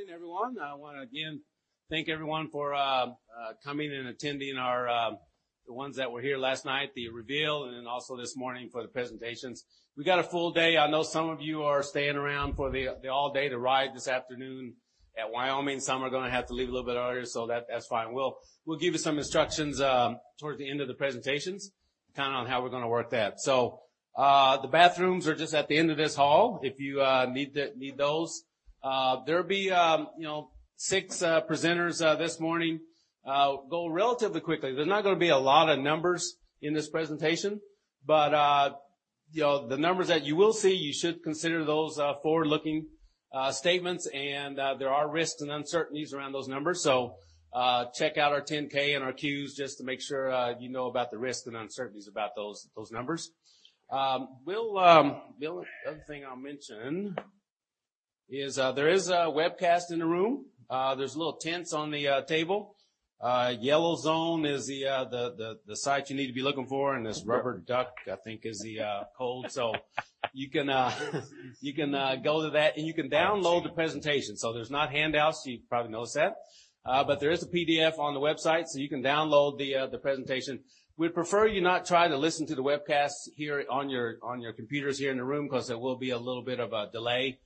Good morning, everyone. I want to, again, thank everyone for coming and attending, the ones that were here last night, the reveal, and then also this morning for the presentations. We got a full day. I know some of you are staying around for the all-day to ride this afternoon at Wyoming. Some are going to have to leave a little bit earlier. That's fine. We'll give you some instructions towards the end of the presentations on how we're going to work that. The bathrooms are just at the end of this hall if you need those. There'll be six presenters this morning. Go relatively quickly. There's not going to be a lot of numbers in this presentation. The numbers that you will see, you should consider those forward-looking statements, and there are risks and uncertainties around those numbers. Check out our 10-K and our Qs just to make sure you know about the risks and uncertainties about those numbers. The other thing I'll mention is there is a webcast in the room. There's little tents on the table. Yellow Zone is the site you need to be looking for, and this rubber duck, I think, is the code. You can go to that, and you can download the presentation. There's not handouts. You probably noticed that. There is a PDF on the website, so you can download the presentation. We'd prefer you not try to listen to the webcast here on your computers here in the room because there will be a little bit of a delay.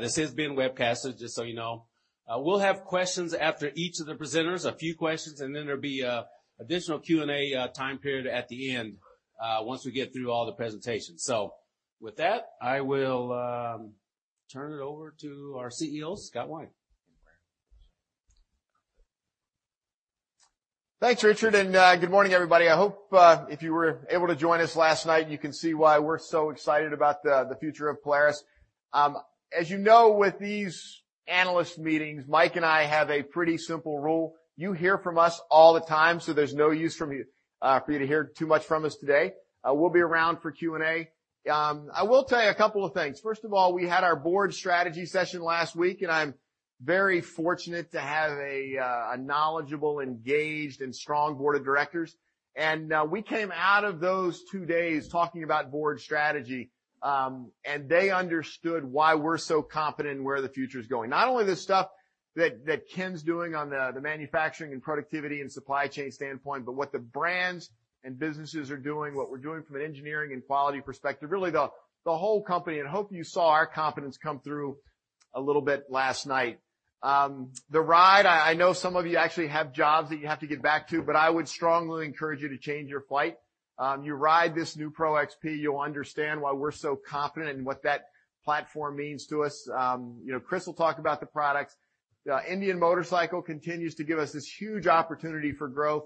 This is being webcasted, just so you know. We'll have questions after each of the presenters, a few questions, and then there'll be additional Q&A time period at the end, once we get through all the presentations. With that, I will turn it over to our CEO, Scott Wine. Thanks, Richard. Good morning, everybody. I hope if you were able to join us last night, you can see why we're so excited about the future of Polaris. As you know, with these analyst meetings, Mike and I have a pretty simple rule. You hear from us all the time, there's no use for you to hear too much from us today. We'll be around for Q&A. I will tell you a couple of things. First of all, we had our Board strategy session last week. I'm very fortunate to have a knowledgeable, engaged, and strong Board of Directors. We came out of those two days talking about board strategy. They understood why we're so confident in where the future is going. Not only the stuff that Ken's doing on the manufacturing and productivity and supply chain standpoint, but what the brands and businesses are doing, what we're doing from an engineering and quality perspective, really the whole company, and hope you saw our confidence come through a little bit last night. The ride, I know some of you actually have jobs that you have to get back to, but I would strongly encourage you to change your flight. You ride this new Pro XP, you'll understand why we're so confident in what that platform means to us. Chris will talk about the products. Indian Motorcycle continues to give us this huge opportunity for growth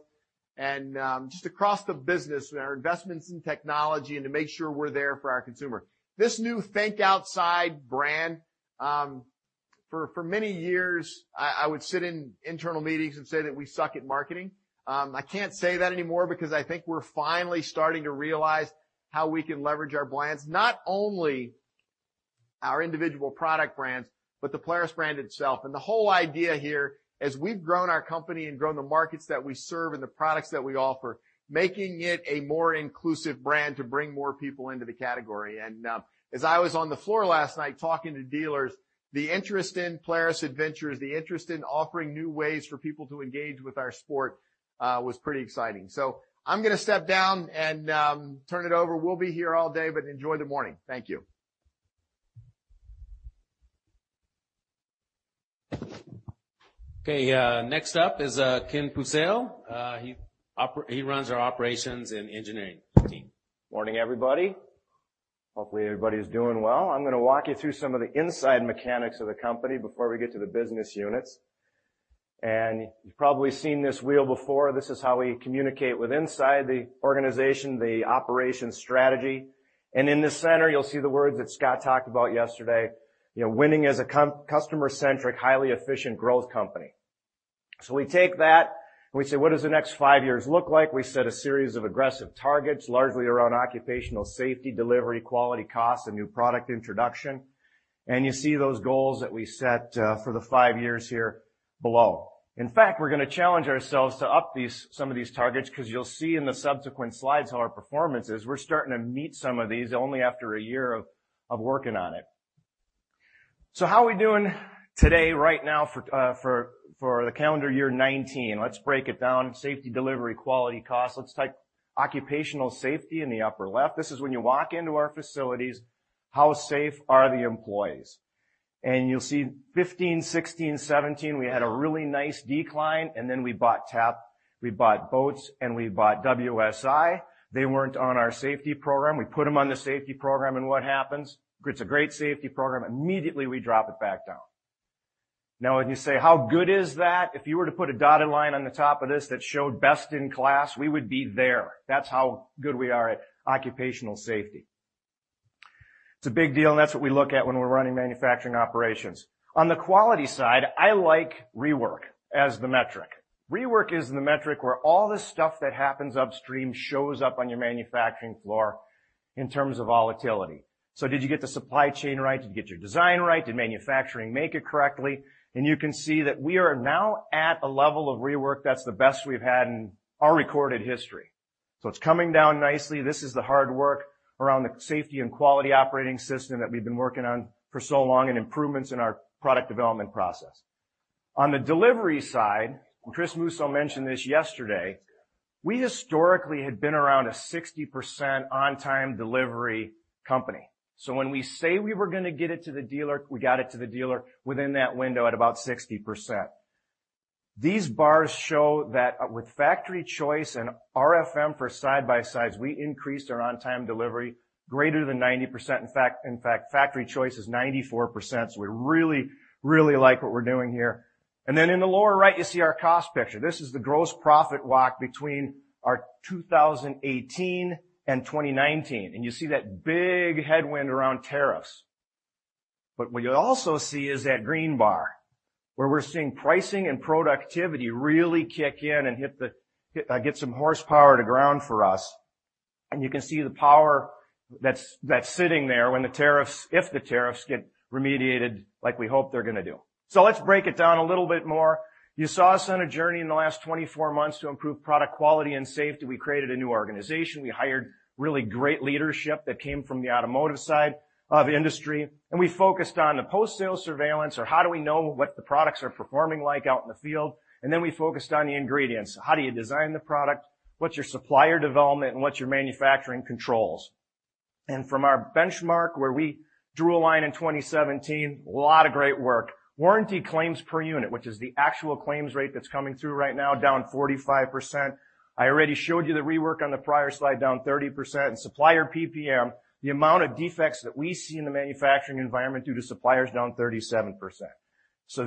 and just across the business with our investments in technology and to make sure we're there for our consumer. This new Think Outside brand. For many years, I would sit in internal meetings and say that we suck at marketing. I can't say that anymore because I think we're finally starting to realize how we can leverage our brands, not only our individual product brands, but the Polaris brand itself. The whole idea here, as we've grown our company and grown the markets that we serve and the products that we offer, making it a more inclusive brand to bring more people into the category. As I was on the floor last night talking to dealers, the interest in Polaris Adventures, the interest in offering new ways for people to engage with our sport, was pretty exciting. I'm going to step down and turn it over. We'll be here all day, but enjoy the morning. Thank you. Okay, next up is Ken Pucel. He runs our operations and engineering team. Morning, everybody. Hopefully, everybody's doing well. I'm going to walk you through some of the inside mechanics of the company before we get to the business units. You've probably seen this wheel before. This is how we communicate with inside the organization, the operations strategy. In the center, you'll see the words that Scott talked about yesterday. Winning as a customer-centric, highly efficient growth company. We take that, and we say: What does the next five years look like? We set a series of aggressive targets, largely around occupational safety, delivery, quality, cost, and new product introduction. You see those goals that we set for the five years here below. In fact, we're going to challenge ourselves to up some of these targets because you'll see in the subsequent slides how our performance is. We're starting to meet some of these only after a year of working on it. How are we doing today right now for the calendar year 2019? Let's break it down. Safety, Delivery, Quality, Cost. Let's take Occupational Safety in the upper left. This is when you walk into our facilities, how safe are the employees? You'll see 2015, 2016, 2017, we had a really nice decline, then we bought TAP, we bought Boats, and we bought WSI. They weren't on our safety program. We put them on the safety program, what happens? It's a great safety program. Immediately, we drop it back down. When you say: How good is that? If you were to put a dotted line on the top of this that showed best in class, we would be there. That's how good we are at occupational safety. It's a big deal. That's what we look at when we're running manufacturing operations. On the quality side, I like rework as the metric. Rework is the metric where all the stuff that happens upstream shows up on your manufacturing floor in terms of volatility. Did you get the supply chain right? Did you get your design right? Did manufacturing make it correctly? You can see that we are now at a level of rework that's the best we've had in our recorded history. So it's coming down nicely. This is the hard work around the safety and quality operating system that we've been working on for so long and improvements in our product development process. On the delivery side, Chris Musso mentioned this yesterday, we historically had been around a 60% on-time delivery company. When we say we were going to get it to the dealer, we got it to the dealer within that window at about 60%. These bars show that with Factory Choice and RFM for side-by-sides, we increased our on-time delivery greater than 90%. In fact, Factory Choice is 94%. We really like what we're doing here. Then in the lower right, you see our cost picture. This is the gross profit walk between our 2018 and 2019. You see that big headwind around tariffs. What you also see is that green bar, where we're seeing pricing and productivity really kick in and get some horsepower to ground for us. You can see the power that's sitting there when the tariffs, if the tariffs, get remediated like we hope they're going to do. Let's break it down a little bit more. You saw us on a journey in the last 24 months to improve product quality and safety. We created a new organization. We hired really great leadership that came from the automotive side of the industry, and we focused on the post-sale surveillance or how do we know what the products are performing like out in the field, and then we focused on the ingredients. How do you design the product? What's your supplier development? What's your manufacturing controls? From our benchmark where we drew a line in 2017, a lot of great work. Warranty claims per unit, which is the actual claims rate that's coming through right now, down 45%. I already showed you the rework on the prior slide, down 30%, and supplier PPM, the amount of defects that we see in the manufacturing environment due to suppliers, down 37%.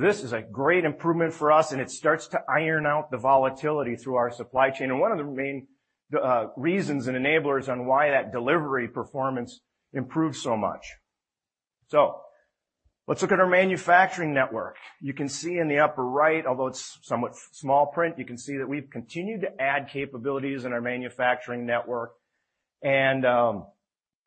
This is a great improvement for us, and it starts to iron out the volatility through our supply chain and one of the main reasons and enablers on why that delivery performance improved so much. Let's look at our manufacturing network. You can see in the upper right, although it's somewhat small print, you can see that we've continued to add capabilities in our manufacturing network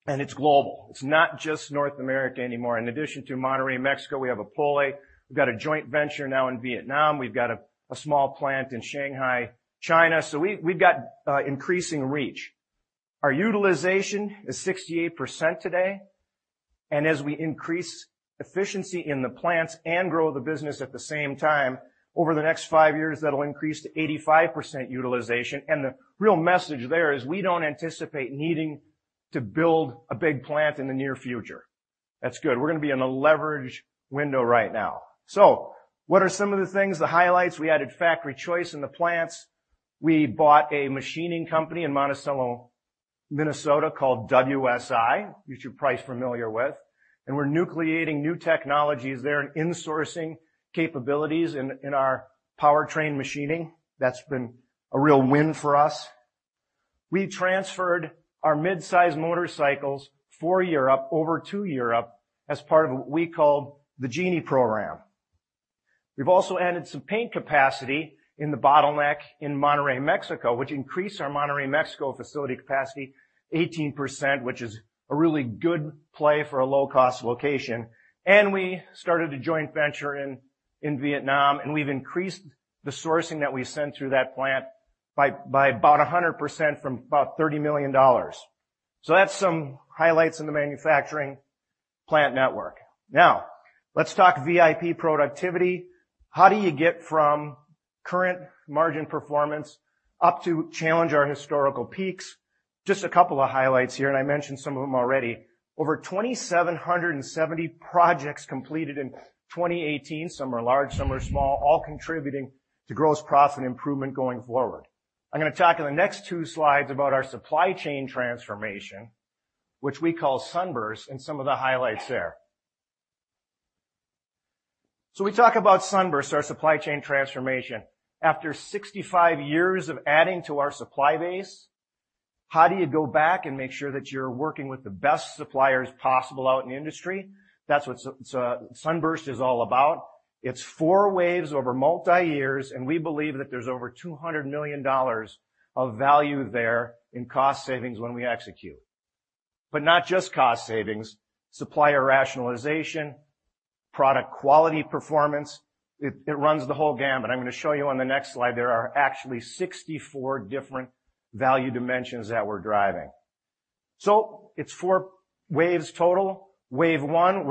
and it's global. It's not just North America anymore. In addition to Monterrey, Mexico, we have Opole. We've got a joint venture now in Vietnam. We've got a small plant in Shanghai, China. We've got increasing reach. Our utilization is 68% today, and as we increase efficiency in the plants and grow the business at the same time, over the next five years, that'll increase to 85% utilization. The real message there is we don't anticipate needing to build a big plant in the near future. That's good. We're going to be in a leverage window right now. What are some of the things, the highlights? We added Factory Choice in the plants. We bought a machining company in Monticello, Minnesota, called WSI, which you're probably familiar with. We're nucleating new technologies there and insourcing capabilities in our powertrain machining. That's been a real win for us. We transferred our mid-size motorcycles for Europe over to Europe as part of what we call the Genie Program. We've also added some paint capacity in the bottleneck in Monterrey, Mexico, which increased our Monterrey, Mexico, facility capacity 18%, which is a really good play for a low-cost location. We started a joint venture in Vietnam, and we've increased the sourcing that we send through that plant by about 100% from about $30 million. That's some highlights in the manufacturing plant network. Now, let's talk VIP productivity. How do you get from current margin performance up to challenge our historical peaks? Just a couple of highlights here, and I mentioned some of them already. Over 2,770 projects completed in 2018. Some are large, some are small, all contributing to gross profit improvement going forward. I'm going to talk in the next two slides about our supply chain transformation, which we call Sunburst, and some of the highlights there. We talk about Sunburst, our supply chain transformation. After 65 years of adding to our supply base, how do you go back and make sure that you're working with the best suppliers possible out in the industry? That's what Sunburst is all about. It's four Waves over multi-years, and we believe that there's over $200 million of value there in cost savings when we execute. Not just cost savings, supplier rationalization, product quality performance. It runs the whole gamut. I'm going to show you on the next slide, there are actually 64 different value dimensions that we're driving. It's four Waves total. Wave 1,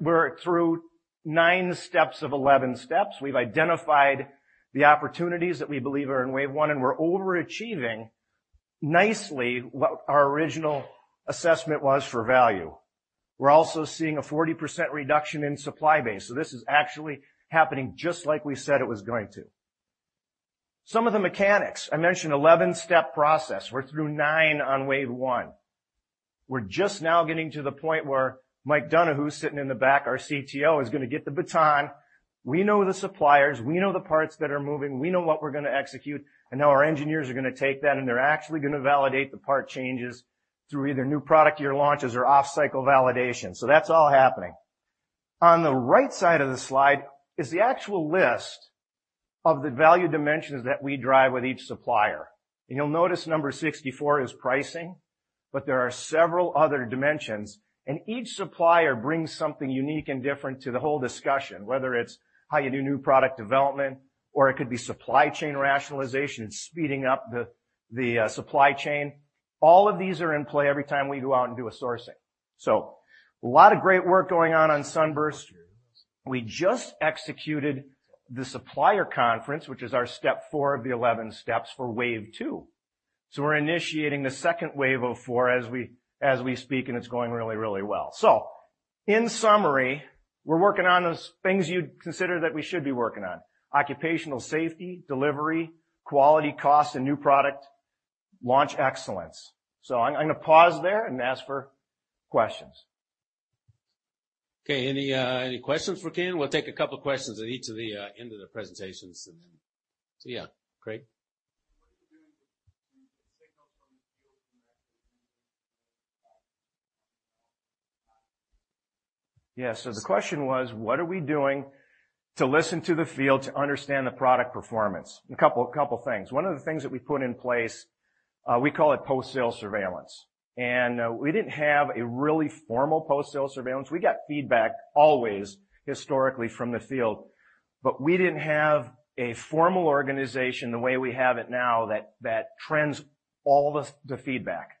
we're through nine steps of 11 steps. We've identified the opportunities that we believe are in Wave 1, and we're overachieving nicely what our original assessment was for value. We're also seeing a 40% reduction in supply base. This is actually happening just like we said it was going to. Some of the mechanics. I mentioned 11-step process. We're through nine on Wave 1. We're just now getting to the point where Mike Donoughe, who's sitting in the back, our CTO, is going to get the baton. We know the suppliers. We know the parts that are moving. We know what we're going to execute. Now our engineers are going to take that, and they're actually going to validate the part changes through either new product year launches or off-cycle validation. That's all happening. On the right side of the slide is the actual list of the value dimensions that we drive with each supplier. You'll notice number 64 is pricing. There are several other dimensions, and each supplier brings something unique and different to the whole discussion, whether it's how you do new product development, or it could be supply chain rationalization, speeding up the supply chain. All of these are in play every time we go out and do a sourcing. A lot of great work going on Sunburst. We just executed the supplier conference, which is our step four of the 11 steps for Wave 2. We're initiating the second Wave of 4 as we speak, and it's going really, really well. In summary, we're working on those things you'd consider that we should be working on, occupational safety, delivery, quality, cost, and new product launch excellence. I'm going to pause there and ask for questions. Okay. Any questions for Ken? We'll take a couple of questions at each of the end of the presentations. Craig? What are you doing to get signals from the field from the. [inaudible] Yeah. The question was, what are we doing to listen to the field to understand the product performance? A couple of things. One of the things that we put in place, we call it post-sale surveillance. We didn't have a really formal post-sale surveillance. We got feedback always historically from the field, but we didn't have a formal organization the way we have it now that trends all the feedback.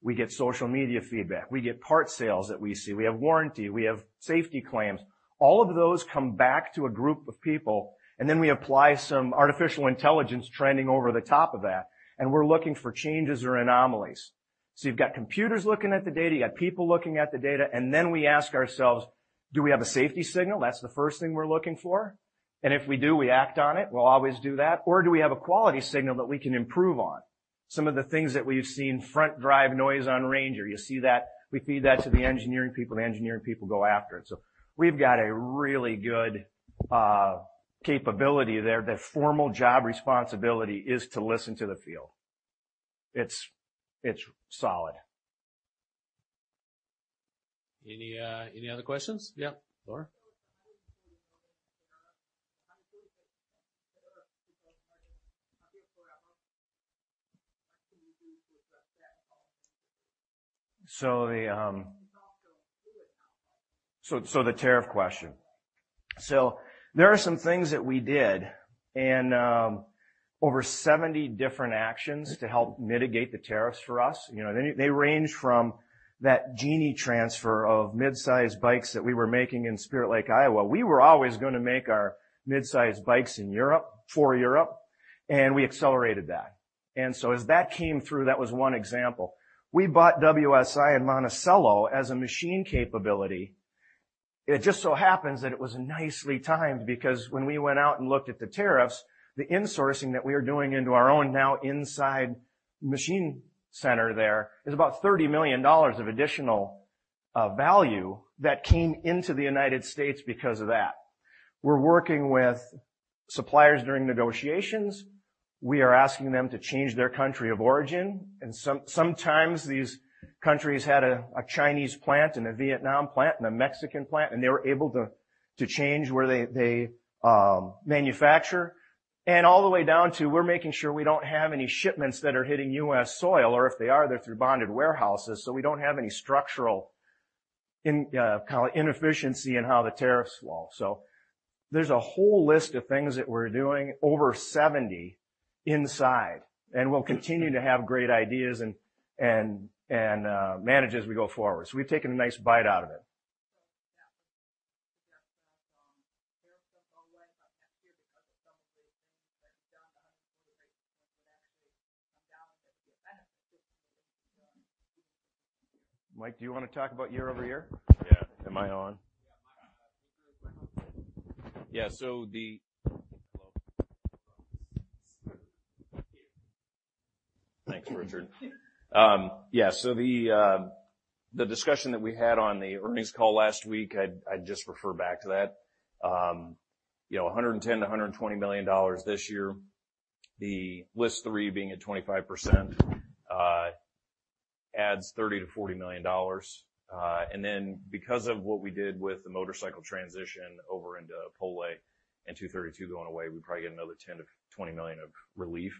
We get social media feedback. We get parts sales that we see. We have warranty. We have safety claims. All of those come back to a group of people, and then we apply some artificial intelligence trending over the top of that, and we're looking for changes or anomalies. You've got computers looking at the data, you've got people looking at the data, and then we ask ourselves, do we have a safety signal? That's the first thing we're looking for. If we do, we act on it. We'll always do that. Do we have a quality signal that we can improve on? Some of the things that we've seen, front drive noise on RANGER. You see that, we feed that to the engineering people, the engineering people go after it. We've got a really good capability there. The formal job responsibility is to listen to the field. It's solid. Any other questions? Yeah, Laura. [inaudible] So the- It's also fluid now. The tariff question. There are some things that we did, and over 70 different actions to help mitigate the tariffs for us. They range from that Genie Program transfer of mid-size bikes that we were making in Spirit Lake, Iowa. We were always going to make our mid-size bikes in Europe for Europe, and we accelerated that. As that came through, that was one example. We bought WSI and Monticello as a machine capability. It just so happens that it was nicely timed because when we went out and looked at the tariffs, the insourcing that we are doing into our own now inside machine center there is about $30 million of additional value that came into the United States because of that. We're working with suppliers during negotiations. We are asking them to change their country of origin. Sometimes these countries had a Chinese plant and a Vietnam plant and a Mexican plant, and they were able to change where they manufacture. All the way down to we're making sure we don't have any shipments that are hitting U.S. soil, or if they are, they're through bonded warehouses, so we don't have any structural inefficiency in how the tariffs fall. There's a whole list of things that we're doing, over 70 inside, and we'll continue to have great ideas and manage as we go forward. We've taken a nice bite out of it. That was tariffs go away, but next year because of some of the things that you've done, the run rate would actually come down and that would be a benefit. Mike, do you want to talk about year-over-year? Yeah. Am I on? Yeah. Mike. Hello? Thanks, Richard. The discussion that we had on the earnings call last week, I'd just refer back to that. $110 million-$120 million this year. The List 3 being at 25%, adds $30 million-$40 million. Because of what we did with the motorcycle transition over into Poland and 232 going away, we probably get another $10 million-$20 million of relief.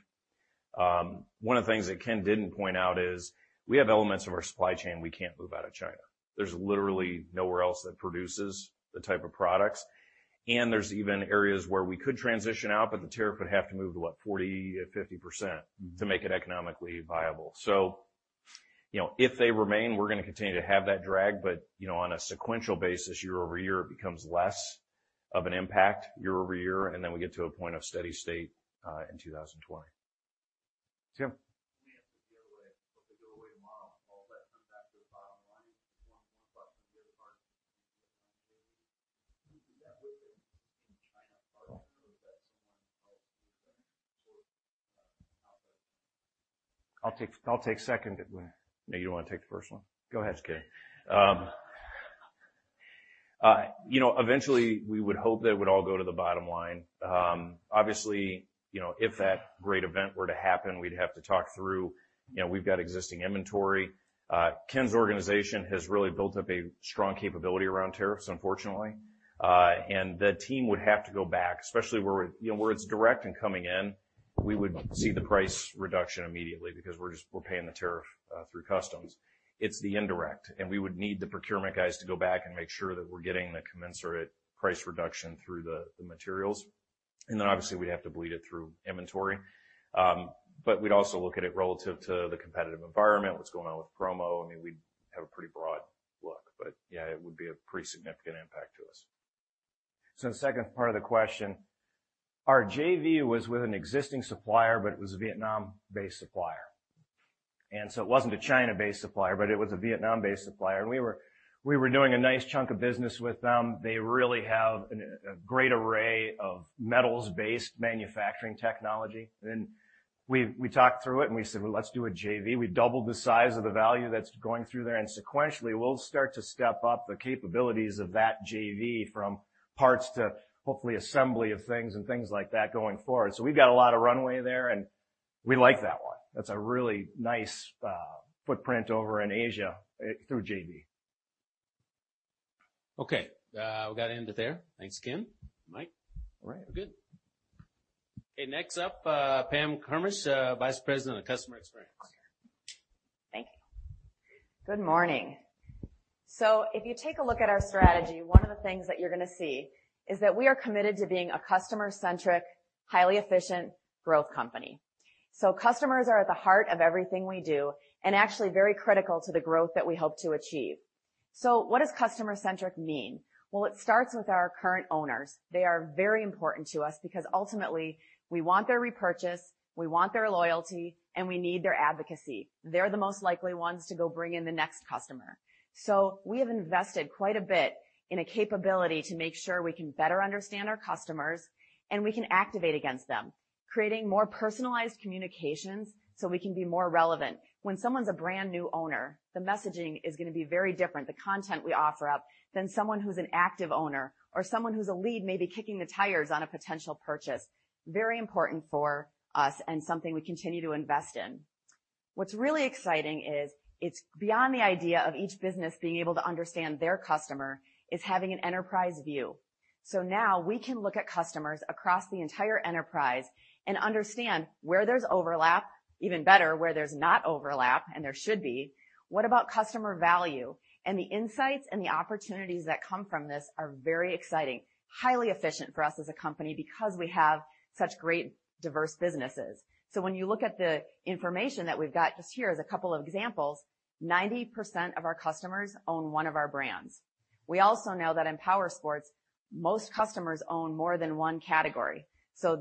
One of the things that Ken didn't point out is we have elements of our supply chain we can't move out of China. There's literally nowhere else that produces the type of products, and there's even areas where we could transition out, but the tariff would have to move to, what, 40%, 50% to make it economically viable. If they remain, we're going to continue to have that drag. On a sequential basis, year over year, it becomes less of an impact year over year, and then we get to a point of steady state, in 2020. Tim. [inaudible] I'll take second. No, you want to take the first one? Go ahead. Just kidding. Eventually, we would hope that it would all go to the bottom line. Obviously, if that great event were to happen, we'd have to talk through, we've got existing inventory. Ken's organization has really built up a strong capability around tariffs, unfortunately. The team would have to go back, especially where it's direct and coming in, we would see the price reduction immediately because we're paying the tariff through customs. It's the indirect, we would need the procurement guys to go back and make sure that we're getting the commensurate price reduction through the materials. Then obviously we'd have to bleed it through inventory. We'd also look at it relative to the competitive environment, what's going on with promo. I mean, we'd have a pretty broad look. Yeah, it would be a pretty significant impact to us. The second part of the question, our JV was with an existing supplier, but it was a Vietnam-based supplier. It wasn't a China-based supplier, but it was a Vietnam-based supplier. We were doing a nice chunk of business with them. They really have a great array of metals-based manufacturing technology. We talked through it, and we said, "Well, let's do a JV." We doubled the size of the value that's going through there. Sequentially, we'll start to step up the capabilities of that JV from parts to hopefully assembly of things and things like that going forward. We've got a lot of runway there, and we like that one. That's a really nice footprint over in Asia through JV. Okay. We got to end it there. Thanks, Ken, Mike. All right, we're good. Okay, next up, Pam Kermisch, Vice President of Customer Experience. Thank you. Good morning. If you take a look at our strategy, one of the things that you're going to see is that we are committed to being a customer-centric, highly efficient growth company. Customers are at the heart of everything we do and actually very critical to the growth that we hope to achieve. What does customer-centric mean? Well, it starts with our current owners. They are very important to us because ultimately we want their repurchase, we want their loyalty, and we need their advocacy. They're the most likely ones to go bring in the next customer. We have invested quite a bit in a capability to make sure we can better understand our customers, and we can activate against them, creating more personalized communications so we can be more relevant. When someone's a brand new owner, the messaging is going to be very different, the content we offer up than someone who's an active owner or someone who's a lead maybe kicking the tires on a potential purchase. Very important for us and something we continue to invest in. What's really exciting is it's beyond the idea of each business being able to understand their customer is having an enterprise view. Now we can look at customers across the entire enterprise and understand where there's overlap, even better, where there's not overlap, and there should be. What about customer value? The insights and the opportunities that come from this are very exciting, highly efficient for us as a company because we have such great diverse businesses. When you look at the information that we've got just here as a couple of examples, 90% of our customers own one of our brands. We also know that in powersports, most customers own more than one category.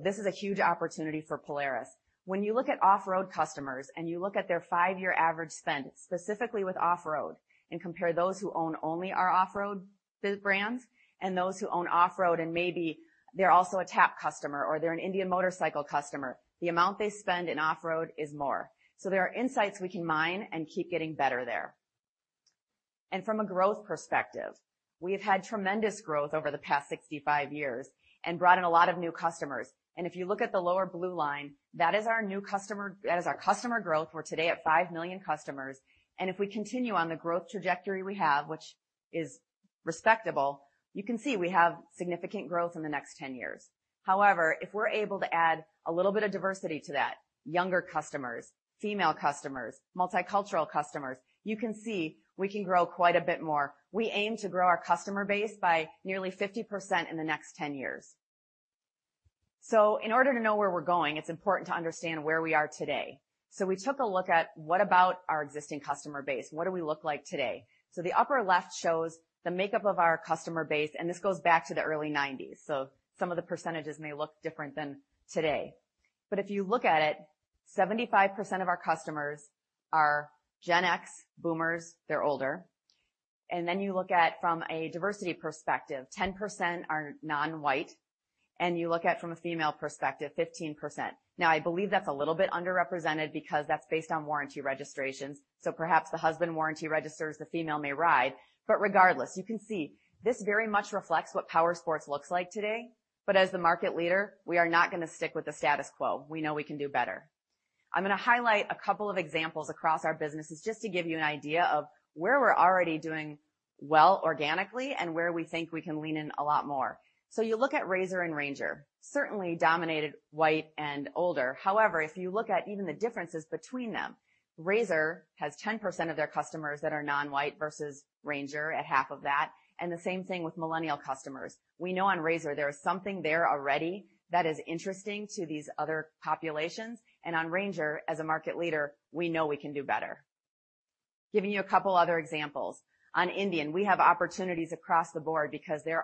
This is a huge opportunity for Polaris. When you look at off-road customers and you look at their five-year average spend, specifically with off-road, and compare those who own only our off-road brands and those who own off-road and maybe they're also a TAP customer or they're an Indian Motorcycle customer, the amount they spend in off-road is more. There are insights we can mine and keep getting better there. From a growth perspective, we've had tremendous growth over the past 65 years and brought in a lot of new customers. If you look at the lower blue line, that is our new customer. That is our customer growth. We're today at 5 million customers. If we continue on the growth trajectory we have, which is respectable, you can see we have significant growth in the next 10 years. However, if we're able to add a little bit of diversity to that, younger customers, female customers, multicultural customers, you can see we can grow quite a bit more. We aim to grow our customer base by nearly 50% in the next 10 years. In order to know where we're going, it's important to understand where we are today. We took a look at what about our existing customer base? What do we look like today? The upper left shows the makeup of our customer base, and this goes back to the early 1990s. Some of the percentages may look different than today. If you look at it, 75% of our customers are Gen X, boomers, they're older. Then you look at from a diversity perspective, 10% are non-white. You look at from a female perspective, 15%. I believe that's a little bit underrepresented because that's based on warranty registrations. Perhaps the husband warranty registers, the female may ride. Regardless, you can see this very much reflects what powersports looks like today. As the market leader, we are not going to stick with the status quo. We know we can do better. I'm going to highlight a couple of examples across our businesses just to give you an idea of where we're already doing well organically and where we think we can lean in a lot more. You look at RZR and RANGER, certainly dominated white and older. If you look at even the differences between them, RZR has 10% of their customers that are non-white versus RANGER at half of that, and the same thing with millennial customers. We know on RZR there is something there already that is interesting to these other populations, and on RANGER, as a market leader, we know we can do better. Giving you a couple other examples. On Indian, we have opportunities across the board because there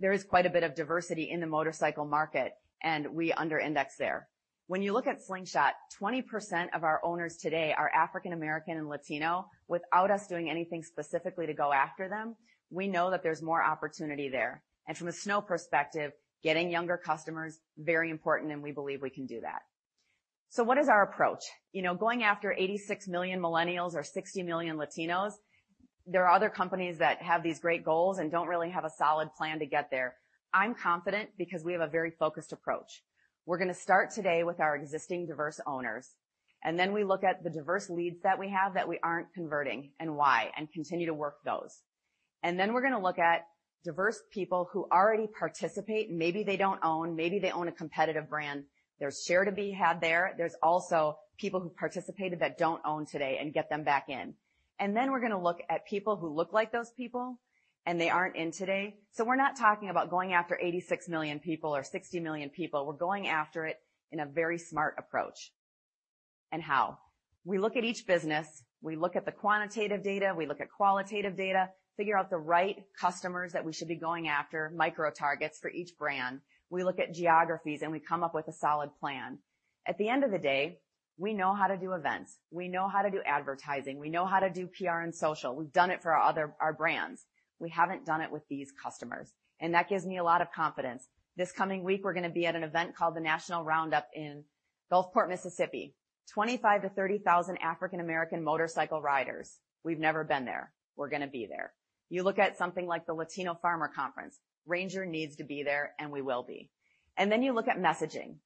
is quite a bit of diversity in the motorcycle market, and we under-index there. When you look at Slingshot, 20% of our owners today are African American and Latino without us doing anything specifically to go after them. We know that there's more opportunity there. From a snow perspective, getting younger customers, very important, and we believe we can do that. What is our approach? Going after 86 million millennials or 60 million Latinos, there are other companies that have these great goals and don't really have a solid plan to get there. I'm confident because we have a very focused approach. We're going to start today with our existing diverse owners, and then we look at the diverse leads that we have that we aren't converting and why, and continue to work those. We're going to look at diverse people who already participate, maybe they don't own, maybe they own a competitive brand. There's share to be had there. There's also people who participated that don't own today and get them back in. We're going to look at people who look like those people and they aren't in today. We're not talking about going after 86 million people or 60 million people. We're going after it in a very smart approach. How? We look at each business. We look at the quantitative data, we look at qualitative data, figure out the right customers that we should be going after, micro targets for each brand. We look at geographies, we come up with a solid plan. At the end of the day, we know how to do events. We know how to do advertising. We know how to do PR and social. We've done it for our brands. We haven't done it with these customers, that gives me a lot of confidence. This coming week, we're going to be at an event called the National Roundup in Gulfport, Mississippi. 25,000-30,000 African American motorcycle riders. We've never been there. We're going to be there. You look at something like the Latino Farmer Conference, RANGER needs to be there, and we will be. Then you look at messaging.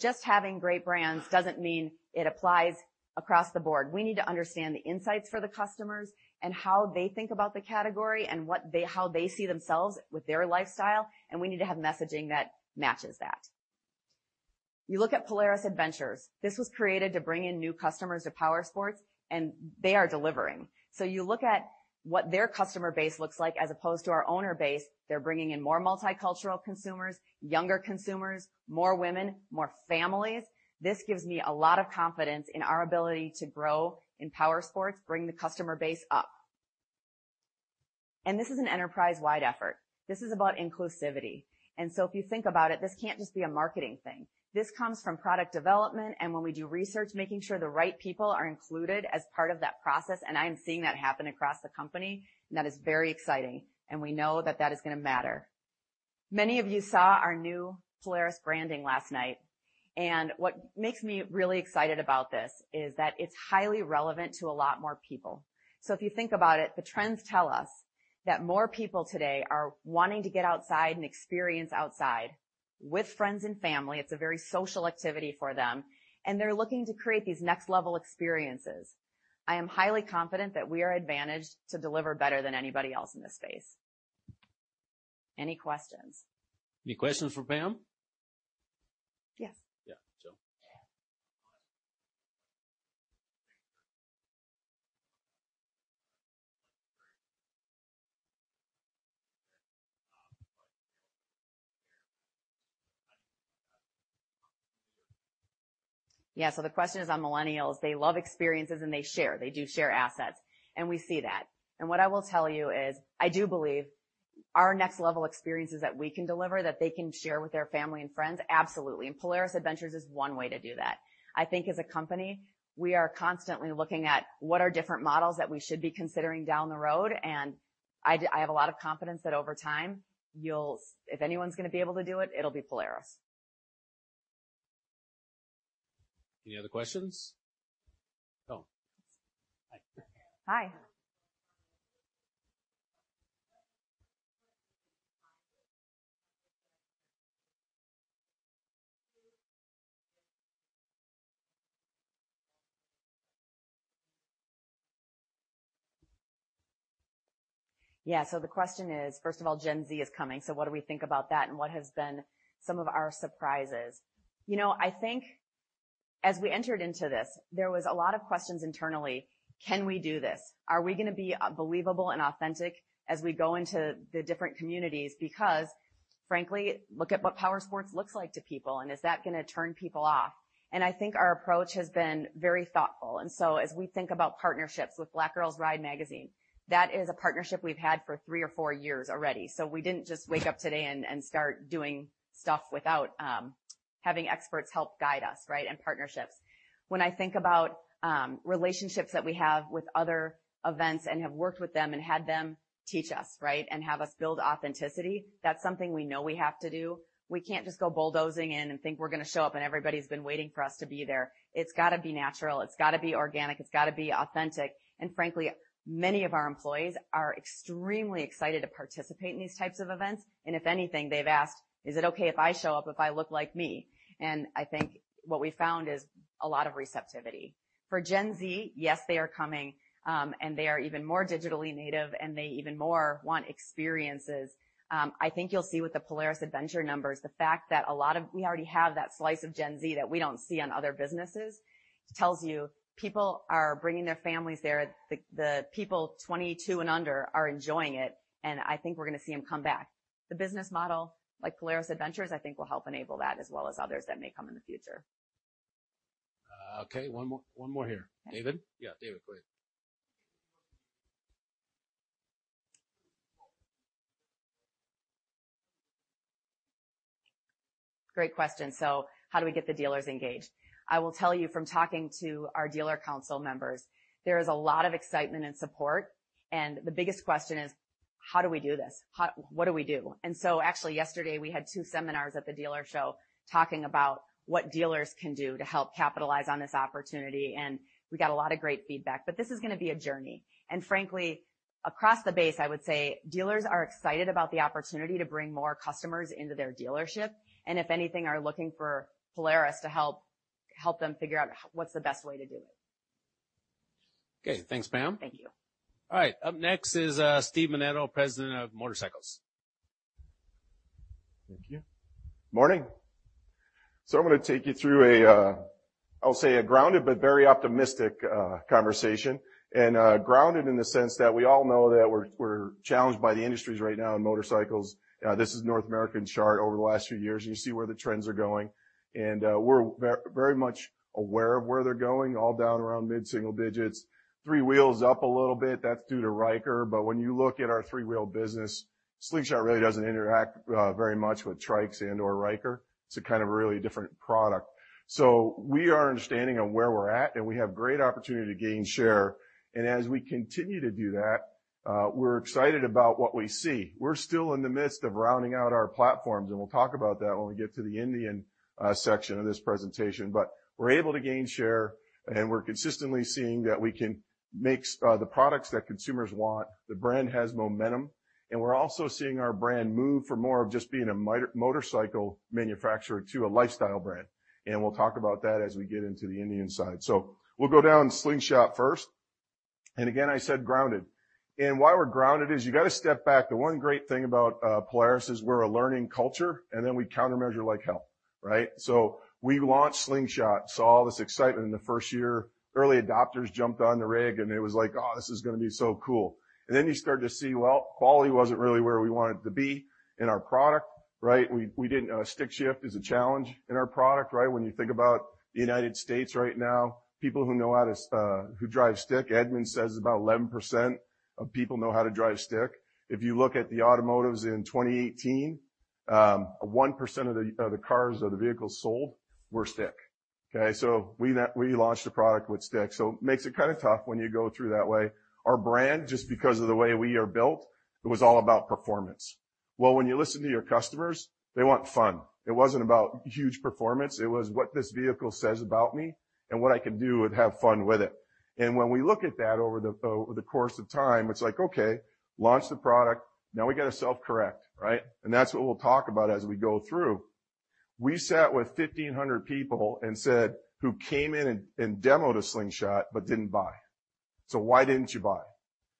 Just having great brands doesn't mean it applies across the board. We need to understand the insights for the customers and how they think about the category and how they see themselves with their lifestyle, and we need to have messaging that matches that. You look at Polaris Adventures. This was created to bring in new customers to powersports, and they are delivering. You look at what their customer base looks like as opposed to our owner base. They're bringing in more multicultural consumers, younger consumers, more women, more families. This gives me a lot of confidence in our ability to grow in powersports, bring the customer base up. This is an enterprise-wide effort. This is about inclusivity. If you think about it, this can't just be a marketing thing. This comes from product development, and when we do research, making sure the right people are included as part of that process, and I am seeing that happen across the company, and that is very exciting, and we know that that is going to matter. Many of you saw our new Polaris branding last night, and what makes me really excited about this is that it's highly relevant to a lot more people. If you think about it, the trends tell us that more people today are wanting to get outside and experience outside with friends and family. It's a very social activity for them, and they're looking to create these next-level experiences. I am highly confident that we are advantaged to deliver better than anybody else in this space. Any questions? Any questions for Pam? Yes. Yeah. Jim. Yeah. The question is on millennials. They love experiences, and they share. They do share assets, and we see that. What I will tell you is, I do believe our next-level experiences that we can deliver, that they can share with their family and friends, absolutely. Polaris Adventures is one way to do that. I think as a company, we are constantly looking at what are different models that we should be considering down the road, and I have a lot of confidence that over time, if anyone's going to be able to do it'll be Polaris. Any other questions? Oh, hi. Hi. Yeah. The question is, first of all, Gen Z is coming. What do we think about that, and what has been some of our surprises? I think as we entered into this, there was a lot of questions internally. Can we do this? Are we going to be believable and authentic as we go into the different communities? Because frankly, look at what powersports looks like to people, and is that going to turn people off? I think our approach has been very thoughtful. As we think about partnerships with Black Girls Ride magazine, that is a partnership we've had for three or four years already. We didn't just wake up today and start doing stuff without having experts help guide us, and partnerships. When I think about relationships that we have with other events and have worked with them and had them teach us. Have us build authenticity, that's something we know we have to do. We can't just go bulldozing in and think we're going to show up and everybody's been waiting for us to be there. It's got to be natural. It's got to be organic. It's got to be authentic. Frankly, many of our employees are extremely excited to participate in these types of events. If anything, they've asked, "Is it okay if I show up, if I look like me?" I think what we found is a lot of receptivity. For Gen Z, yes, they are coming, they are even more digitally native, they even more want experiences. I think you'll see with the Polaris Adventures numbers, the fact that we already have that slice of Gen Z that we don't see on other businesses, tells you people are bringing their families there. The people 22 and under are enjoying it, and I think we're going to see them come back. The business model like Polaris Adventures, I think will help enable that as well as others that may come in the future. Okay. One more here. David? Yeah, David, go ahead. Great question. How do we get the dealers engaged? I will tell you from talking to our dealer council members, there is a lot of excitement and support, and the biggest question is: how do we do this? What do we do? Actually yesterday we had two seminars at the dealer show talking about what dealers can do to help capitalize on this opportunity, and we got a lot of great feedback. This is going to be a journey. Frankly, across the base, I would say dealers are excited about the opportunity to bring more customers into their dealership, and if anything, are looking for Polaris to help them figure out what's the best way to do it. Okay. Thanks, Pam. Thank you. All right. Up next is Steve Menneto, President of Motorcycles. Thank you. Morning. I'm going to take you through, I'll say a grounded but very optimistic conversation. Grounded in the sense that we all know that we're challenged by the industries right now in motorcycles. This is North American chart over the last few years, and you see where the trends are going. We're very much aware of where they're going, all down around mid-single digits. Three wheels up a little bit. That's due to Ryker. When you look at our three-wheel business, Slingshot really doesn't interact very much with trikes and/or Ryker. It's a kind of really different product. We are understanding of where we're at, and we have great opportunity to gain share. As we continue to do that, we're excited about what we see. We're still in the midst of rounding out our platforms. We'll talk about that when we get to the Indian section of this presentation. We're able to gain share. We're consistently seeing that we can make the products that consumers want. The brand has momentum. We're also seeing our brand move from more of just being a motorcycle manufacturer to a lifestyle brand. We'll talk about that as we get into the Indian side. We'll go down Slingshot first. Again, I said grounded. Why we're grounded is you got to step back. The one great thing about Polaris is we're a learning culture. Then we countermeasure like hell. Right. We launched Slingshot, saw all this excitement in the first year. Early adopters jumped on the rig, and it was like, "Oh, this is going to be so cool." Then you started to see, quality wasn't really where we wanted it to be in our product. Right? Stick shift is a challenge in our product, right? When you think about the U.S. right now, people who drive stick, Edmunds says about 11% of people know how to drive stick. If you look at the automotives in 2018, 1% of the cars or the vehicles sold were stick. Okay? We launched a product with stick. Makes it kind of tough when you go through that way. Our brand, just because of the way we are built, it was all about performance. When you listen to your customers, they want fun. It wasn't about huge performance. It was what this vehicle says about me and what I can do and have fun with it. When we look at that over the course of time, it's like, okay, launch the product. Now we got to self-correct. Right? That's what we'll talk about as we go through. We sat with 1,500 people and said, who came in and demoed a Slingshot but didn't buy. Why didn't you buy?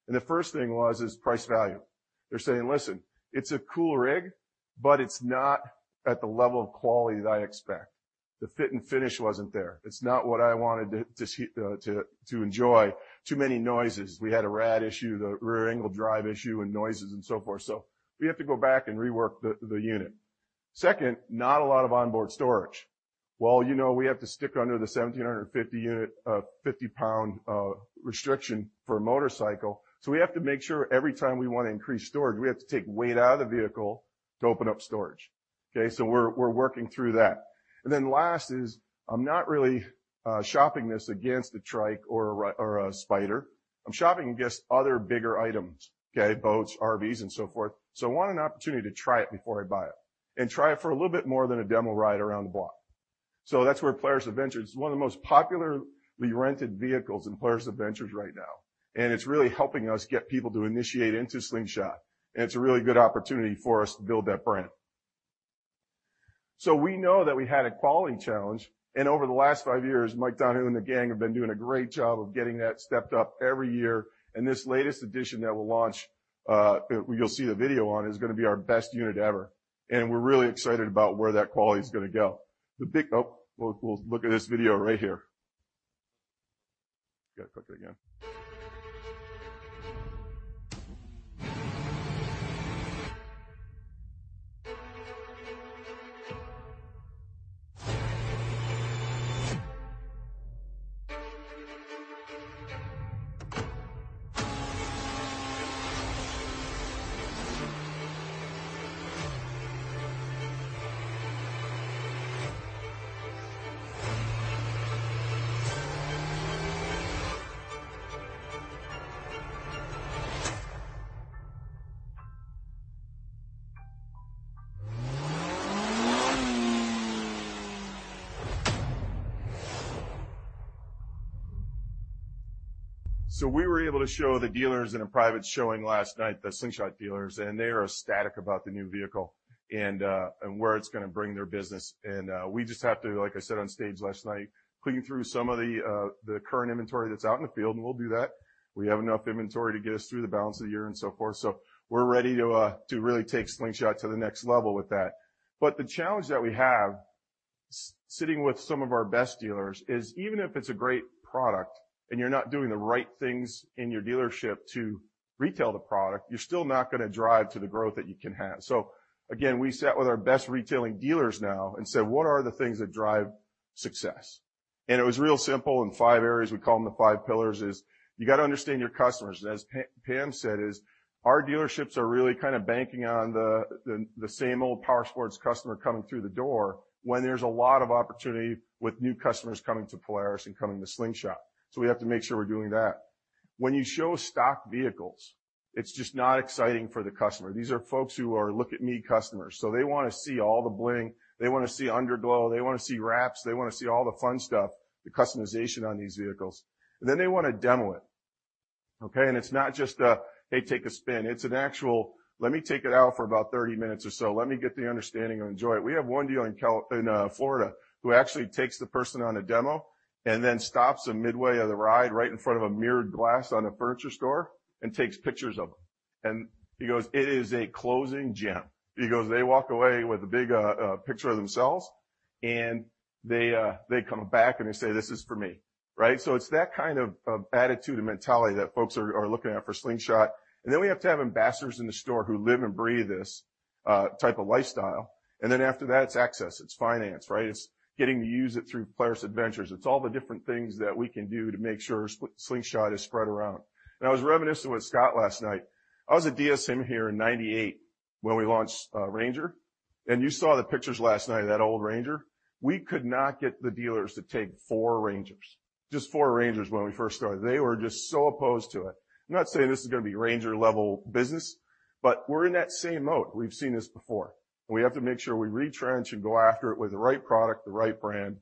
The first thing was is price value. They're saying, "Listen, it's a cool rig, but it's not at the level of quality that I expect." The fit and finish wasn't there. It's not what I wanted to enjoy. Too many noises. We had a RAD issue, the rear angle drive issue, and noises and so forth. We have to go back and rework the unit. Second, not a lot of onboard storage. Well, you know we have to stick under the 1,750-pound restriction for a motorcycle. We have to make sure every time we want to increase storage, we have to take weight out of the vehicle to open up storage. Okay. We're working through that. Last is, I'm not really shopping this against a trike or a Spyder. I'm shopping against other bigger items, okay. Boats, RVs, and so forth. I want an opportunity to try it before I buy it. Try it for a little bit more than a demo ride around the block. That's where Polaris Adventures, one of the most popularly rented vehicles in Polaris Adventures right now. It's really helping us get people to initiate into Slingshot. It's a really good opportunity for us to build that brand. We know that we had a quality challenge and over the last five years, Mike Donoughe and the gang have been doing a great job of getting that stepped up every year. This latest edition that we'll launch, you'll see the video on, is going to be our best unit ever. We're really excited about where that quality's going to go. We'll look at this video right here. Got to click it again. We were able to show the dealers in a private showing last night, the Slingshot dealers, and they are ecstatic about the new vehicle and where it's going to bring their business. We just have to, like I said on stage last night, clean through some of the current inventory that's out in the field, and we'll do that. We have enough inventory to get us through the balance of the year and so forth. We're ready to really take Slingshot to the next level with that. The challenge that we have, sitting with some of our best dealers is, even if it's a great product and you're not doing the right things in your dealership to retail the product, you're still not going to drive to the growth that you can have. Again, we sat with our best retailing dealers now and said, "What are the things that drive success?" It was real simple in five areas. We call them the Five Pillars, is you got to understand your customers. As Pam said is our dealerships are really kind of banking on the same old powersports customer coming through the door when there's a lot of opportunity with new customers coming to Polaris and coming to Slingshot. We have to make sure we're doing that. When you show stock vehicles, it's just not exciting for the customer. These are folks who are look-at-me customers. They want to see all the bling. They want to see underglow. They want to see wraps. They want to see all the fun stuff, the customization on these vehicles. They want to demo it. Okay? It's not just a, "Hey, take a spin." It's an actual, "Let me take it out for about 30 minutes or so. Let me get the understanding and enjoy it. We have one dealer in Florida who actually takes the person on a demo and then stops them midway of the ride right in front of a mirrored glass on a furniture store and takes pictures of them. He goes, "It is a closing gem." He goes, "They walk away with a big picture of themselves." They come back and they say, "This is for me." It's that kind of attitude and mentality that folks are looking at for Slingshot. We have to have ambassadors in the store who live and breathe this type of lifestyle. After that, it's access, it's finance. It's getting to use it through Polaris Adventures. It's all the different things that we can do to make sure Slingshot is spread around. I was reminiscing with Scott last night. I was a DSM here in 1998 when we launched RANGER. You saw the pictures last night of that old RANGER. We could not get the dealers to take four RANGERs, just four RANGERs when we first started. They were just so opposed to it. I'm not saying this is going to be RANGER-level business. We're in that same mode. We've seen this before. We have to make sure we retrench and go after it with the right product, the right brand.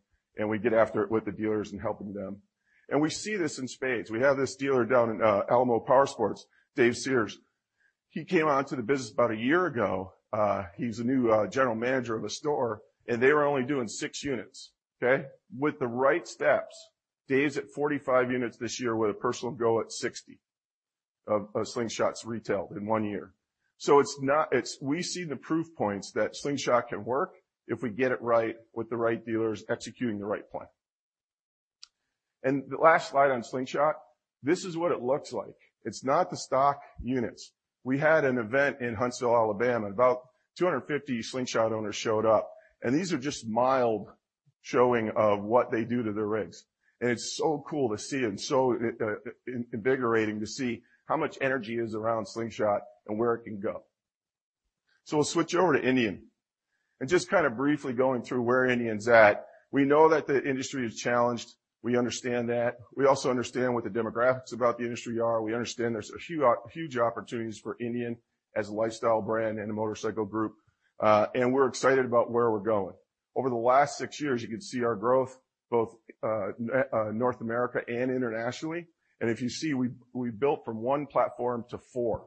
We get after it with the dealers and helping them. We see this in spades. We have this dealer down in Alamo Powersports, Dave Sears. He came onto the business about a year ago. He's the new general manager of the store. They were only doing six units. With the right steps, Dave's at 45 units this year with a personal goal at 60 of Slingshots retailed in one year. We see the proof points that Slingshot can work if we get it right with the right dealers executing the right plan. The last slide on Slingshot, this is what it looks like. It's not the stock units. We had an event in Huntsville, Alabama. About 250 Slingshot owners showed up, these are just mild showing of what they do to their rigs. It's so cool to see and so invigorating to see how much energy is around Slingshot and where it can go. We'll switch over to Indian, just briefly going through where Indian's at. We know that the industry is challenged. We understand that. We also understand what the demographics about the industry are. We understand there's huge opportunities for Indian as a lifestyle brand and a motorcycle group. We're excited about where we're going. Over the last six years, you can see our growth, both North America and internationally. If you see, we built from one platform to four.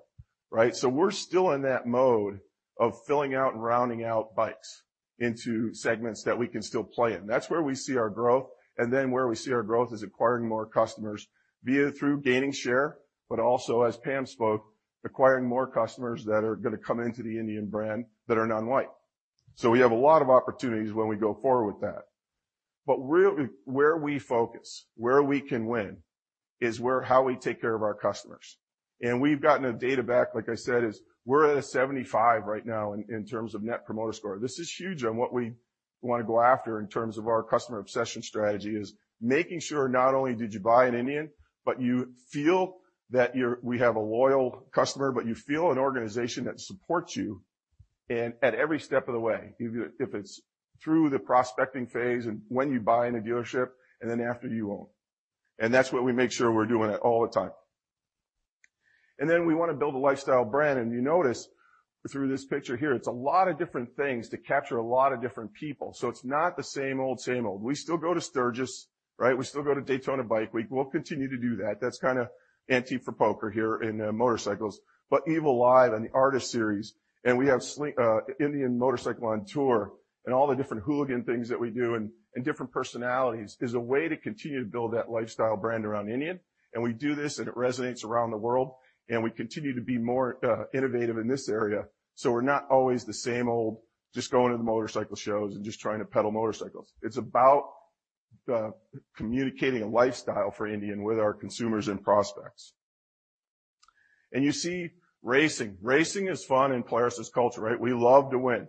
We're still in that mode of filling out and rounding out bikes into segments that we can still play in. That's where we see our growth, and then where we see our growth is acquiring more customers via through gaining share, but also, as Pam spoke, acquiring more customers that are going to come into the Indian brand that are non-white. We have a lot of opportunities when we go forward with that. Really, where we focus, where we can win is how we take care of our customers. We've gotten the data back, like I said, is we're at a 75 right now in terms of Net Promoter Score. This is huge on what we want to go after in terms of our customer obsession strategy is making sure not only did you buy an Indian, but you feel that we have a loyal customer, but you feel an organization that supports you at every step of the way, if it's through the prospecting phase and when you buy in a dealership, and then after you own. That's what we make sure we're doing it all the time. We want to build a lifestyle brand, and you notice through this picture here, it's a lot of different things to capture a lot of different people. It's not the same old, same old. We still go to Sturgis. We still go to Daytona Bike Week. We'll continue to do that. That's kind of ante for poker here in motorcycles. Evel Live and the Artist Series, and we have Indian Motorcycle on tour, and all the different hooligan things that we do and different personalities is a way to continue to build that lifestyle brand around Indian. We do this, and it resonates around the world, and we continue to be more innovative in this area. We're not always the same old, just going to the motorcycle shows and just trying to peddle motorcycles. It's about communicating a lifestyle for Indian with our consumers and prospects. You see racing. Racing is fun in Polaris' culture. We love to win.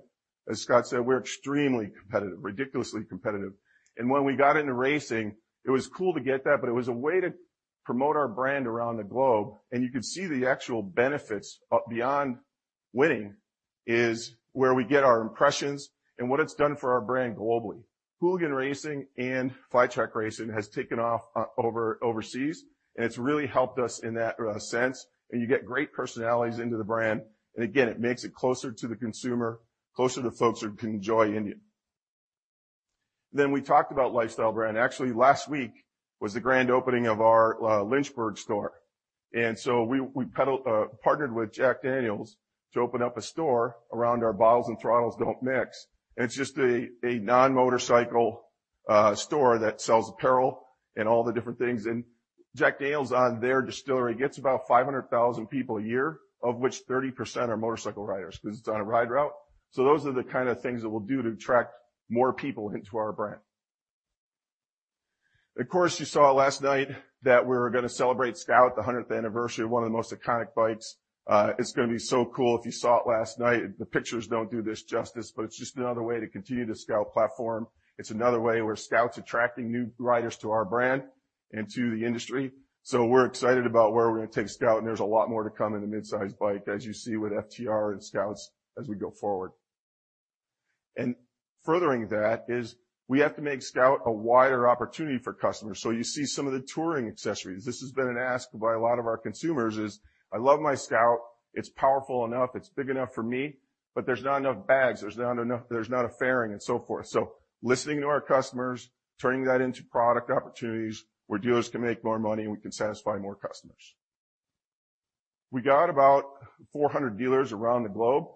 As Scott said, we're extremely competitive, ridiculously competitive. When we got into racing, it was cool to get that, but it was a way to promote our brand around the globe, and you could see the actual benefits beyond winning is where we get our impressions and what it's done for our brand globally. Hooligan racing and flat track racing has taken off overseas, and it's really helped us in that sense, and you get great personalities into the brand. Again, it makes it closer to the consumer, closer to folks who can enjoy Indian. We talked about lifestyle brand. Actually, last week was the grand opening of our Lynchburg store. So we partnered with Jack Daniel's to open up a store around our Bottles and Throttles Don't Mix. It's just a non-motorcycle store that sells apparel and all the different things. Jack Daniel's on their distillery gets about 500,000 people a year, of which 30% are motorcycle riders because it's on a ride route. Those are the kind of things that we'll do to attract more people into our brand. Of course, you saw last night that we were going to celebrate Scout, the 100th anniversary of one of the most iconic bikes. It's going to be so cool if you saw it last night. The pictures don't do this justice, but it's just another way to continue the Scout platform. It's another way where Scout's attracting new riders to our brand and to the industry. We're excited about where we're going to take Scout, and there's a lot more to come in the mid-size bike, as you see with FTR and Scouts as we go forward. Furthering that is we have to make Scout a wider opportunity for customers. You see some of the touring accessories. This has been an ask by a lot of our consumers is, "I love my Scout. It's powerful enough. It's big enough for me, but there's not enough bags. There's not a fairing," and so forth. Listening to our customers, turning that into product opportunities where dealers can make more money, and we can satisfy more customers. We got about 400 dealers around the globe.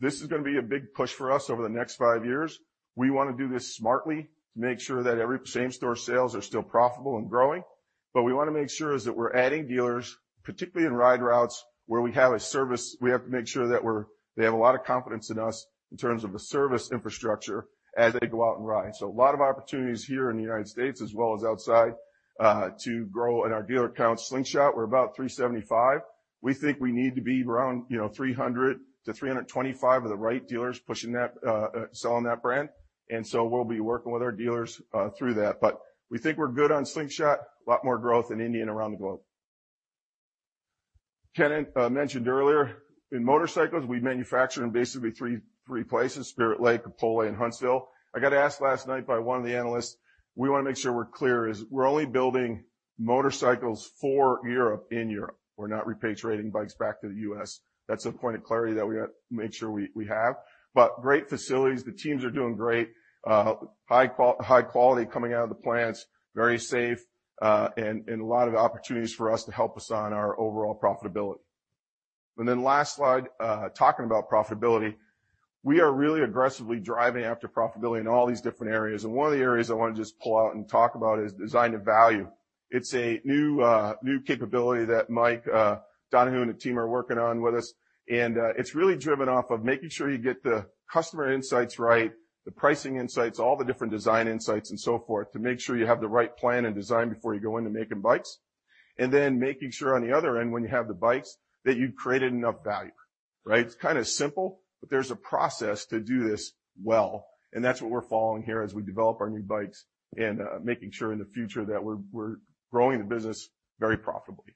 This is going to be a big push for us over the next five years. We want to do this smartly to make sure that every same-store sales are still profitable and growing. We want to make sure is that we're adding dealers, particularly in ride routes where we have a service. We have to make sure that they have a lot of confidence in us in terms of the service infrastructure as they go out and ride. A lot of opportunities here in the U.S. as well as outside to grow in our dealer count. Slingshot, we're about 375. We think we need to be around 300-325 of the right dealers pushing that, selling that brand. We'll be working with our dealers through that. We think we're good on Slingshot, a lot more growth in Indian around the globe. Ken mentioned earlier, in motorcycles, we manufacture in basically three places, Spirit Lake, Opole, and Huntsville. I got asked last night by one of the analysts, we want to make sure we're clear, is we're only building motorcycles for Europe in Europe. We're not repatriating bikes back to the U.S. That's a point of clarity that we got to make sure we have. Great facilities. The teams are doing great. High quality coming out of the plants, very safe, and a lot of opportunities for us to help us on our overall profitability. Last slide, talking about profitability. We are really aggressively driving after profitability in all these different areas, and one of the areas I want to just pull out and talk about is design to value. It's a new capability that Mike Donoughe and the team are working on with us, and it's really driven off of making sure you get the customer insights right, the pricing insights, all the different design insights and so forth to make sure you have the right plan and design before you go into making bikes. Making sure on the other end, when you have the bikes, that you've created enough value, right? It's simple, but there's a process to do this well, and that's what we're following here as we develop our new bikes and making sure in the future that we're growing the business very profitably.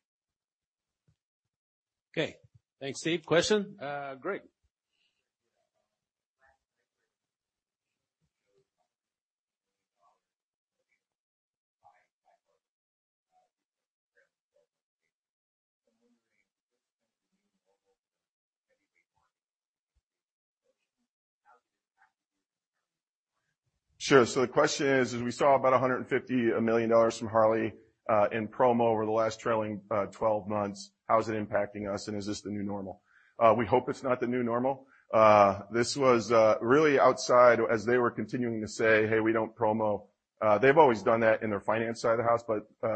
Okay. Thanks, Steve. Question? Craig. Sure. The question is, we saw about $150 million from Harley in promo over the last trailing 12 months. How is it impacting us, and is this the new normal? We hope it's not the new normal. This was really outside as they were continuing to say, "Hey, we don't promo." They've always done that in their finance side of the house.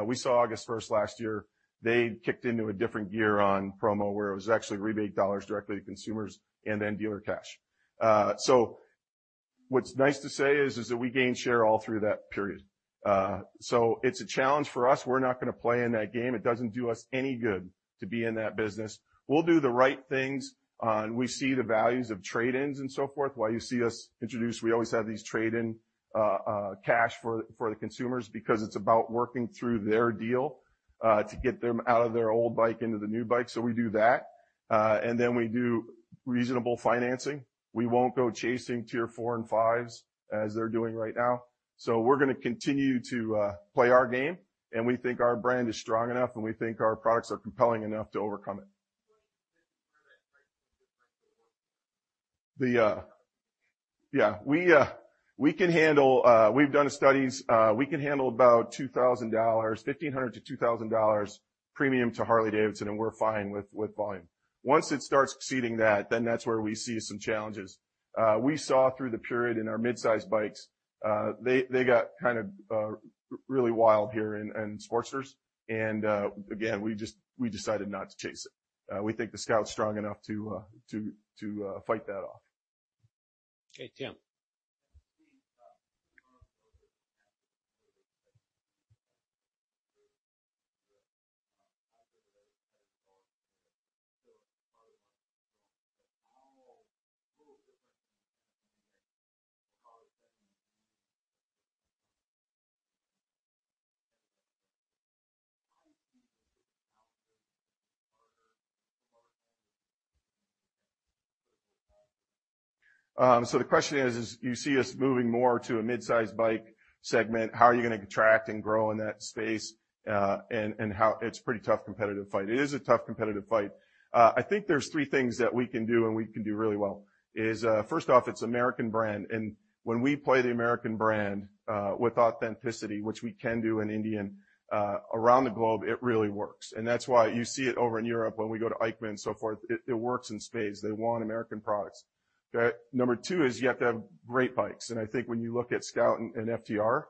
We saw August 1st last year, they kicked into a different gear on promo where it was actually rebate dollars directly to consumers and then dealer cash. What's nice to say is that we gained share all through that period. It's a challenge for us. We're not going to play in that game. It doesn't do us any good to be in that business. We'll do the right things, and we see the values of trade-ins and so forth. Why you see us introduce, we always have these trade-in cash for the consumers because it's about working through their deal, to get them out of their old bike into the new bike. We do that. We do reasonable financing. We won't go chasing Tier 4 and Tier 5s as they're doing right now. We're going to continue to play our game, and we think our brand is strong enough, and we think our products are compelling enough to overcome it. Yeah. We've done studies. We can handle about $1,500 to $2,000 premium to Harley-Davidson, and we're fine with volume. Once it starts exceeding that, then that's where we see some challenges. We saw through the period in our mid-size bikes, they got really wild here in Sportsters. Again, we decided not to chase it. We think the Scout's strong enough to fight that off. Okay, Tim. The question is, you see us moving more to a mid-size bike segment. How are you going to contract and grow in that space? How it's pretty tough competitive fight. It is a tough competitive fight. I think there's three things that we can do, and we can do really well, is, first off, it's American brand. When we play the American brand, with authenticity, which we can do in Indian, around the globe, it really works. That's why you see it over in Europe when we go to EICMA and so forth. It works in spades. They want American products. Number two is you have to have great bikes. I think when you look at Scout and FTR,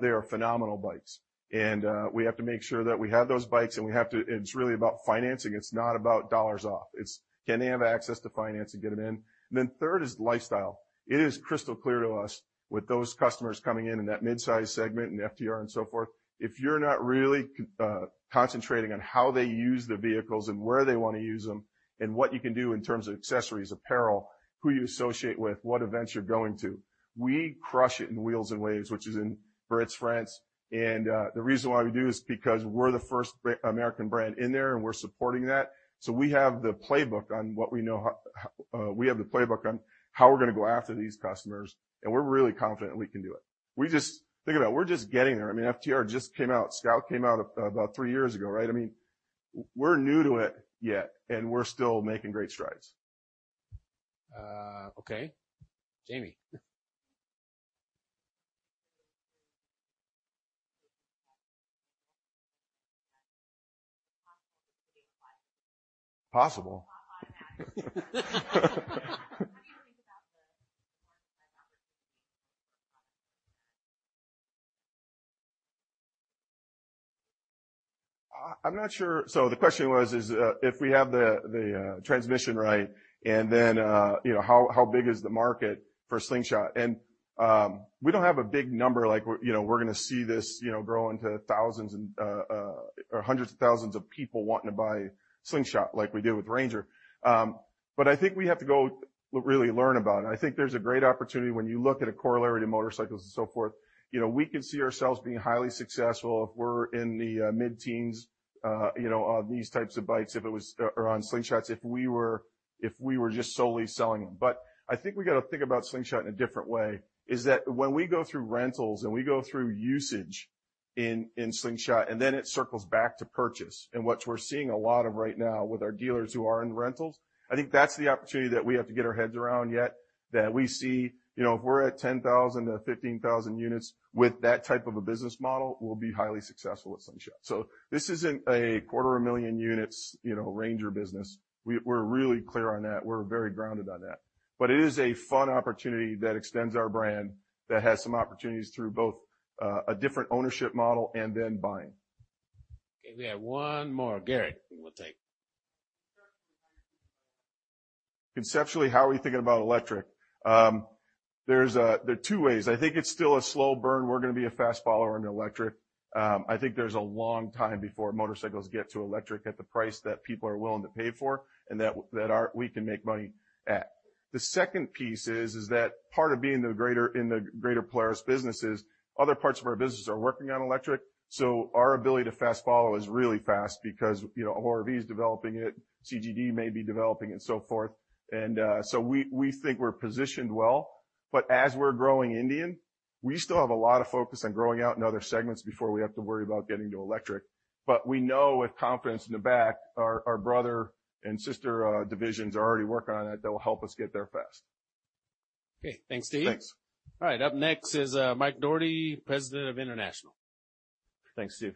they are phenomenal bikes. We have to make sure that we have those bikes. It's really about financing. It's not about dollars off. It's can they have access to financing, get them in. Then third is lifestyle. It is crystal clear to us with those customers coming in that mid-size segment and FTR and so forth, if you're not really concentrating on how they use the vehicles and where they want to use them, and what you can do in terms of accessories, apparel, who you associate with, what events you're going to. We crush it in Wheels and Waves, which is in Biarritz, France. The reason why we do is because we're the first American brand in there, and we're supporting that. We have the playbook on how we're going to go after these customers, and we're really confident we can do it. Think about it. We're just getting there. I mean, FTR just came out. Scout came out about three years ago, right? I mean, we're new to it yet, and we're still making great strides. Okay. Jamie. Possible. [inaudible] I'm not sure. The question was if we have the transmission right, and then how big is the market for Slingshot? We don't have a big number like we're going to see this grow into thousands or hundreds of thousands of people wanting to buy Slingshot like we did with RANGER. I think we have to go really learn about it. I think there's a great opportunity when you look at a corollary to motorcycles and so forth. We could see ourselves being highly successful if we're in the mid-teens on these types of bikes, or on Slingshots if we were just solely selling them. I think we got to think about Slingshot in a different way, is that when we go through rentals and we go through usage in Slingshot, and then it circles back to purchase. What we're seeing a lot of right now with our dealers who are in rentals, I think that's the opportunity that we have to get our heads around yet, that we see if we're at 10,000-15,000 units with that type of a business model, we'll be highly successful with Slingshot. This isn't a quarter of a million units RANGER business. We're really clear on that. We're very grounded on that. It is a fun opportunity that extends our brand, that has some opportunities through both a different ownership model and then buying. Okay, we have one more. Gary, we will take. Conceptually, how are you thinking about electric? Conceptually, how are we thinking about electric? There are two ways. I think it's still a slow burn. We're going to be a fast follower in electric. I think there's a long time before motorcycles get to electric at the price that people are willing to pay for, and that we can make money at. The second piece is that part of being in the greater Polaris business is other parts of our business are working on electric, so our ability to fast follow is really fast because ORV is developing it, CGD may be developing it, and so forth. We think we're positioned well, but as we're growing Indian, we still have a lot of focus on growing out in other segments before we have to worry about getting to electric. We know with confidence in the back our brother and sister divisions are already working on it that will help us get there fast. Okay. Thanks, Steve. Thanks. All right. Up next is Mike Dougherty, President of International. Thanks, Steve.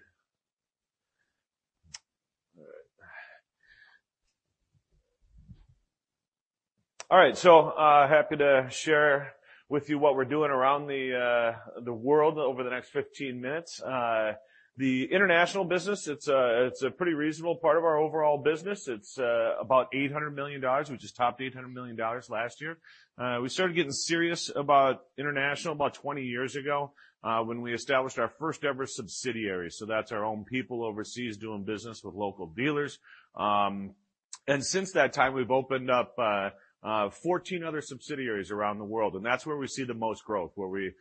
All right. Happy to share with you what we're doing around the world over the next 15 minutes. The international business, it's a pretty reasonable part of our overall business. It's about $800 million, we just topped $800 million last year. We started getting serious about international about 20 years ago, when we established our first-ever subsidiary. That's our own people overseas doing business with local dealers. Since that time, we've opened up 14 other subsidiaries around the world, and that's where we see the most growth, where we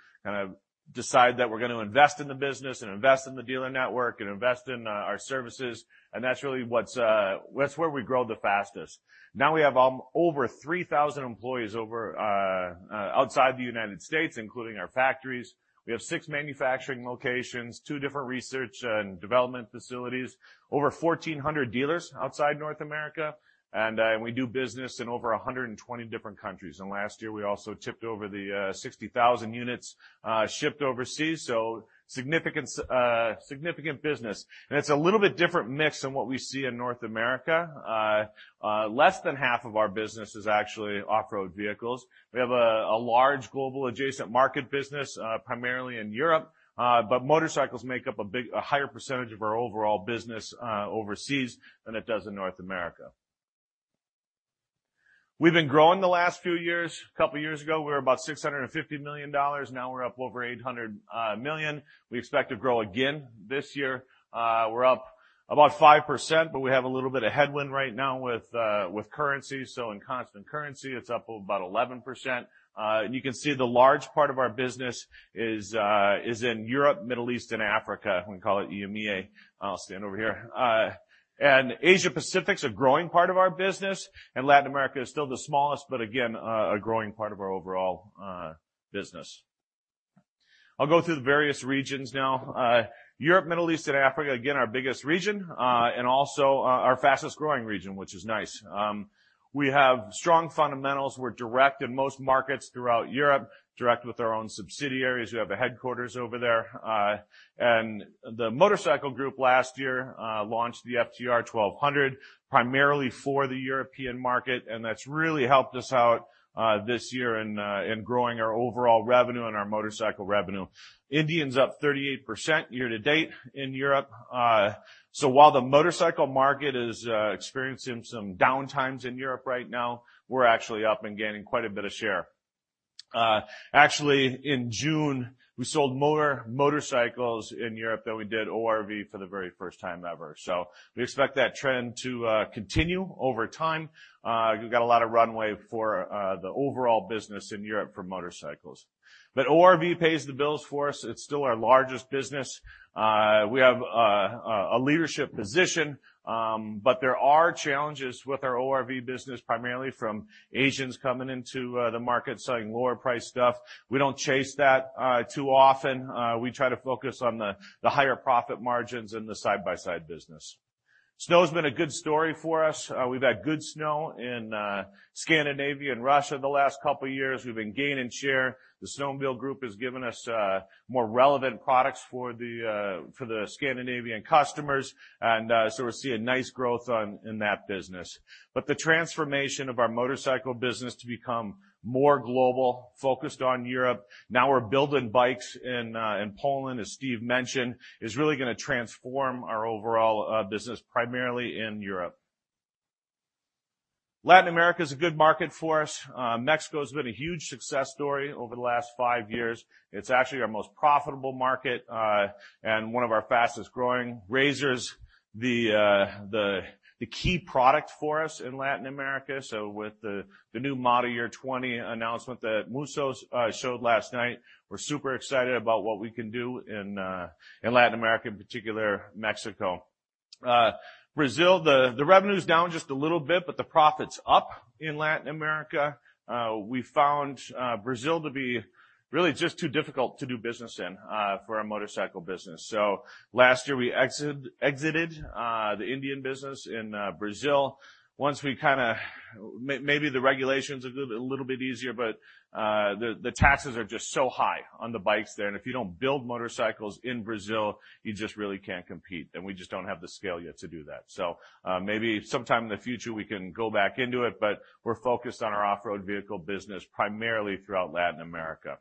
decide that we're going to invest in the business and invest in the dealer network and invest in our services, and that's really where we grow the fastest. Now we have over 3,000 employees outside the United States, including our factories. We have six manufacturing locations, two different research and development facilities, over 1,400 dealers outside North America, and we do business in over 120 different countries. Last year, we also tipped over the 60,000 units shipped overseas, so significant business. It's a little bit different mix than what we see in North America. Less than half of our business is actually off-road vehicles. We have a large Global Adjacent Market business, primarily in Europe. Motorcycles make up a higher percentage of our overall business overseas than it does in North America. We've been growing the last few years. A couple of years ago, we were about $650 million. Now we're up over $800 million. We expect to grow again this year. We're up about 5%. We have a little bit of headwind right now with currency. In constant currency, it's up about 11%. You can see the large part of our business is in Europe, Middle East, and Africa. We call it EMEA. I'll stand over here. Asia Pacific's a growing part of our business, and Latin America is still the smallest, but again, a growing part of our overall business. I'll go through the various regions now. Europe, Middle East, and Africa, again, our biggest region, and also our fastest-growing region, which is nice. We have strong fundamentals. We're direct in most markets throughout Europe, direct with our own subsidiaries. We have a headquarters over there. The motorcycle group last year launched the FTR 1200 primarily for the European market, and that's really helped us out this year in growing our overall revenue and our motorcycle revenue. Indian's up 38% year to date in Europe. While the motorcycle market is experiencing some downtimes in Europe right now, we're actually up and gaining quite a bit of share. Actually, in June, we sold more motorcycles in Europe than we did ORV for the very first time ever. We expect that trend to continue over time. We've got a lot of runway for the overall business in Europe for motorcycles. ORV pays the bills for us. It's still our largest business. We have a leadership position, but there are challenges with our ORV business, primarily from Asians coming into the market selling lower-priced stuff. We don't chase that too often. We try to focus on the higher profit margins in the side-by-side business. Snow has been a good story for us. We've had good snow in Scandinavia and Russia the last couple of years. We've been gaining share. The snowmobile group has given us more relevant products for the Scandinavian customers. We're seeing nice growth in that business. The transformation of our motorcycle business to become more global, focused on Europe, now we're building bikes in Poland, as Steve mentioned, is really going to transform our overall business, primarily in Europe. Latin America is a good market for us. Mexico has been a huge success story over the last five years. It's actually our most profitable market, and one of our fastest-growing. RZR's the key product for us in Latin America. With the new model year 20 announcement that Musso showed last night, we're super excited about what we can do in Latin America, in particular Mexico. Brazil, the revenue's down just a little bit, but the profit's up in Latin America. We found Brazil to be really just too difficult to do business in for our motorcycle business. Last year, we exited the Indian business in Brazil. Maybe the regulations are a little bit easier, but the taxes are just so high on the bikes there. If you don't build motorcycles in Brazil, you just really can't compete, and we just don't have the scale yet to do that. Maybe sometime in the future we can go back into it, but we're focused on our off-road vehicle business, primarily throughout Latin America.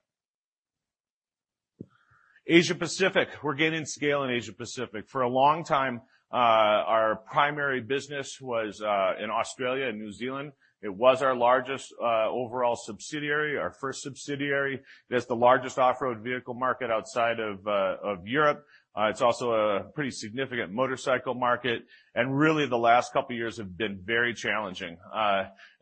Asia-Pacific. We're gaining scale in Asia-Pacific. For a long time, our primary business was in Australia and New Zealand. It was our largest overall subsidiary, our first subsidiary. It has the largest off-road vehicle market outside of Europe. It's also a pretty significant motorcycle market. Really, the last couple of years have been very challenging.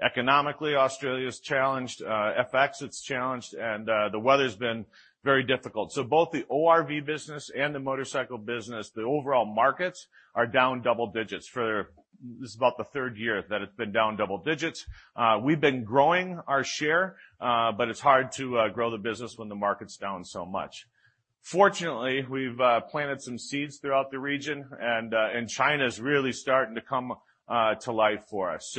Economically, Australia's challenged, FX it's challenged, and the weather's been very difficult. Both the ORV business and the motorcycle business, the overall markets are down double digits. This is about the third year that it's been down double digits. We've been growing our share, but it's hard to grow the business when the market's down so much. Fortunately, we've planted some seeds throughout the region, and China's really starting to come to life for us.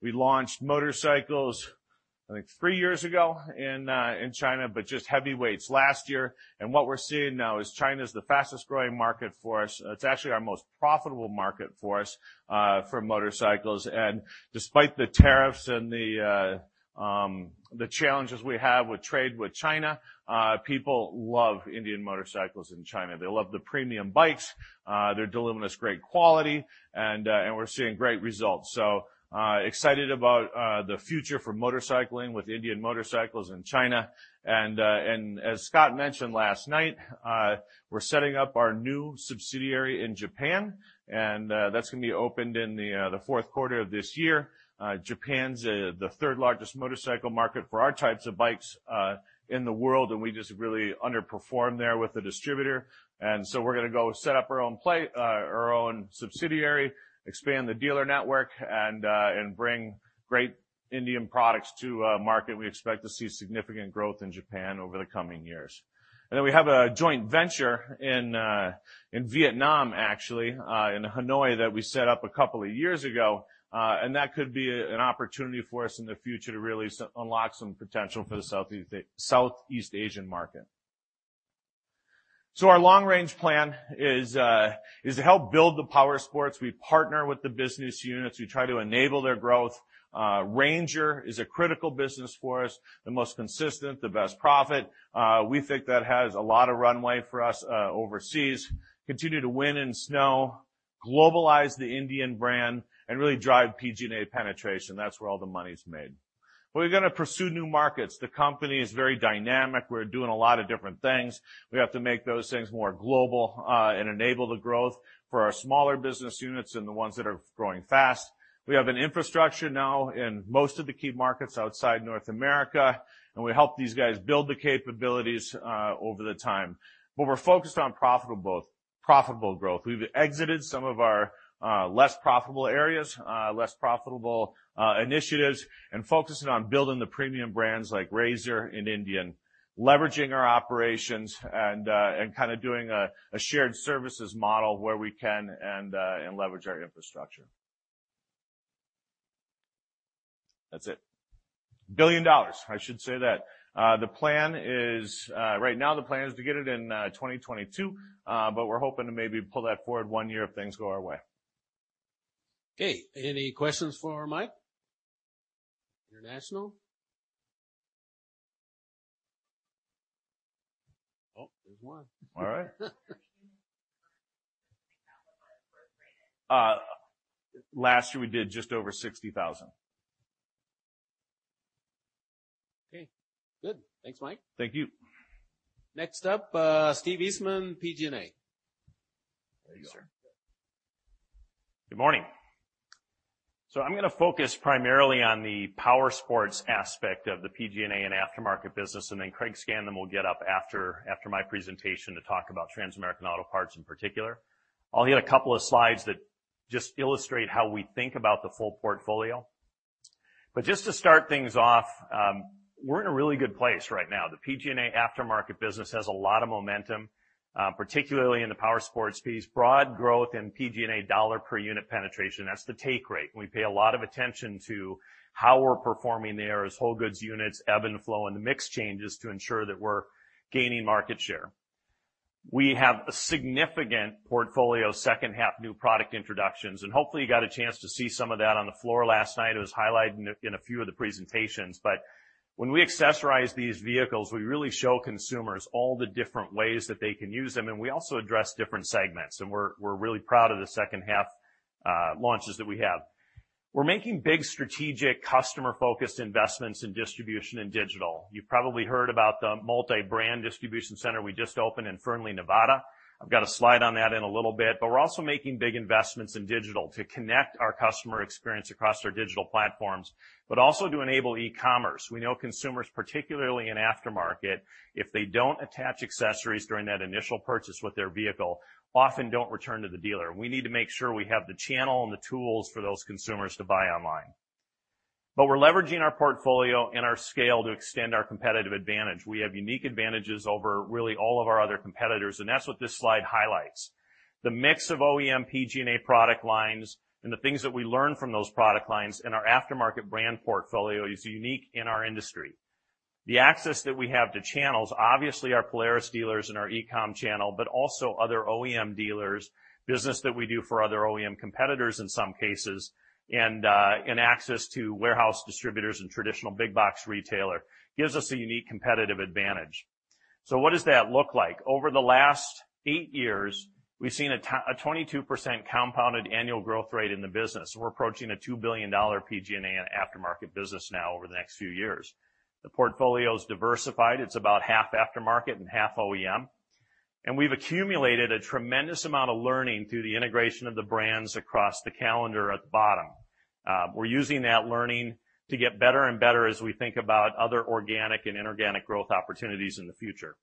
We launched motorcycles, I think, three years ago in China, but just heavyweights last year. What we're seeing now is China's the fastest-growing market for us. It's actually our most profitable market for us for motorcycles. Despite the tariffs and the challenges we have with trade with China, people love Indian motorcycles in China. They love the premium bikes. They're delivering us great quality, and we're seeing great results. Excited about the future for motorcycling with Indian Motorcycle in China. As Scott mentioned last night, we're setting up our new subsidiary in Japan, and that's going to be opened in the fourth quarter of this year. Japan's the third-largest motorcycle market for our types of bikes in the world, and we just really underperformed there with the distributor. We're going to go set up our own subsidiary, expand the dealer network, and bring great Indian products to market. We expect to see significant growth in Japan over the coming years. We have a joint venture in Vietnam, actually, in Hanoi, that we set up a couple of years ago. That could be an opportunity for us in the future to really unlock some potential for the Southeast Asian market. Our long-range plan is to help build the powersports. We partner with the business units. We try to enable their growth. RANGER is a critical business for us, the most consistent, the best profit. We think that has a lot of runway for us overseas. Continue to win in snow. Globalize the Indian brand and really drive PG&A penetration. That's where all the money's made. We're going to pursue new markets. The company is very dynamic. We're doing a lot of different things. We have to make those things more global, and enable the growth for our smaller business units and the ones that are growing fast. We have an infrastructure now in most of the key markets outside North America, and we help these guys build the capabilities over the time. We're focused on profitable growth. We've exited some of our less profitable areas, less profitable initiatives, and focusing on building the premium brands like RZR and Indian, leveraging our operations and doing a shared services model where we can and leverage our infrastructure. That's it. $1 billion, I should say that. Right now, the plan is to get it in 2022, but we're hoping to maybe pull that forward one year if things go our way. Okay. Any questions for Mike? International? Oh, there's one. All right. [inaudible] Last year we did just over 60,000 units. Okay. Good. Thanks, Mike. Thank you. Next up, Steve Eastman, PG&A. There you are. Yes, sir. Good morning. I'm going to focus primarily on the powersports aspect of the PG&A and aftermarket business, and then Craig Scanlon will get up after my presentation to talk about Transamerican Auto Parts in particular. I'll hit a couple of slides that just illustrate how we think about the full portfolio. Just to start things off, we're in a really good place right now. The PG&A aftermarket business has a lot of momentum, particularly in the powersports piece. Broad growth in PG&A dollar per unit penetration, that's the take rate. We pay a lot of attention to how we're performing there as whole goods units ebb and flow in the mix changes to ensure that we're gaining market share. We have a significant portfolio second half new product introductions, and hopefully you got a chance to see some of that on the floor last night. It was highlighted in a few of the presentations. When we accessorize these vehicles, we really show consumers all the different ways that they can use them, and we also address different segments. We're really proud of the second half launches that we have. We're making big strategic customer-focused investments in distribution and digital. You probably heard about the multi-brand distribution center we just opened in Fernley, Nevada. I've got a slide on that in a little bit. We're also making big investments in digital to connect our customer experience across our digital platforms, but also to enable e-commerce. We know consumers, particularly in aftermarket, if they don't attach accessories during that initial purchase with their vehicle, often don't return to the dealer. We need to make sure we have the channel and the tools for those consumers to buy online. We're leveraging our portfolio and our scale to extend our competitive advantage. We have unique advantages over really all of our other competitors, and that's what this slide highlights. The mix of OEM PG&A product lines and the things that we learn from those product lines and our aftermarket brand portfolio is unique in our industry. The access that we have to channels, obviously our Polaris dealers and our e-com channel, but also other OEM dealers, business that we do for other OEM competitors in some cases, and access to warehouse distributors and traditional big box retailer gives us a unique competitive advantage. What does that look like? Over the last eight years, we've seen a 22% compounded annual growth rate in the business. We're approaching a $2 billion PG&A and aftermarket business now over the next few years. The portfolio's diversified. It's about half aftermarket and half OEM. We've accumulated a tremendous amount of learning through the integration of the brands across the calendar at the bottom. We're using that learning to get better and better as we think about other organic and inorganic growth opportunities in the future.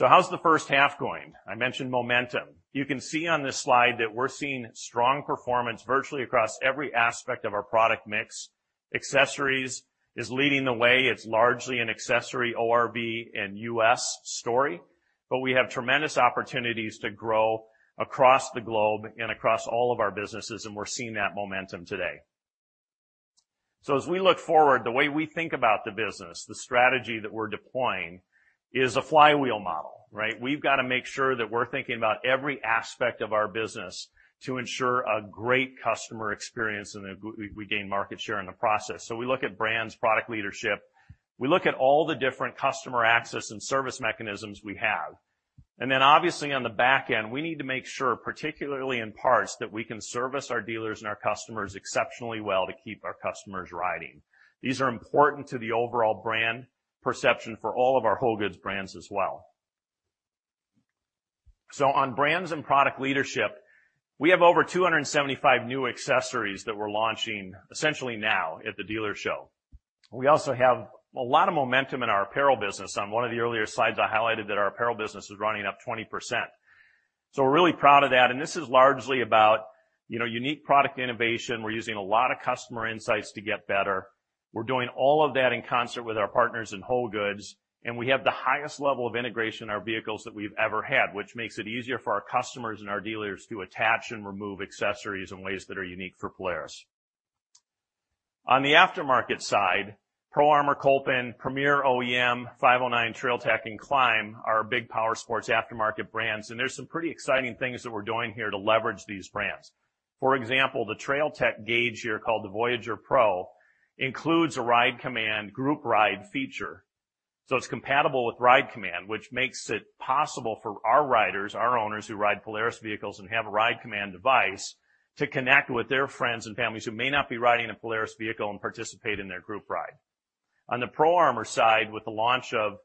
How's the first half going? I mentioned momentum. You can see on this slide that we're seeing strong performance virtually across every aspect of our product mix. Accessories is leading the way. It's largely an accessory ORV and U.S. story, but we have tremendous opportunities to grow across the globe and across all of our businesses, and we're seeing that momentum today. As we look forward, the way we think about the business, the strategy that we're deploying is a flywheel model, right? We've got to make sure that we're thinking about every aspect of our business to ensure a great customer experience and that we gain market share in the process. We look at brands, product leadership. We look at all the different customer access and service mechanisms we have. Obviously on the back end, we need to make sure, particularly in parts, that we can service our dealers and our customers exceptionally well to keep our customers riding. These are important to the overall brand perception for all of our whole goods brands as well. On brands and product leadership, we have over 275 new accessories that we're launching essentially now at the dealer show. We also have a lot of momentum in our apparel business. On one of the earlier slides, I highlighted that our apparel business is running up 20%. We're really proud of that, and this is largely about unique product innovation. We're using a lot of customer insights to get better. We're doing all of that in concert with our partners in whole goods, and we have the highest level of integration in our vehicles that we've ever had, which makes it easier for our customers and our dealers to attach and remove accessories in ways that are unique for Polaris. On the aftermarket side, Pro Armor, Kolpin, Premier OEM, 509, Trail Tech, and KLIM are big powersports aftermarket brands, and there's some pretty exciting things that we're doing here to leverage these brands. For example, the Trail Tech gauge here called the Voyager Pro includes a RIDE COMMAND group ride feature. It's compatible with RIDE COMMAND, which makes it possible for our riders, our owners who ride Polaris vehicles and have a RIDE COMMAND device, to connect with their friends and families who may not be riding a Polaris vehicle and participate in their group ride. On the Pro Armor side, with the launch of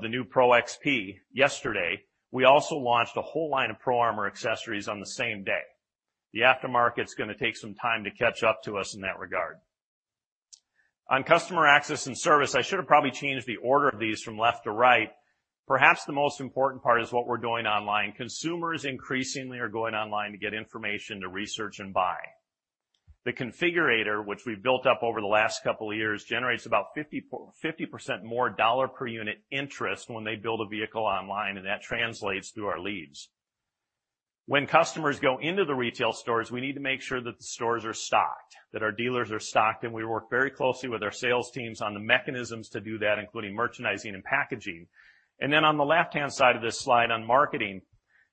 the new Pro XP yesterday, we also launched a whole line of Pro Armor accessories on the same day. The aftermarket's going to take some time to catch up to us in that regard. On customer access and service, I should have probably changed the order of these from left to right. Perhaps the most important part is what we're doing online. Consumers increasingly are going online to get information to research and buy. The configurator, which we've built up over the last couple of years, generates about 50% more dollar per unit interest when they build a vehicle online. That translates through our leads. When customers go into the retail stores, we need to make sure that the stores are stocked, that our dealers are stocked, and we work very closely with our sales teams on the mechanisms to do that, including merchandising and packaging. On the left-hand side of this slide on marketing,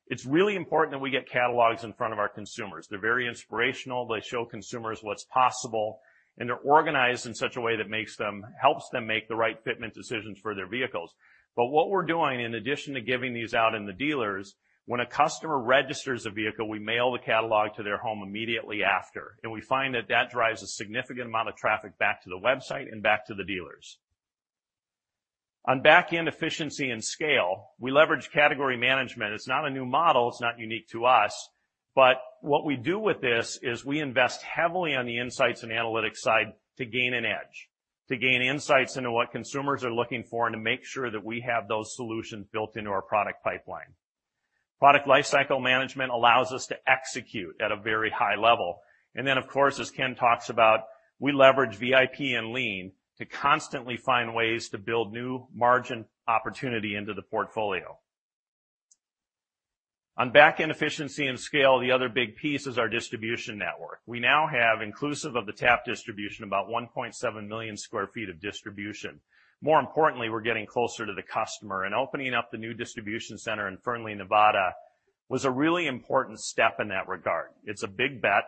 it's really important that we get catalogs in front of our consumers. They're very inspirational. They show consumers what's possible, and they're organized in such a way that helps them make the right fitment decisions for their vehicles. What we're doing, in addition to giving these out in the dealers, when a customer registers a vehicle, we mail the catalog to their home immediately after. We find that that drives a significant amount of traffic back to the website and back to the dealers. On back-end efficiency and scale, we leverage category management. It's not a new model. It's not unique to us. What we do with this is we invest heavily on the insights and analytics side to gain an edge, to gain insights into what consumers are looking for and to make sure that we have those solutions built into our product pipeline. Product lifecycle management allows us to execute at a very high level. Of course, as Ken talks about, we leverage VIP and Lean to constantly find ways to build new margin opportunity into the portfolio. On back-end efficiency and scale, the other big piece is our distribution network. We now have, inclusive of the TAP distribution, about 1.7 million sq ft of distribution. More importantly, we're getting closer to the customer. Opening up the new distribution center in Fernley, Nevada, was a really important step in that regard. It's a big bet.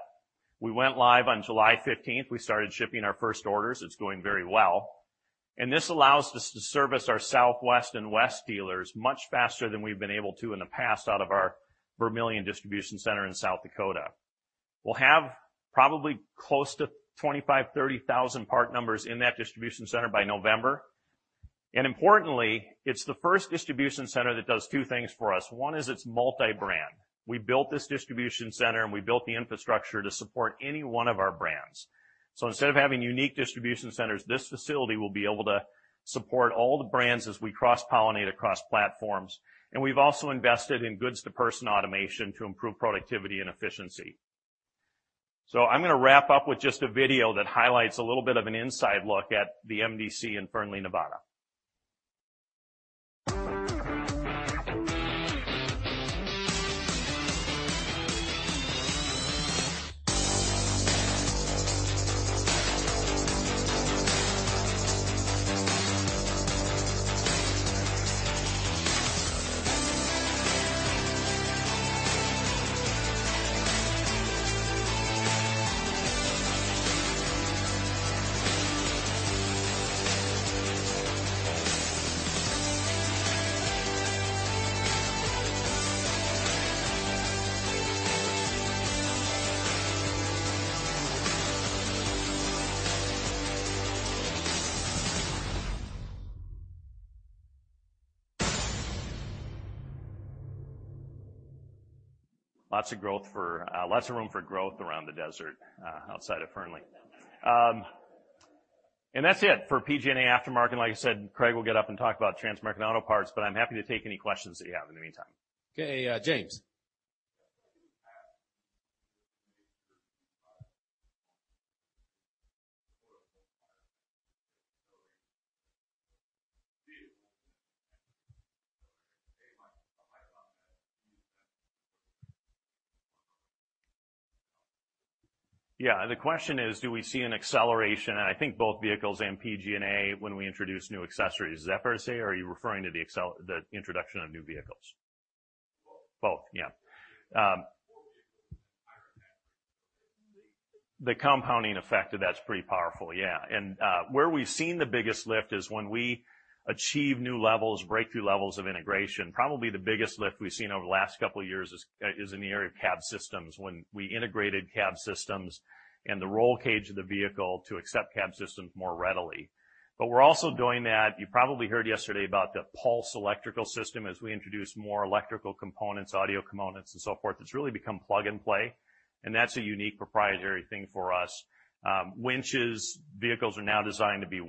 We went live on July 15th. We started shipping our first orders. It's going very well. This allows us to service our Southwest and West dealers much faster than we've been able to in the past out of our Vermillion distribution center in South Dakota. We'll have probably close to 25,000, 30,000 part numbers in that distribution center by November. Importantly, it's the first distribution center that does two things for us. One is it's multi-brand. We built this distribution center. We built the infrastructure to support any one of our brands. Instead of having unique distribution centers, this facility will be able to support all the brands as we cross-pollinate across platforms. We've also invested in goods-to-person automation to improve productivity and efficiency. I'm going to wrap up with just a video that highlights a little bit of an inside look at the MDC in Fernley, Nevada. Lots of room for growth around the desert outside of Fernley. That's it for PG&A aftermarket. Like I said, Craig will get up and talk about Transamerican Auto Parts, but I'm happy to take any questions that you have in the meantime. Okay, James. Yeah, the question is, do we see an acceleration, and I think both vehicles and PG&A, when we introduce new accessories. Is that fair to say, or are you referring to the introduction of new vehicles? Both. Both. Yeah. The compounding effect of that's pretty powerful, yeah. Where we've seen the biggest lift is when we achieve new levels, breakthrough levels of integration. Probably the biggest lift we've seen over the last couple of years is in the area of cab systems, when we integrated cab systems and the roll cage of the vehicle to accept cab systems more readily. We're also doing that. You probably heard yesterday about the Pulse electrical system as we introduce more electrical components, audio components, and so forth. It's really become plug-and-play, and that's a unique proprietary thing for us. Winches. Vehicles are now designed to be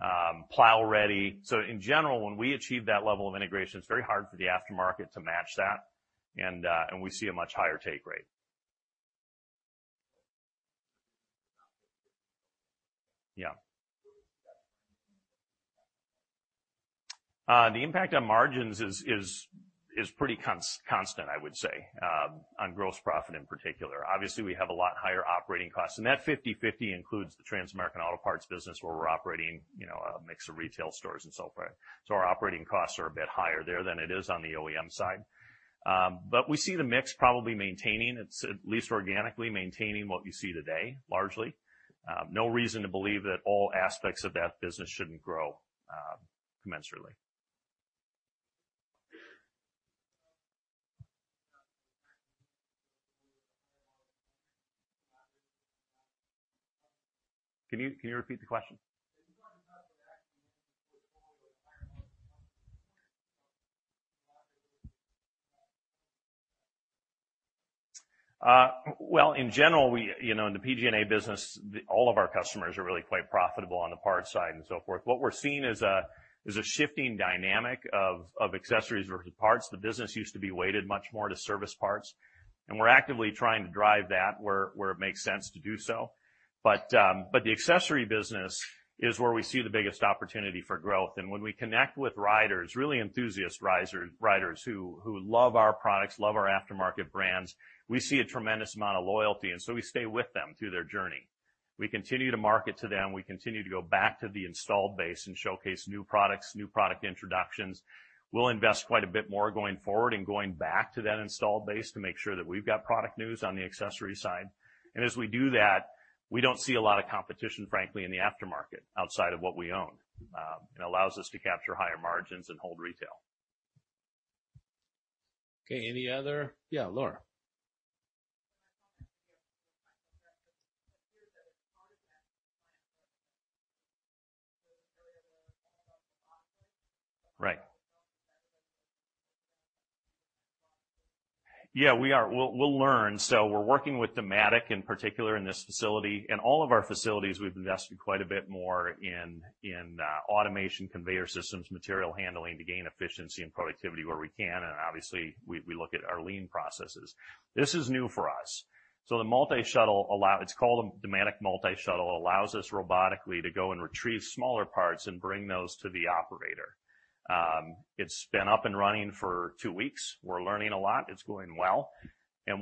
winch-ready, plow-ready. In general, when we achieve that level of integration, it's very hard for the aftermarket to match that, and we see a much higher take rate. Yeah. The impact on margins is pretty constant, I would say, on gross profit in particular. Obviously, we have a lot higher operating costs. That 50/50 includes the Transamerican Auto Parts business where we're operating a mix of retail stores and so forth. Our operating costs are a bit higher there than it is on the OEM side. We see the mix probably maintaining. It's at least organically maintaining what you see today, largely. No reason to believe that all aspects of that business shouldn't grow commensurately. Can you repeat the question? Well, in general, in the PG&A business, all of our customers are really quite profitable on the parts side and so forth. What we're seeing is a shifting dynamic of accessories versus parts. The business used to be weighted much more to service parts. We're actively trying to drive that where it makes sense to do so. The accessory business is where we see the biggest opportunity for growth. When we connect with riders, really enthusiast riders who love our products, love our aftermarket brands, we see a tremendous amount of loyalty. We stay with them through their journey. We continue to market to them. We continue to go back to the installed base and showcase new products, new product introductions. We'll invest quite a bit more going forward and going back to that installed base to make sure that we've got product news on the accessory side. As we do that, we don't see a lot of competition, frankly, in the aftermarket outside of what we own. It allows us to capture higher margins and hold retail. Okay, any other? Yeah, Laura. Right. Yeah, we are. We'll learn. We're working with Dematic, in particular, in this facility. In all of our facilities, we've invested quite a bit more in automation, conveyor systems, material handling to gain efficiency and productivity where we can, and obviously, we look at our Lean processes. This is new for us. The multi-shuttle It's called a Dematic multi-shuttle, allows us robotically to go and retrieve smaller parts and bring those to the operator. It's been up and running for two weeks. We're learning a lot. It's going well.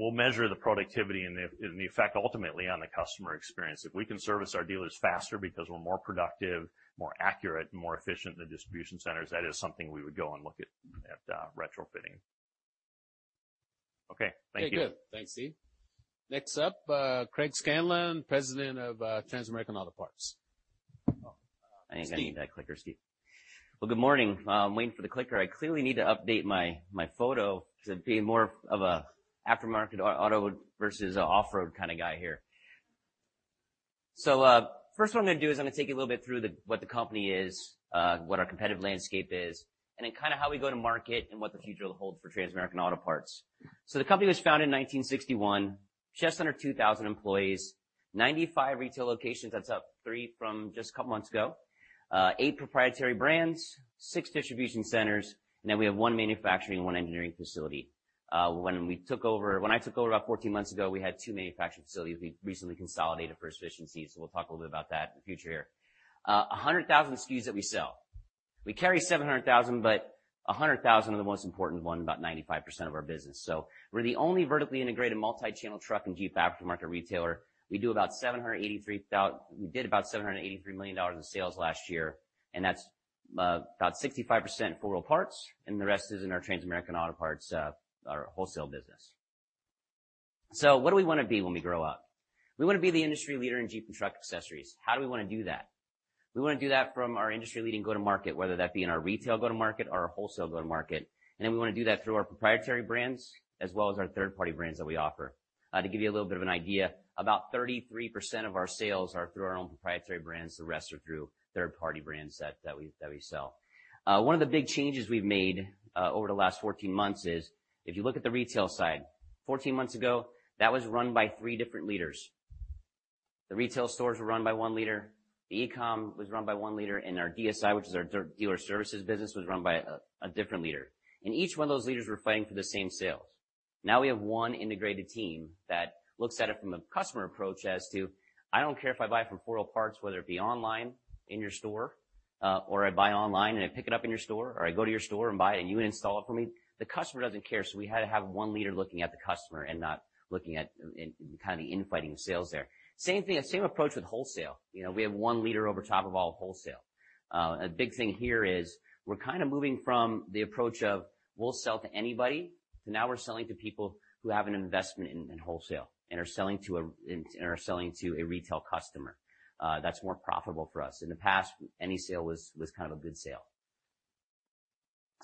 We'll measure the productivity and the effect ultimately on the customer experience. If we can service our dealers faster because we're more productive, more accurate, more efficient in the distribution centers, that is something we would go and look at retrofitting. Okay, thank you. Okay, good. Thanks, Steve. Next up, Craig Scanlon, President of Transamerican Auto Parts. I think I need that clicker, Steve. Well, good morning. I'm waiting for the clicker. I clearly need to update my photo to be more of a aftermarket auto versus a off-road kind of guy here. First what I'm going to do is I'm going to take you a little bit through what the company is, what our competitive landscape is, and then kind of how we go to market and what the future will hold for Transamerican Auto Parts. The company was founded in 1961, just under 2,000 employees, 95 retail locations. That's up three from just a couple of months ago. Eight proprietary brands, six distribution centers, and then we have one manufacturing and one engineering facility. When I took over about 14 months ago, we had two manufacturing facilities. We recently consolidated for efficiency. We'll talk a little bit about that in the future here. 100,000 SKUs that we sell. We carry 700,000, but 100,000 are the most important one, about 95% of our business. We're the only vertically integrated multi-channel truck and Jeep aftermarket retailer. We did about $783 million in sales last year, and that's about 65% 4 Wheel Parts and the rest is in our Transamerican Auto Parts, our wholesale business. What do we want to be when we grow up? We want to be the industry leader in Jeep and truck accessories. How do we want to do that? We want to do that from our industry-leading go-to-market, whether that be in our retail go-to-market or our wholesale go-to-market. We want to do that through our proprietary brands as well as our third-party brands that we offer. To give you a little bit of an idea, about 33% of our sales are through our own proprietary brands. The rest are through third-party brands that we sell. One of the big changes we've made over the last 14 months is, if you look at the retail side, 14 months ago, that was run by three different leaders. The retail stores were run by one leader, the e-com was run by one leader, and our DSI, which is our dealer services business, was run by a different leader. Each one of those leaders were fighting for the same sales. Now we have one integrated team that looks at it from a customer approach as to, I don't care if I buy from 4 Wheel Parts, whether it be online, in your store, or I buy online and I pick it up in your store, or I go to your store and buy it and you install it for me. The customer doesn't care. We had to have one leader looking at the customer and not looking at kind of the infighting of sales there. Same approach with wholesale. We have one leader over top of all wholesale. A big thing here is we're kind of moving from the approach of we'll sell to anybody, to now we're selling to people who have an investment in wholesale and are selling to a retail customer. That's more profitable for us. In the past, any sale was kind of a good sale.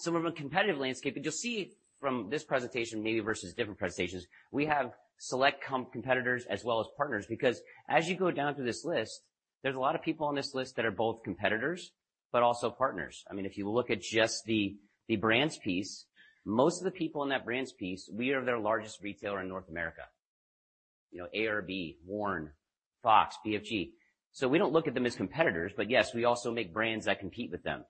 We have a competitive landscape, and you'll see from this presentation maybe versus different presentations, we have select competitors as well as partners, because as you go down through this list, there's a lot of people on this list that are both competitors but also partners. If you look at just the brands piece, most of the people in that brands piece, we are their largest retailer in North America. ARB, Warn, Fox, BFG. We don't look at them as competitors, but yes, we also make brands that compete with them.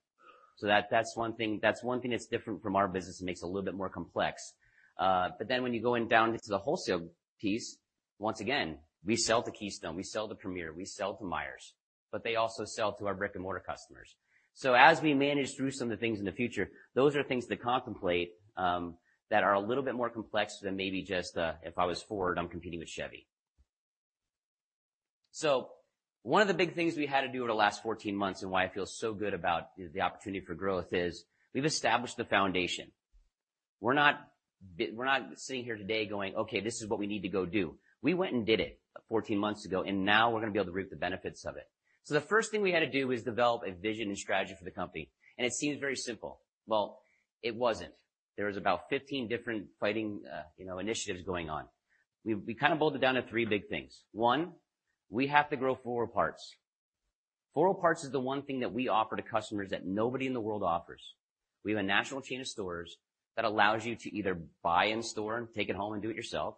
That's one thing that's different from our business and makes it a little bit more complex. When you go in down into the wholesale piece, once again, we sell to Keystone, we sell to Premier, we sell to Meyer, but they also sell to our brick-and-mortar customers. As we manage through some of the things in the future, those are things to contemplate, that are a little bit more complex than maybe just the, if I was Ford, I'm competing with Chevy. One of the big things we had to do over the last 14 months and why I feel so good about the opportunity for growth is we've established the foundation. We're not sitting here today going, "Okay, this is what we need to go do." We went and did it 14 months ago, and now we're going to be able to reap the benefits of it. The first thing we had to do was develop a vision and strategy for the company, and it seems very simple. Well, it wasn't. There was about 15 different fighting initiatives going on. We kind of boiled it down to three big things. One, we have to grow 4 Wheel Parts. 4 Wheel Parts is the one thing that we offer to customers that nobody in the world offers. We have a national chain of stores that allows you to either buy in store and take it home and do it yourself,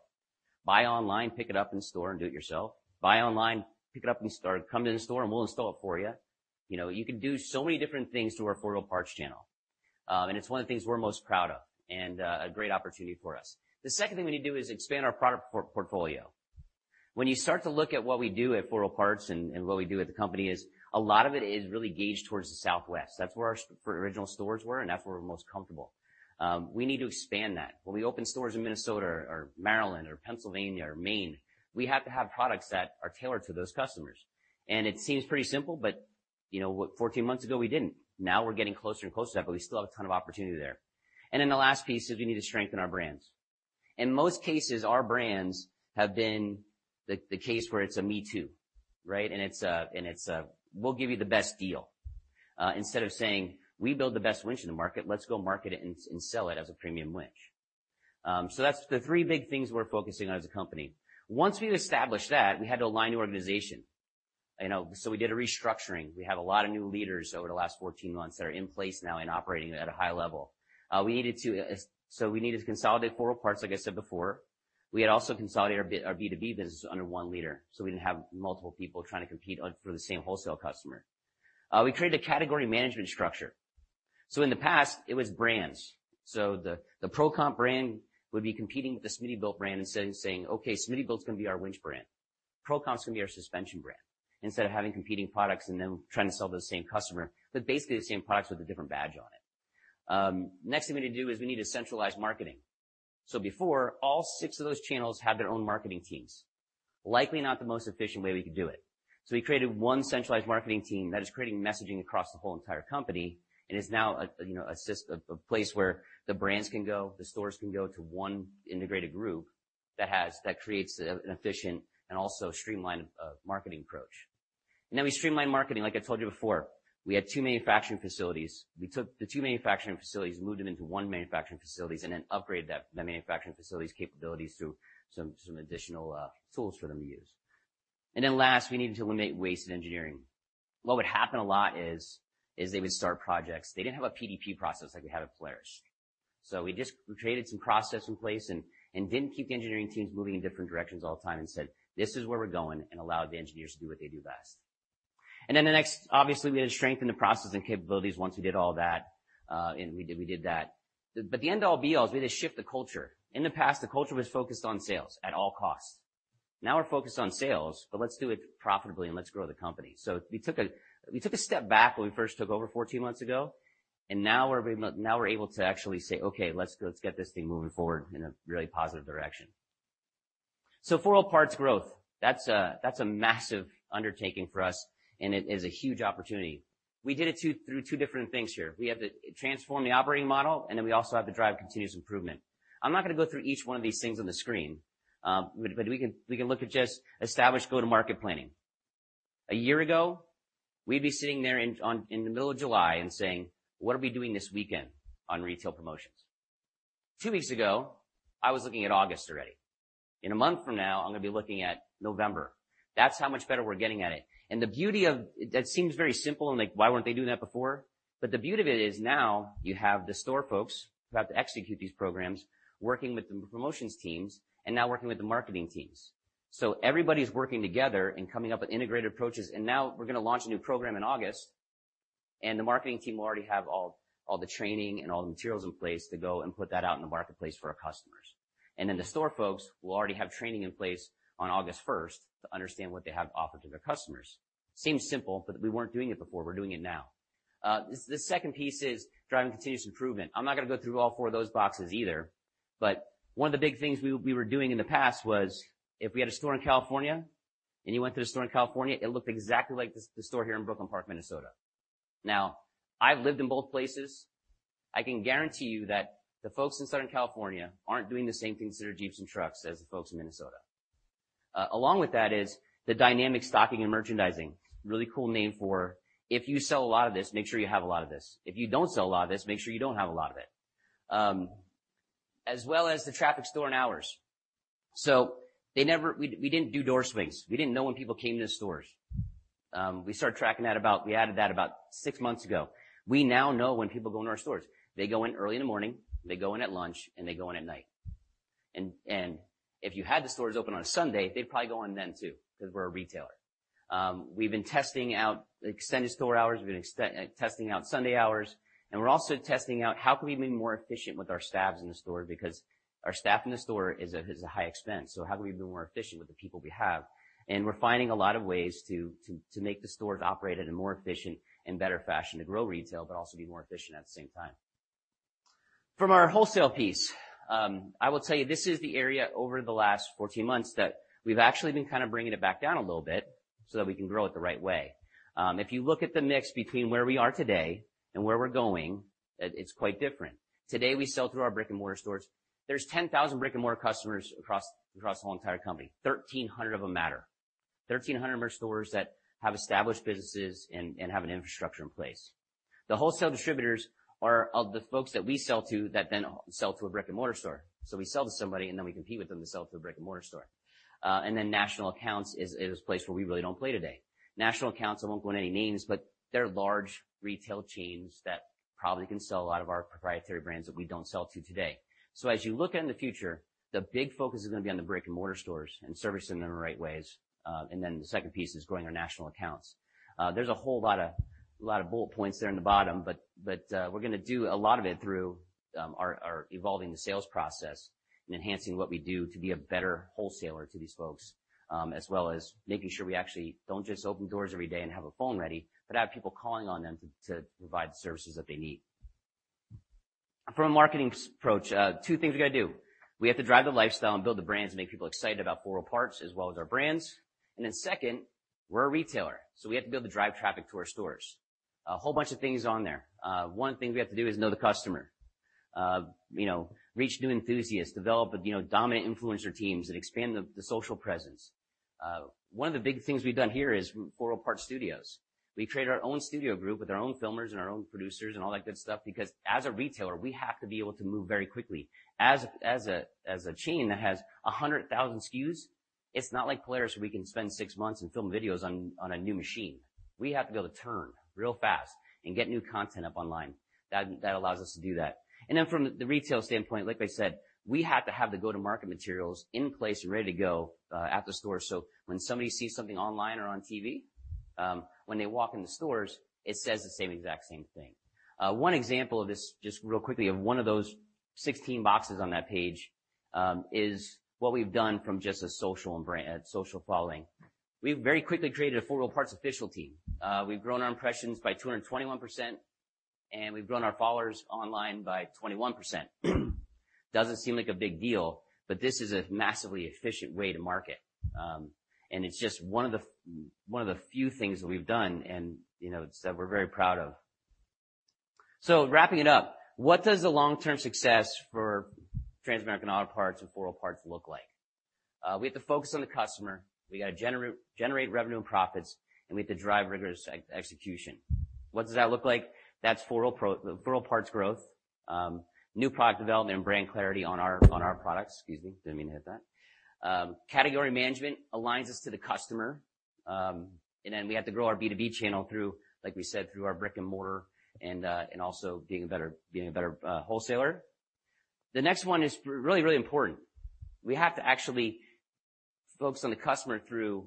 buy online, pick it up in store, and do it yourself. Buy online, pick it up, come to the store and we'll install it for you. You can do so many different things through our 4 Wheel Parts channel. It's one of the things we're most proud of and a great opportunity for us. The second thing we need to do is expand our product portfolio. When you start to look at what we do at 4 Wheel Parts and what we do at the company is a lot of it is really gauged towards the Southwest. That's where our original stores were, and that's where we're most comfortable. We need to expand that. When we open stores in Minnesota or Maryland or Pennsylvania or Maine, we have to have products that are tailored to those customers. It seems pretty simple, but 14 months ago, we didn't. Now we're getting closer and closer to that, but we still have a ton of opportunity there. The last piece is we need to strengthen our brands. In most cases, our brands have been the case where it's a me too, right? It's, we'll give you the best deal. Instead of saying, "We build the best winch in the market, let's go market it and sell it as a premium winch." That's the three big things we're focusing on as a company. Once we established that, we had to align the organization. We did a restructuring. We have a lot of new leaders over the last 14 months that are in place now and operating at a high level. We needed to consolidate 4 Wheel Parts, like I said before. We had also consolidated our B2B business under one leader, so we didn't have multiple people trying to compete for the same wholesale customer. We created a category management structure. In the past it was brands. The Pro Comp brand would be competing with the Smittybilt brand instead of saying, "Okay, Smittybilt's going to be our winch brand, Pro Comp's going to be our suspension brand." Instead of having competing products and them trying to sell to the same customer, but basically the same products with a different badge on it. Next thing we need to do is we need to centralize marketing. Before, all six of those channels had their own marketing teams, likely not the most efficient way we could do it. We created one centralized marketing team that is creating messaging across the whole entire company and is now a place where the brands can go, the stores can go to one integrated group that creates an efficient and also streamlined marketing approach. We streamlined marketing, like I told you before. We had two manufacturing facilities. We took the two manufacturing facilities, moved them into one manufacturing facility, and then upgraded that manufacturing facility's capabilities through some additional tools for them to use. Last, we needed to eliminate waste in engineering. What would happen a lot is they would start projects. They didn't have a PDP process like we have at Polaris. We just created some process in place and didn't keep the engineering teams moving in different directions all the time and said, "This is where we're going," and allowed the engineers to do what they do best. The next, obviously, we had to strengthen the process and capabilities once we did all that. We did that. The end all be all is we had to shift the culture. In the past, the culture was focused on sales at all costs. Now we're focused on sales, but let's do it profitably and let's grow the company. We took a step back when we first took over 14 months ago, and now we're able to actually say, "Okay, let's get this thing moving forward in a really positive direction." 4 Wheel Parts growth. That's a massive undertaking for us and it is a huge opportunity. We did it through two different things here. We have to transform the operating model, and then we also have to drive continuous improvement. I'm not going to go through each one of these things on the screen, but we can look at just establish go-to-market planning. A year ago, we'd be sitting there in the middle of July and saying, "What are we doing this weekend on retail promotions?" Two weeks ago, I was looking at August already. In a month from now, I'm going to be looking at November. That's how much better we're getting at it. That seems very simple and like why weren't they doing that before? The beauty of it is now you have the store folks who have to execute these programs, working with the promotions teams, and now working with the marketing teams. Everybody's working together and coming up with integrated approaches, and now we're going to launch a new program in August, and the marketing team will already have all the training and all the materials in place to go and put that out in the marketplace for our customers. Then the store folks will already have training in place on August 1st to understand what they have to offer to their customers. Seems simple, but we weren't doing it before. We're doing it now. The second piece is driving continuous improvement. I'm not going to go through all four of those boxes either. One of the big things we were doing in the past was if we had a store in California and you went to the store in California, it looked exactly like the store here in Brooklyn Park, Minnesota. I've lived in both places. I can guarantee you that the folks in Southern California aren't doing the same things to their Jeeps and trucks as the folks in Minnesota. Along with that is the dynamic stocking and merchandising. Really cool name for if you sell a lot of this, make sure you have a lot of this. If you don't sell a lot of this, make sure you don't have a lot of it. The traffic and store hours. We didn't do door swings. We didn't know when people came to the stores. We added that about six months ago. We now know when people go in our stores. They go in early in the morning, they go in at lunch, and they go in at night. If you had the stores open on a Sunday, they'd probably go in then too, because we're a retailer. We've been testing out extended store hours. We've been testing out Sunday hours, we're also testing out how can we be more efficient with our staffs in the store because our staff in the store is a high expense. How can we be more efficient with the people we have? We're finding a lot of ways to make the stores operate at a more efficient and better fashion to grow retail, but also be more efficient at the same time. From our wholesale piece, I will tell you, this is the area over the last 14 months that we've actually been kind of bringing it back down a little bit so that we can grow it the right way. If you look at the mix between where we are today and where we're going, it's quite different. Today we sell through our brick-and-mortar stores. There's 10,000 brick-and-mortar customers across the whole entire company, 1,300 of them matter. 1,300 independent stores that have established businesses and have an infrastructure in place. The wholesale distributors are of the folks that we sell to that then sell to a brick-and-mortar store. We sell to somebody, and then we compete with them to sell to a brick-and-mortar store. National accounts is a place where we really don't play today. National accounts, I won't go in any names, but they're large retail chains that probably can sell a lot of our proprietary brands that we don't sell to today. As you look in the future, the big focus is going to be on the brick-and-mortar stores and servicing them in the right ways. The second piece is growing our national accounts. There's a whole lot of bullet points there in the bottom, but we're going to do a lot of it through our evolving the sales process and enhancing what we do to be a better wholesaler to these folks, as well as making sure we actually don't just open doors every day and have a phone ready, but have people calling on them to provide the services that they need. From a marketing approach, two things we got to do. We have to drive the lifestyle and build the brands and make people excited about 4 Wheel Parts as well as our brands. Second, we're a retailer, we have to be able to drive traffic to our stores. A whole bunch of things on there. One thing we have to do is know the customer. Reach new enthusiasts, develop dominant influencer teams, and expand the social presence. One of the big things we've done here is 4 Wheel Parts Studios. We created our own studio group with our own filmers and our own producers and all that good stuff. As a retailer, we have to be able to move very quickly. As a chain that has 100,000 SKUs, it's not like Polaris, where we can spend six months and film videos on a new machine. We have to be able to turn real fast and get new content up online. That allows us to do that. From the retail standpoint, like I said, we have to have the go-to-market materials in place and ready to go at the store, so when somebody sees something online or on TV, when they walk in the stores, it says the same exact thing. One example of this, just real quickly, of one of those 16 boxes on that page, is what we've done from just a social following. We've very quickly created a 4 Wheel Parts official team. We've grown our impressions by 221%, and we've grown our followers online by 21%. Doesn't seem like a big deal, but this is a massively efficient way to market. It's just one of the few things that we've done, and that we're very proud of. Wrapping it up, what does the long-term success for Transamerican Auto Parts and 4 Wheel Parts look like? We have to focus on the customer. We got to generate revenue and profits, and we have to drive rigorous execution. What does that look like? That's 4 Wheel Parts growth, new product development and brand clarity on our products. Excuse me, didn't mean to hit that. Category management aligns us to the customer. Then we have to grow our B2B channel through, like we said, through our brick and mortar, and also being a better wholesaler. The next one is really important. We have to actually focus on the customer through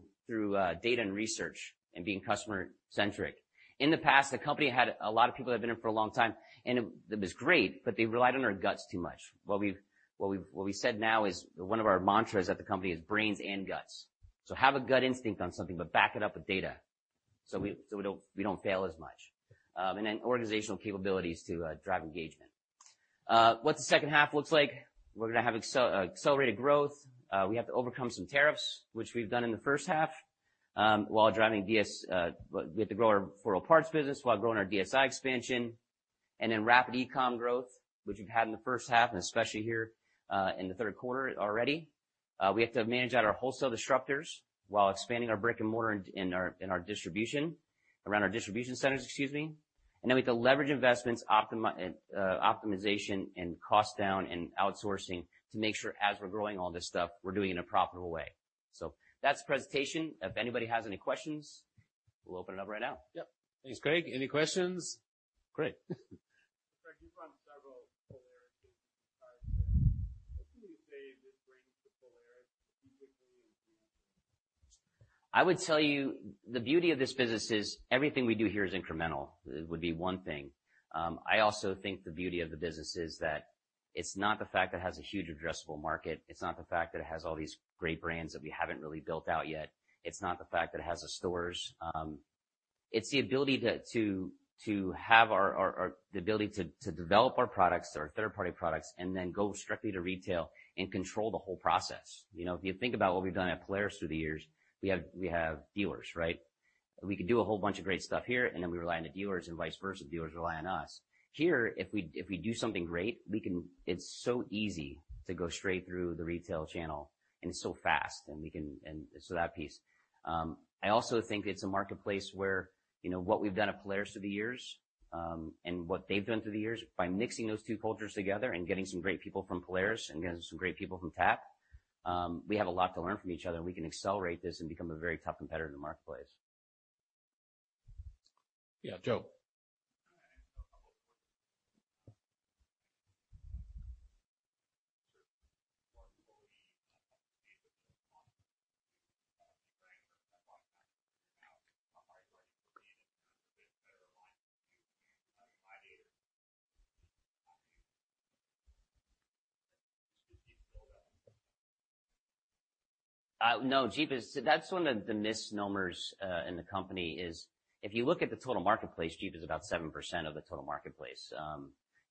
data and research and being customer-centric. In the past, the company had a lot of people that have been here for a long time, and it was great, but they relied on their guts too much. What we've said now is one of our mantras at the company is brains and guts. Have a gut instinct on something, but back it up with data, so we don't fail as much. Organizational capabilities to drive engagement. What the second half looks like, we're going to have accelerated growth. We have to overcome some tariffs, which we've done in the first half, we have to grow our 4 Wheel Parts business while growing our DSI expansion. Rapid e-commerce growth, which we've had in the first half and especially here in the third quarter already. We have to manage out our wholesale disruptors while expanding our brick and mortar in our distribution, around our distribution centers, excuse me. We have to leverage investments, optimization, and cost down and outsourcing to make sure as we're growing all this stuff, we're doing it in a profitable way. That's the presentation. If anybody has any questions, we'll open it up right now. Yep. Thanks, Craig. Any questions? Craig? Craig, you've run several Polaris businesses in the past. What would you say this brings to Polaris specifically? I would tell you the beauty of this business is everything we do here is incremental, would be one thing. I also think the beauty of the business is that it's not the fact that it has a huge addressable market. It's not the fact that it has all these great brands that we haven't really built out yet. It's not the fact that it has the stores. It's the ability to develop our products or third-party products, and then go strictly to retail and control the whole process. If you think about what we've done at Polaris through the years, we have dealers, right? We could do a whole bunch of great stuff here, and then we rely on the dealers, and vice versa, dealers rely on us. Here, if we do something great, it's so easy to go straight through the retail channel, and so fast, and so that piece. I also think it's a marketplace where what we've done at Polaris through the years, and what they've done through the years, by mixing those two cultures together and getting some great people from Polaris and getting some great people from TAP, we have a lot to learn from each other, and we can accelerate this and become a very tough competitor in the marketplace. Yeah, Joe. I have a couple questions. Are you ready for Jeep in terms of being better aligned with Jeep and the Gladiator? No. That's one of the misnomers in the company is if you look at the total marketplace, Jeep is about 7% of the total marketplace.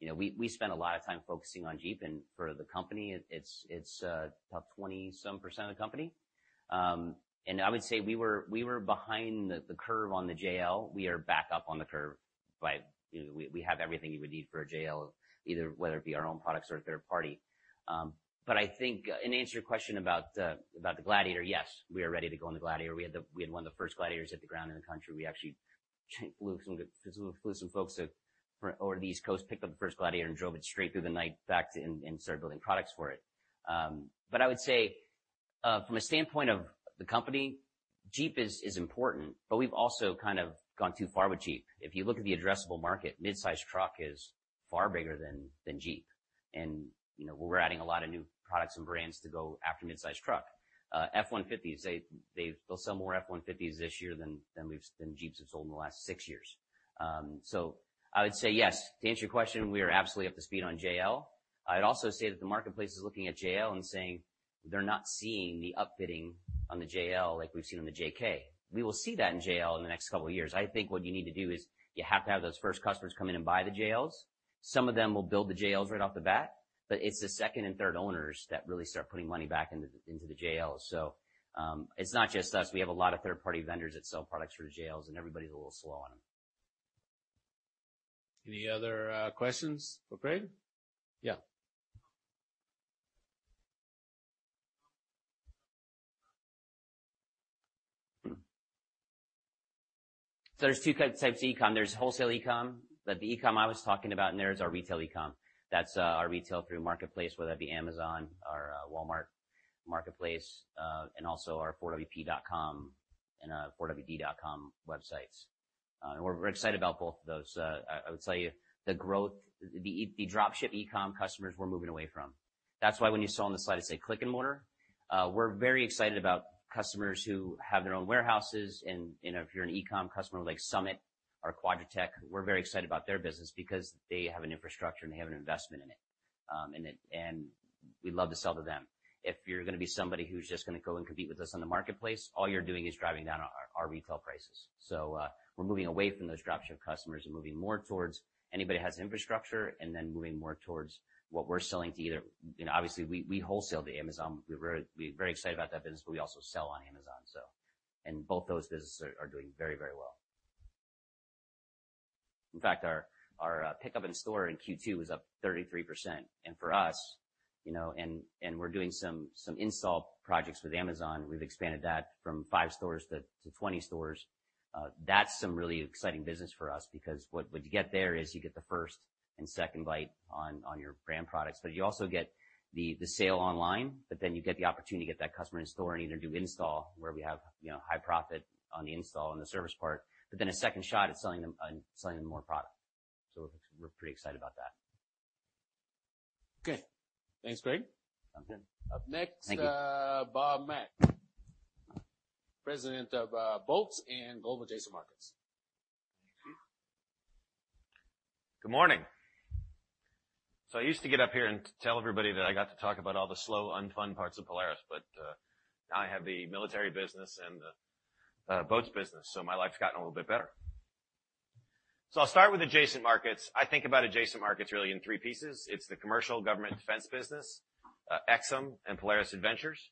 We spend a lot of time focusing on Jeep, and for the company, it's about 20-some% of the company. I would say we were behind the curve on the JL. We are back up on the curve. We have everything you would need for a JL, whether it be our own products or a third party. I think in answer to your question about the Gladiator, yes, we are ready to go on the Gladiator. We had one of the first Gladiators hit the ground in the country. We actually flew some folks over to the East Coast, picked up the first Gladiator, and drove it straight through the night back and started building products for it. I would say from a standpoint of the company, Jeep is important, but we've also kind of gone too far with Jeep. If you look at the addressable market, mid-size truck is far bigger than Jeep. We're adding a lot of new products and brands to go after mid-size truck. F-150s, they'll sell more F-150s this year than Jeeps have sold in the last six years. I would say yes, to answer your question, we are absolutely up to speed on JL. I'd also say that the marketplace is looking at JL and saying they're not seeing the upfitting on the JL like we've seen on the JK. We will see that in JL in the next couple of years. I think what you need to do is you have to have those first customers come in and buy the JLs. Some of them will build the JLs right off the bat, but it's the second and third owners that really start putting money back into the JLs. It's not just us. We have a lot of third-party vendors that sell products for the JLs, and everybody's a little slow on them. Any other questions for Craig? Yeah. There's two types of e-com. There's wholesale e-com, the e-com I was talking about, and there's our retail e-com. That's our retail through marketplace, whether that be Amazon or Walmart Marketplace, and also our 4wp.com websites. We're excited about both of those. I would tell you the drop ship e-com customers we're moving away from. That's why when you saw on the slide it say click and mortar, we're very excited about customers who have their own warehouses. If you're an e-com customer like Summit or Quadratec, we're very excited about their business because they have an infrastructure and they have an investment in it. We love to sell to them. If you're going to be somebody who's just going to go and compete with us on the marketplace, all you're doing is driving down our retail prices. We're moving away from those drop ship customers and moving more towards anybody who has infrastructure, and then moving more towards what we're selling to Obviously, we wholesale to Amazon. We're very excited about that business, but we also sell on Amazon. Both those businesses are doing very well. In fact, our pickup in store in Q2 was up 33%. We're doing some install projects with Amazon. We've expanded that from five stores to 20 stores. That's some really exciting business for us because what you get there is you get the first and second bite on your brand products, but you also get the sale online, but then you get the opportunity to get that customer in store and either do install, where we have high profit on the install and the service part, but then a second shot at selling them more product. We're pretty excited about that. Okay. Thanks, Craig. Sounds good. Thank you. Up next, Bob Mack, President of Boats and Global Adjacent Markets. Good morning. I used to get up here and tell everybody that I got to talk about all the slow, unfun parts of Polaris, but now I have the military business and the boats business, so my life's gotten a little bit better. I'll start with adjacent markets. I think about adjacent markets really in three pieces. It's the commercial government defense business, Aixam, and Polaris Adventures.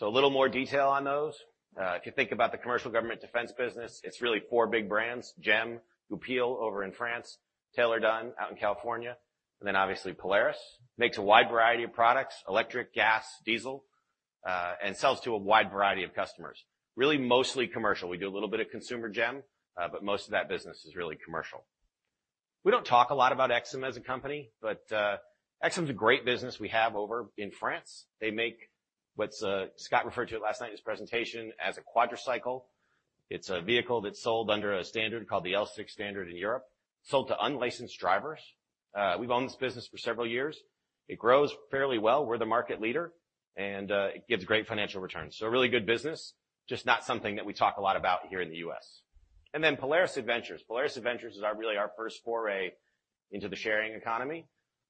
A little more detail on those. If you think about the commercial government defense business, it's really four big brands, GEM, Goupil over in France, Taylor-Dunn out in California, and then obviously Polaris. Makes a wide variety of products, electric, gas, diesel, and sells to a wide variety of customers. Really mostly commercial. We do a little bit of consumer GEM, but most of that business is really commercial. We don't talk a lot about Aixam as a company, but Aixam's a great business we have over in France. They make what Scott referred to it last night in his presentation as a quadricycle. It's a vehicle that's sold under a standard called the L6 standard in Europe, sold to unlicensed drivers. We've owned this business for several years. It grows fairly well. We're the market leader, and it gives great financial returns. A really good business, just not something that we talk a lot about here in the U.S. Polaris Adventures. Polaris Adventures is really our first foray into the sharing economy.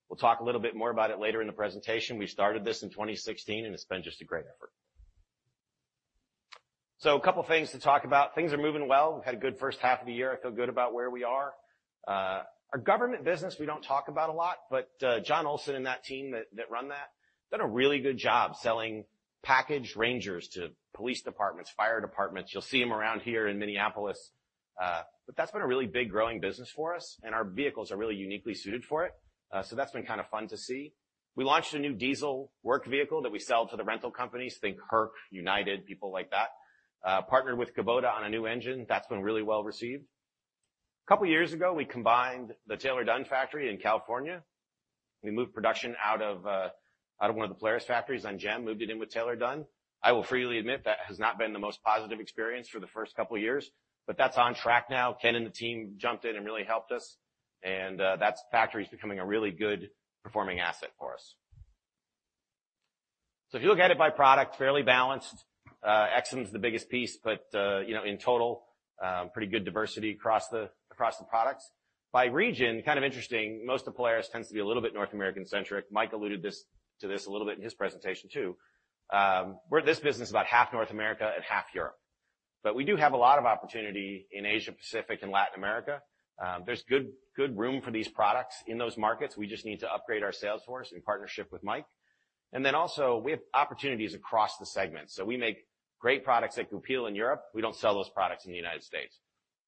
We'll talk a little bit more about it later in the presentation. We started this in 2016, and it's been just a great effort. A couple things to talk about. Things are moving well. We've had a good first half of the year. I feel good about where we are. Our government business we don't talk about a lot, but John Olson and that team that run that, done a really good job selling packaged RANGERs to police departments, fire departments. You'll see them around here in Minneapolis. That's been a really big growing business for us, and our vehicles are really uniquely suited for it. That's been kind of fun to see. We launched a new diesel work vehicle that we sell to the rental companies, think Herc, United, people like that. Partnered with Kubota on a new engine. That's been really well-received. Couple years ago, we combined the Taylor-Dunn factory in California. We moved production out of one of the Polaris factories on GEM, moved it in with Taylor-Dunn. I will freely admit that has not been the most positive experience for the first couple of years, but that's on track now. Ken and the team jumped in and really helped us, and that factory's becoming a really good performing asset for us. If you look at it by product, fairly balanced. GEMs the biggest piece, but in total, pretty good diversity across the products. By region, kind of interesting, most of Polaris tends to be a little bit North American centric. Mike alluded to this a little bit in his presentation, too. This business is about half North America and half Europe. We do have a lot of opportunity in Asia, Pacific, and Latin America. There's good room for these products in those markets. We just need to upgrade our sales force in partnership with Mike. Then also, we have opportunities across the segments. We make great products like Goupil in Europe. We don't sell those products in the U.S.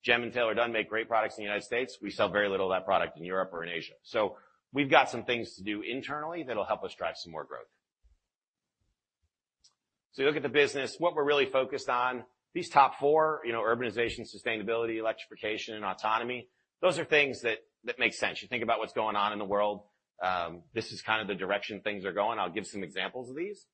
GEM and Taylor-Dunn make great products in the U.S. We sell very little of that product in Europe or in Asia. We've got some things to do internally that'll help us drive some more growth. You look at the business, what we're really focused on, these top four, urbanization, sustainability, electrification, and autonomy, those are things that make sense. You think about what's going on in the world, this is kind of the direction things are going. I'll give some examples of these.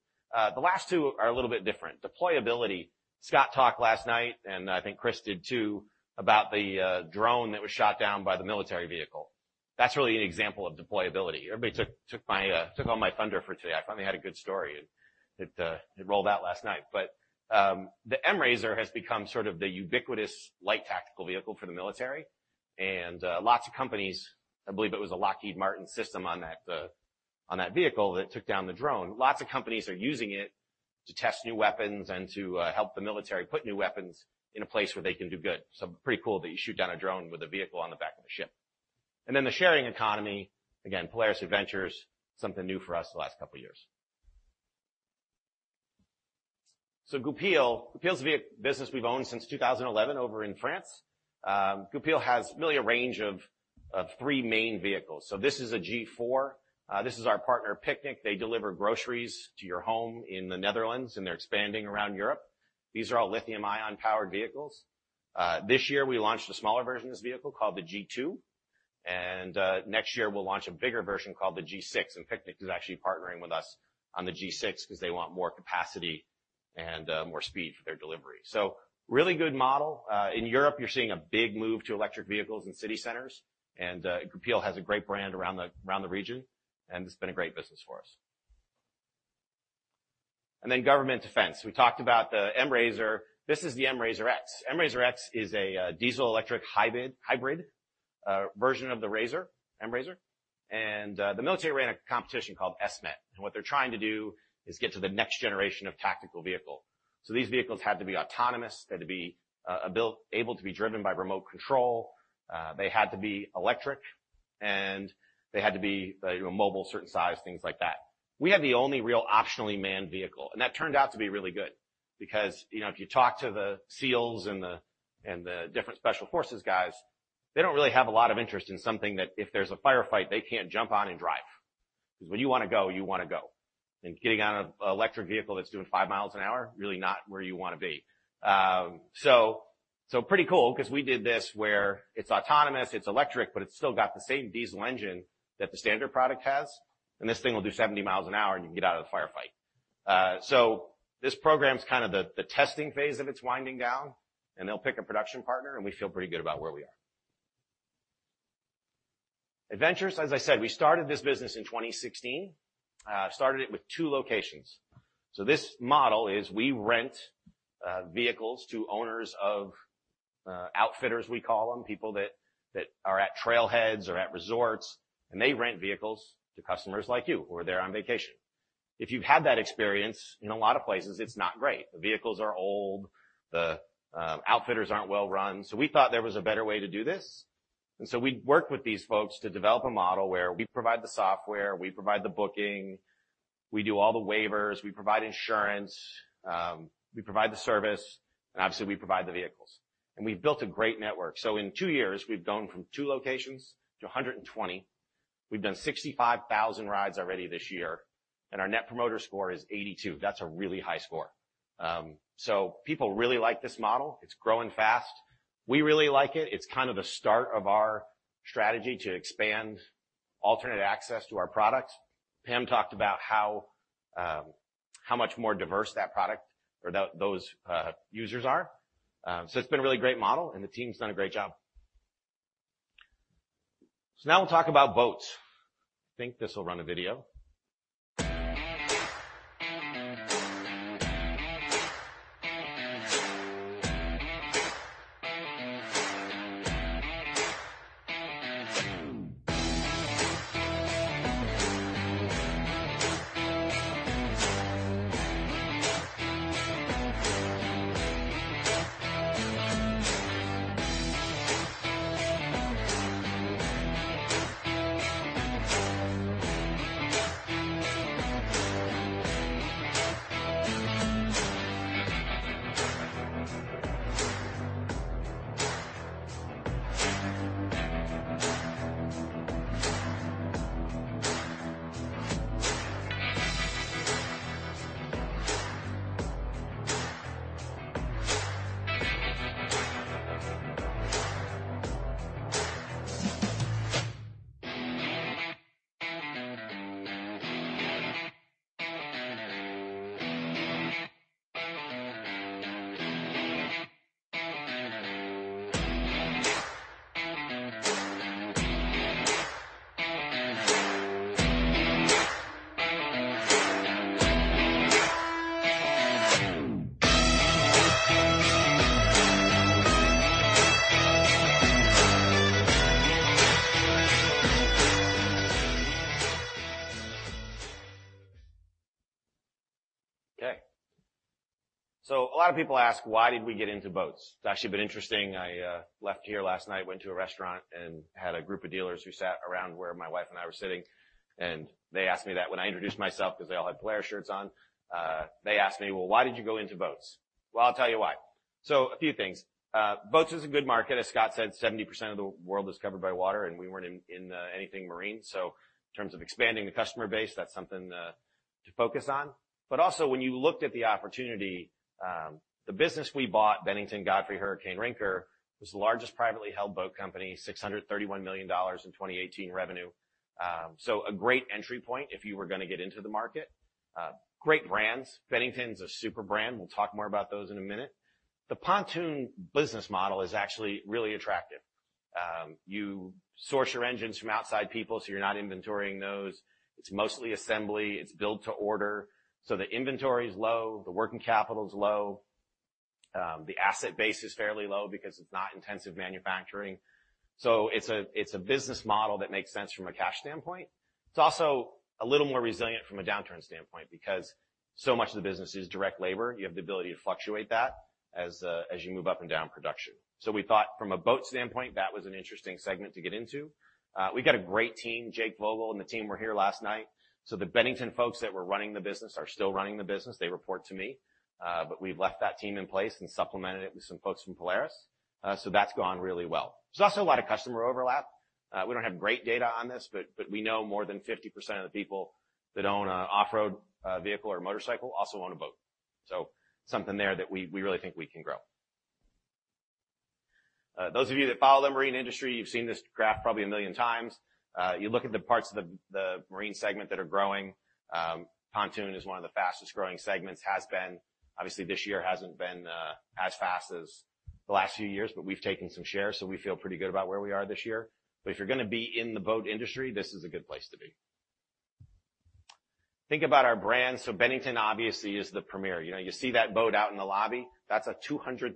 The last two are a little bit different. Deployability, Scott talked last night, and I think Chris did too, about the drone that was shot down by the military vehicle. That's really an example of deployability. Everybody took all my thunder for today. I finally had a good story, and it rolled out last night. The MRZR has become sort of the ubiquitous light tactical vehicle for the military. Lots of companies, I believe it was a Lockheed Martin system on that vehicle that took down the drone. Lots of companies are using it to test new weapons and to help the military put new weapons in a place where they can do good. Pretty cool that you shoot down a drone with a vehicle on the back of a ship. The sharing economy, again, Polaris Adventures, something new for us the last couple years. Goupil. Goupil's a business we've owned since 2011 over in France. Goupil has really a range of three main vehicles. This is a G4. This is our partner, Picnic. They deliver groceries to your home in the Netherlands, and they're expanding around Europe. These are all lithium-ion powered vehicles. This year, we launched a smaller version of this vehicle called the G2, and next year we'll launch a bigger version called the G6, and Picnic is actually partnering with us on the G6 because they want more capacity and more speed for their delivery. Really good model. In Europe, you're seeing a big move to electric vehicles in city centers, and Goupil has a great brand around the region, and it's been a great business for us. Government defense. We talked about the MRZR. This is the MRZR X. MRZR X is a diesel-electric hybrid version of the MRZR, and the military ran a competition called S-MET, and what they're trying to do is get to the next generation of tactical vehicle. These vehicles had to be autonomous, they had to be able to be driven by remote control, they had to be electric, and they had to be mobile, certain size, things like that. We had the only real optionally manned vehicle, and that turned out to be really good because, if you talk to the SEALs and the different Special Forces guys, they don't really have a lot of interest in something that if there's a firefight, they can't jump on and drive. Because when you want to go, you want to go. And getting on an electric vehicle that's doing five miles an hour, really not where you want to be. Pretty cool, because we did this where it's autonomous, it's electric, but it's still got the same diesel engine that the standard product has, and this thing will do 70 mi an hour, and you can get out of the firefight. This program's kind of the testing phase of it's winding down, and they'll pick a production partner, and we feel pretty good about where we are. Adventures. As I said, we started this business in 2016. Started it with two locations. This model is we rent vehicles to owners of outfitters, we call them. People that are at trailheads or at resorts, and they rent vehicles to customers like you who are there on vacation. If you've had that experience, in a lot of places, it's not great. The vehicles are old. The outfitters aren't well-run. We thought there was a better way to do this. We worked with these folks to develop a model where we provide the software, we provide the booking, we do all the waivers, we provide insurance, we provide the service, and obviously, we provide the vehicles. We've built a great network. In two years, we've gone from two locations to 120. We've done 65,000 rides already this year, and our Net Promoter Score is 82. That's a really high score. People really like this model. It's growing fast. We really like it. It's kind of the start of our strategy to expand alternate access to our product. Pam talked about how much more diverse that product or those users are. It's been a really great model, and the team's done a great job. Now we'll talk about boats. I think this will run a video. Okay. A lot of people ask, why did we get into boats? It's actually been interesting. I left here last night, went to a restaurant, and had a group of dealers who sat around where my wife and I were sitting, and they asked me that. When I introduced myself, because they all had Polaris shirts on, they asked me, "Well, why did you go into boats?" Well, I'll tell you why. A few things. Boats is a good market. As Scott said, 70% of the world is covered by water, and we weren't in anything marine. In terms of expanding the customer base, that's something to focus on. Also, when you looked at the opportunity, the business we bought, Bennington, Godfrey, Hurricane, Rinker, was the largest privately held boat company, $631 million in 2018 revenue. A great entry point if you were going to get into the market. Great brands. Bennington's a super brand. We'll talk more about those in a minute. The pontoon business model is actually really attractive. You source your engines from outside people, so you're not inventorying those. It's mostly assembly. It's built to order. The inventory is low, the working capital is low. The asset base is fairly low because it's not intensive manufacturing. It's a business model that makes sense from a cash standpoint. It's also a little more resilient from a downturn standpoint because so much of the business is direct labor. You have the ability to fluctuate that as you move up and down production. We thought from a boat standpoint, that was an interesting segment to get into. We got a great team. Jake Vogel and the team were here last night. The Bennington folks that were running the business are still running the business. They report to me, but we've left that team in place and supplemented it with some folks from Polaris. That's gone really well. There's also a lot of customer overlap. We don't have great data on this, but we know more than 50% of the people that own an off-road vehicle or motorcycle also own a boat. Something there that we really think we can grow. Those of you that follow the marine industry, you've seen this graph probably a million times. You look at the parts of the marine segment that are growing. Pontoon is one of the fastest-growing segments, has been. Obviously, this year hasn't been as fast as the last few years, but we've taken some shares, so we feel pretty good about where we are this year. If you're going to be in the boat industry, this is a good place to be. Think about our brands. Bennington obviously is the premier. You see that boat out in the lobby? That's a $200,000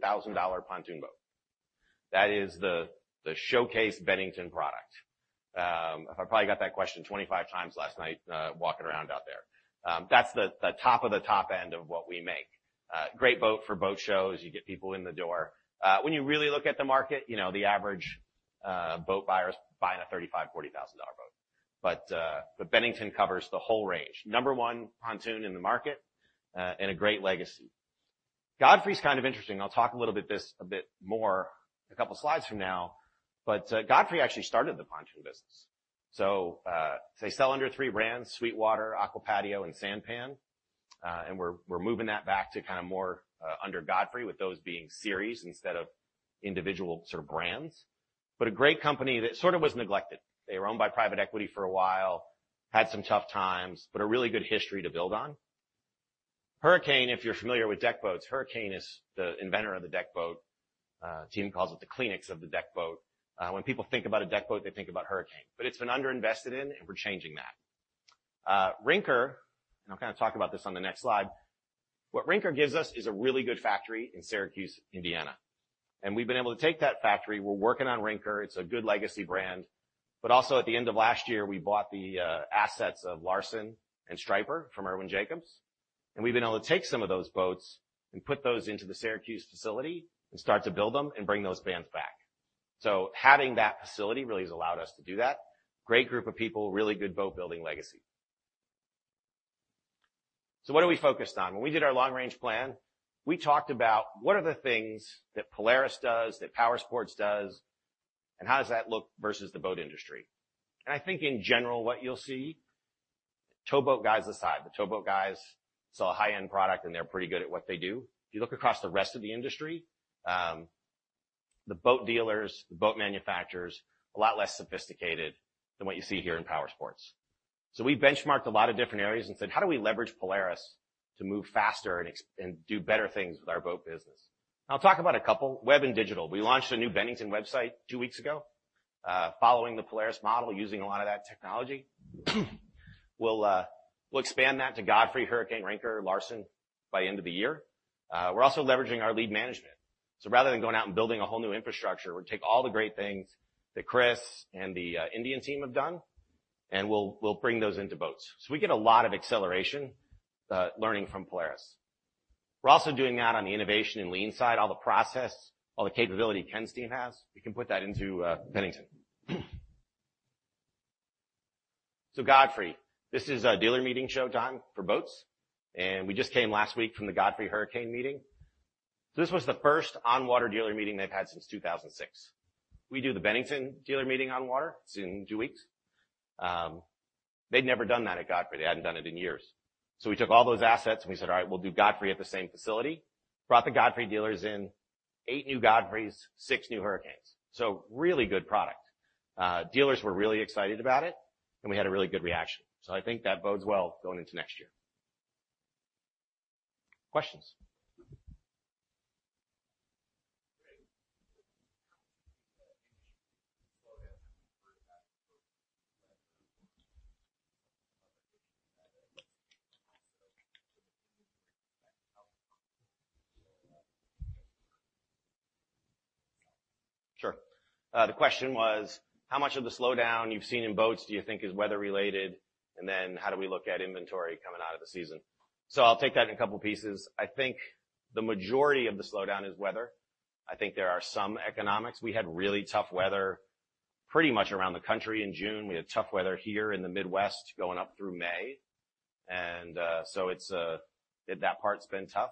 pontoon boat. That is the showcase Bennington product. I probably got that question 25 times last night walking around out there. That's the top of the top end of what we make. Great boat for boat shows. You get people in the door. When you really look at the market, the average boat buyer is buying a $35,000, $40,000 a boat. Bennington covers the whole range. Number one pontoon in the market and a great legacy. Godfrey's kind of interesting. I'll talk a little bit this a bit more a couple slides from now. Godfrey actually started the pontoon business. They sell under three brands, Sweetwater, AquaPatio, and Sanpan. We're moving that back to kind of more under Godfrey, with those being series instead of individual sort of brands. A great company that sort of was neglected. They were owned by private equity for a while, had some tough times, but a really good history to build on. Hurricane, if you're familiar with deck boats, Hurricane is the inventor of the deck boat. The team calls it the Kleenex of the deck boat. When people think about a deck boat, they think about Hurricane. It's been underinvested in, and we're changing that. Rinker, I'll kind of talk about this on the next slide. What Rinker gives us is a really good factory in Syracuse, Indiana. We've been able to take that factory. We're working on Rinker. It's a good legacy brand. Also at the end of last year, we bought the assets of Larson and Striper from Irwin Jacobs. We've been able to take some of those boats and put those into the Syracuse facility and start to build them and bring those brands back. Having that facility really has allowed us to do that. Great group of people, really good boat-building legacy. What are we focused on? When we did our long-range plan, we talked about what are the things that Polaris does, that Powersports does, and how does that look versus the boat industry? I think in general what you'll see, towboat guys aside. The towboat guys sell a high-end product and they're pretty good at what they do. If you look across the rest of the industry, the boat dealers, the boat manufacturers, a lot less sophisticated than what you see here in Powersports. We benchmarked a lot of different areas and said, "How do we leverage Polaris to move faster and do better things with our boat business?" I'll talk about a couple. Web and digital. We launched a new Bennington website two weeks ago following the Polaris model, using a lot of that technology. We'll expand that to Godfrey, Hurricane, Rinker, Larson by end of the year. We're also leveraging our lead management. Rather than going out and building a whole new infrastructure, we take all the great things that Chris and the Indian team have done, and we'll bring those into boats. We get a lot of acceleration learning from Polaris. We're also doing that on the innovation and Lean side, all the process, all the capability Ken's team has. We can put that into Bennington. Godfrey. This is a dealer meeting show time for boats, and we just came last week from the Godfrey Hurricane meeting. This was the first on-water dealer meeting they've had since 2006. We do the Bennington dealer meeting on water. It's in two weeks. They'd never done that at Godfrey. They hadn't done it in years. We took all those assets and we said, "All right, we'll do Godfrey at the same facility." Brought the Godfrey dealers in. Eight new Godfreys, six new Hurricanes. Really good product. Dealers were really excited about it, and we had a really good reaction. I think that bodes well going into next year. Questions? Sure. The question was, how much of the slowdown you've seen in boats do you think is weather related? How do we look at inventory coming out of the season? I'll take that in a couple pieces. I think the majority of the slowdown is weather. I think there are some economics. We had really tough weather pretty much around the country in June. We had tough weather here in the Midwest going up through May. That part's been tough.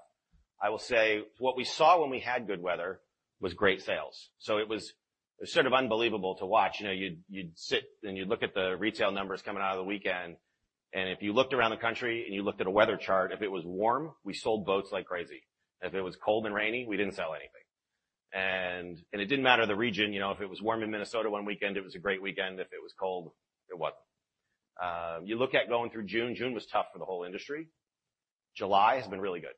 I will say what we saw when we had good weather was great sales. It was sort of unbelievable to watch. You'd sit and you'd look at the retail numbers coming out of the weekend, and if you looked around the country and you looked at a weather chart, if it was warm, we sold boats like crazy. If it was cold and rainy, we didn't sell anything. It didn't matter the region. If it was warm in Minnesota one weekend, it was a great weekend. If it was cold, it wasn't. You look at going through June. June was tough for the whole industry. July has been really good.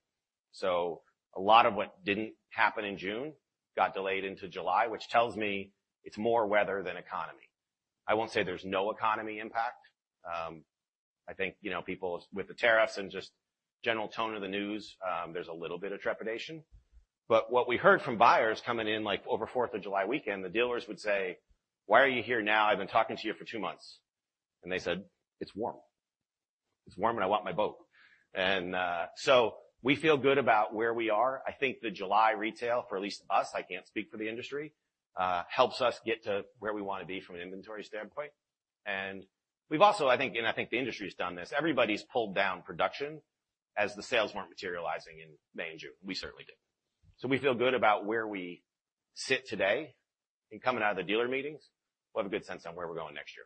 A lot of what didn't happen in June got delayed into July, which tells me it's more weather than economy. I won't say there's no economy impact. I think people with the tariffs and just general tone of the news, there's a little bit of trepidation. What we heard from buyers coming in over 4th of July weekend, the dealers would say, "Why are you here now? I've been talking to you for two months." They said, "It's warm. It's warm and I want my boat." We feel good about where we are. I think the July retail, for at least us, I can't speak for the industry, helps us get to where we want to be from an inventory standpoint. I think the industry's done this. Everybody's pulled down production as the sales weren't materializing in May and June. We certainly did. We feel good about where we sit today and coming out of the dealer meetings, we'll have a good sense on where we're going next year.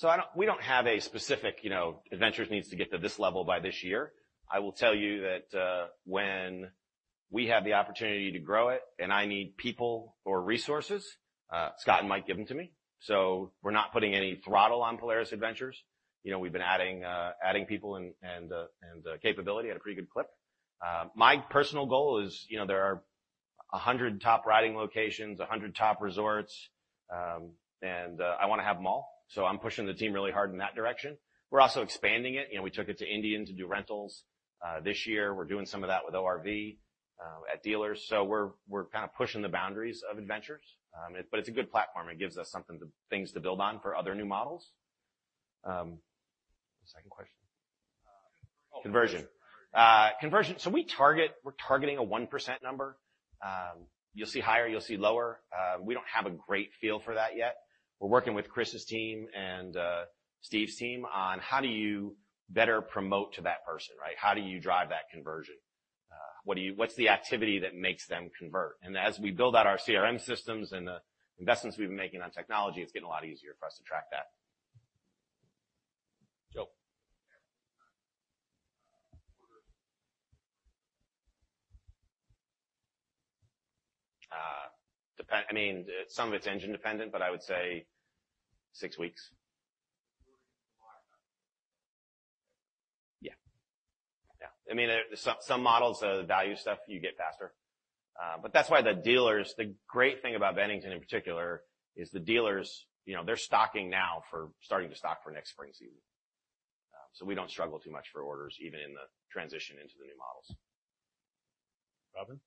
You talked about the goal of target. [inaudible] We don't have a specific, Adventures needs to get to this level by this year. I will tell you that when we have the opportunity to grow it and I need people or resources, Scott and Mike give them to me. We're not putting any throttle on Polaris Adventures. We've been adding people and capability at a pretty good clip. My personal goal is, there are 100 top riding locations, 100 top resorts, and I want to have them all. I'm pushing the team really hard in that direction. We're also expanding it. We took it to Indian to do rentals. This year we're doing some of that with ORV at dealers. We're kind of pushing the boundaries of Adventures. It's a good platform. It gives us things to build on for other new models. Second question. Conversion. Conversion. We're targeting a 1% number. You'll see higher, you'll see lower. We don't have a great feel for that yet. We're working with Chris's team and Steve's team on how do you better promote to that person, right? How do you drive that conversion? What's the activity that makes them convert? As we build out our CRM systems and the investments we've been making on technology, it's getting a lot easier for us to track that. Joe. Some of it's engine dependent, but I would say six weeks. Yeah. Some models, the value stuff you get faster. That's why the dealers, the great thing about Bennington in particular is the dealers, they're starting to stock for next spring season. We don't struggle too much for orders, even in the transition into the new models. Robin.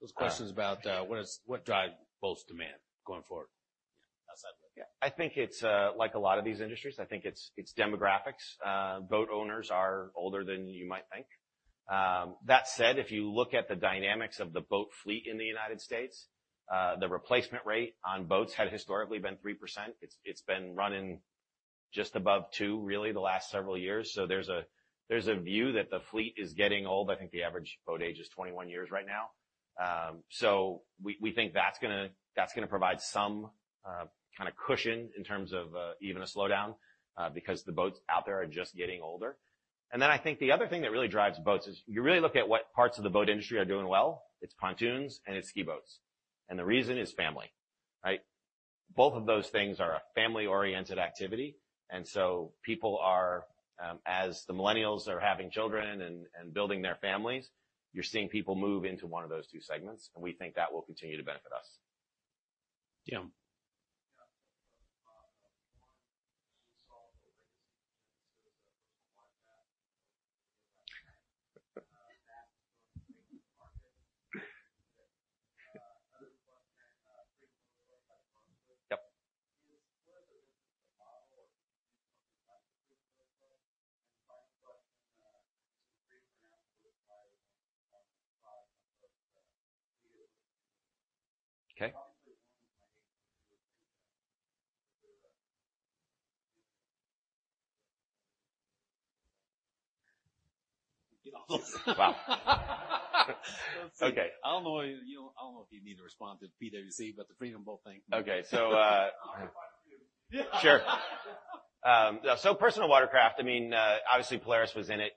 His question's about what drives boats demand going forward? How's that look? Yeah. I think it's like a lot of these industries, I think it's demographics. Boat owners are older than you might think. That said, if you look at the dynamics of the boat fleet in the U.S., the replacement rate on boats had historically been 3%. It's been running just above 2%, really the last several years. There's a view that the fleet is getting old. I think the average boat age is 21 years right now. We think that's going to provide some kind of cushion in terms of even a slowdown because the boats out there are just getting older. I think the other thing that really drives boats is you really look at what parts of the boat industry are doing well, it's pontoons and it's ski boats. The reason is family, right? Both of those things are a family-oriented activity, and so as the millennials are having children and building their families, you're seeing people move into one of those two segments, and we think that will continue to benefit us. Jim. Yeah. One, we saw the legacy personal watercraft market. Other question, Freedom Boat Club. Yep. Is Polaris a different model or Freedom Boat Club? [inaudible] Okay. Wow. Okay. I don't know if you need to respond to PWCs, but the Freedom Boat thing. Okay. I'll reply too. Sure. Personal watercraft, obviously Polaris was in it.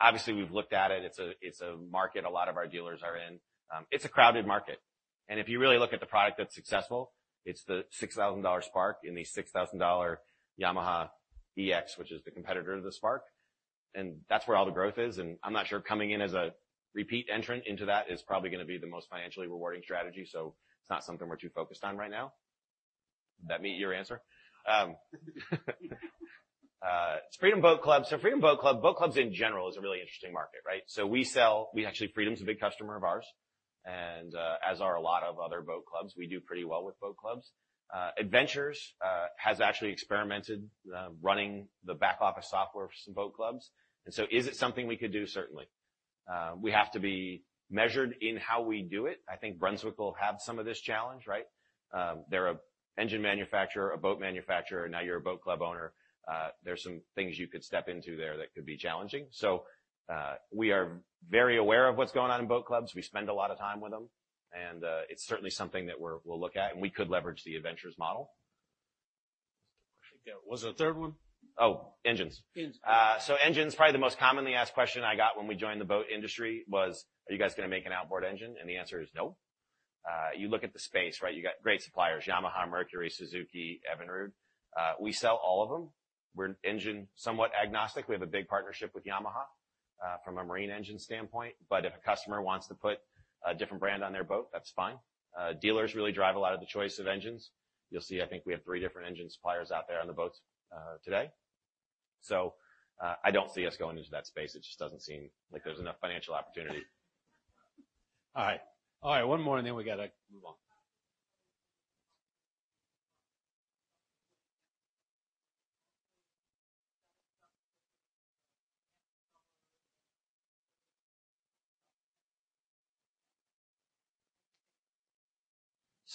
Obviously, we've looked at it. It's a market a lot of our dealers are in. It's a crowded market. If you really look at the product that's successful, it's the $6,000 Spark and the $6,000 Yamaha EX, which is the competitor to the Spark. That's where all the growth is. I'm not sure coming in as a repeat entrant into that is probably going to be the most financially rewarding strategy. It's not something we're too focused on right now. That meet your answer? Freedom Boat Club. Boat clubs in general is a really interesting market, right? Freedom's a big customer of ours, and as are a lot of other boat clubs. We do pretty well with boat clubs. Adventures has actually experimented running the back office software for some boat clubs. Is it something we could do? Certainly. We have to be measured in how we do it. I think Brunswick will have some of this challenge, right? They're an engine manufacturer, a boat manufacturer. Now you're a boat club owner. There's some things you could step into there that could be challenging. We are very aware of what's going on in boat clubs. We spend a lot of time with them, and it's certainly something that we'll look at, and we could leverage the Adventures model. What was the third one? Oh, engines. Engines. Engines, probably the most commonly asked question I got when we joined the boat industry was, are you guys going to make an outboard engine? The answer is no. You look at the space, right? You got great suppliers, Yamaha, Mercury, Suzuki, Evinrude. We sell all of them. We're engine somewhat agnostic. We have a big partnership with Yamaha, from a marine engine standpoint. If a customer wants to put a different brand on their boat, that's fine. Dealers really drive a lot of the choice of engines. You'll see, I think we have three different engine suppliers out there on the boats today. I don't see us going into that space. It just doesn't seem like there's enough financial opportunity. All right. One more, and then we got to move on.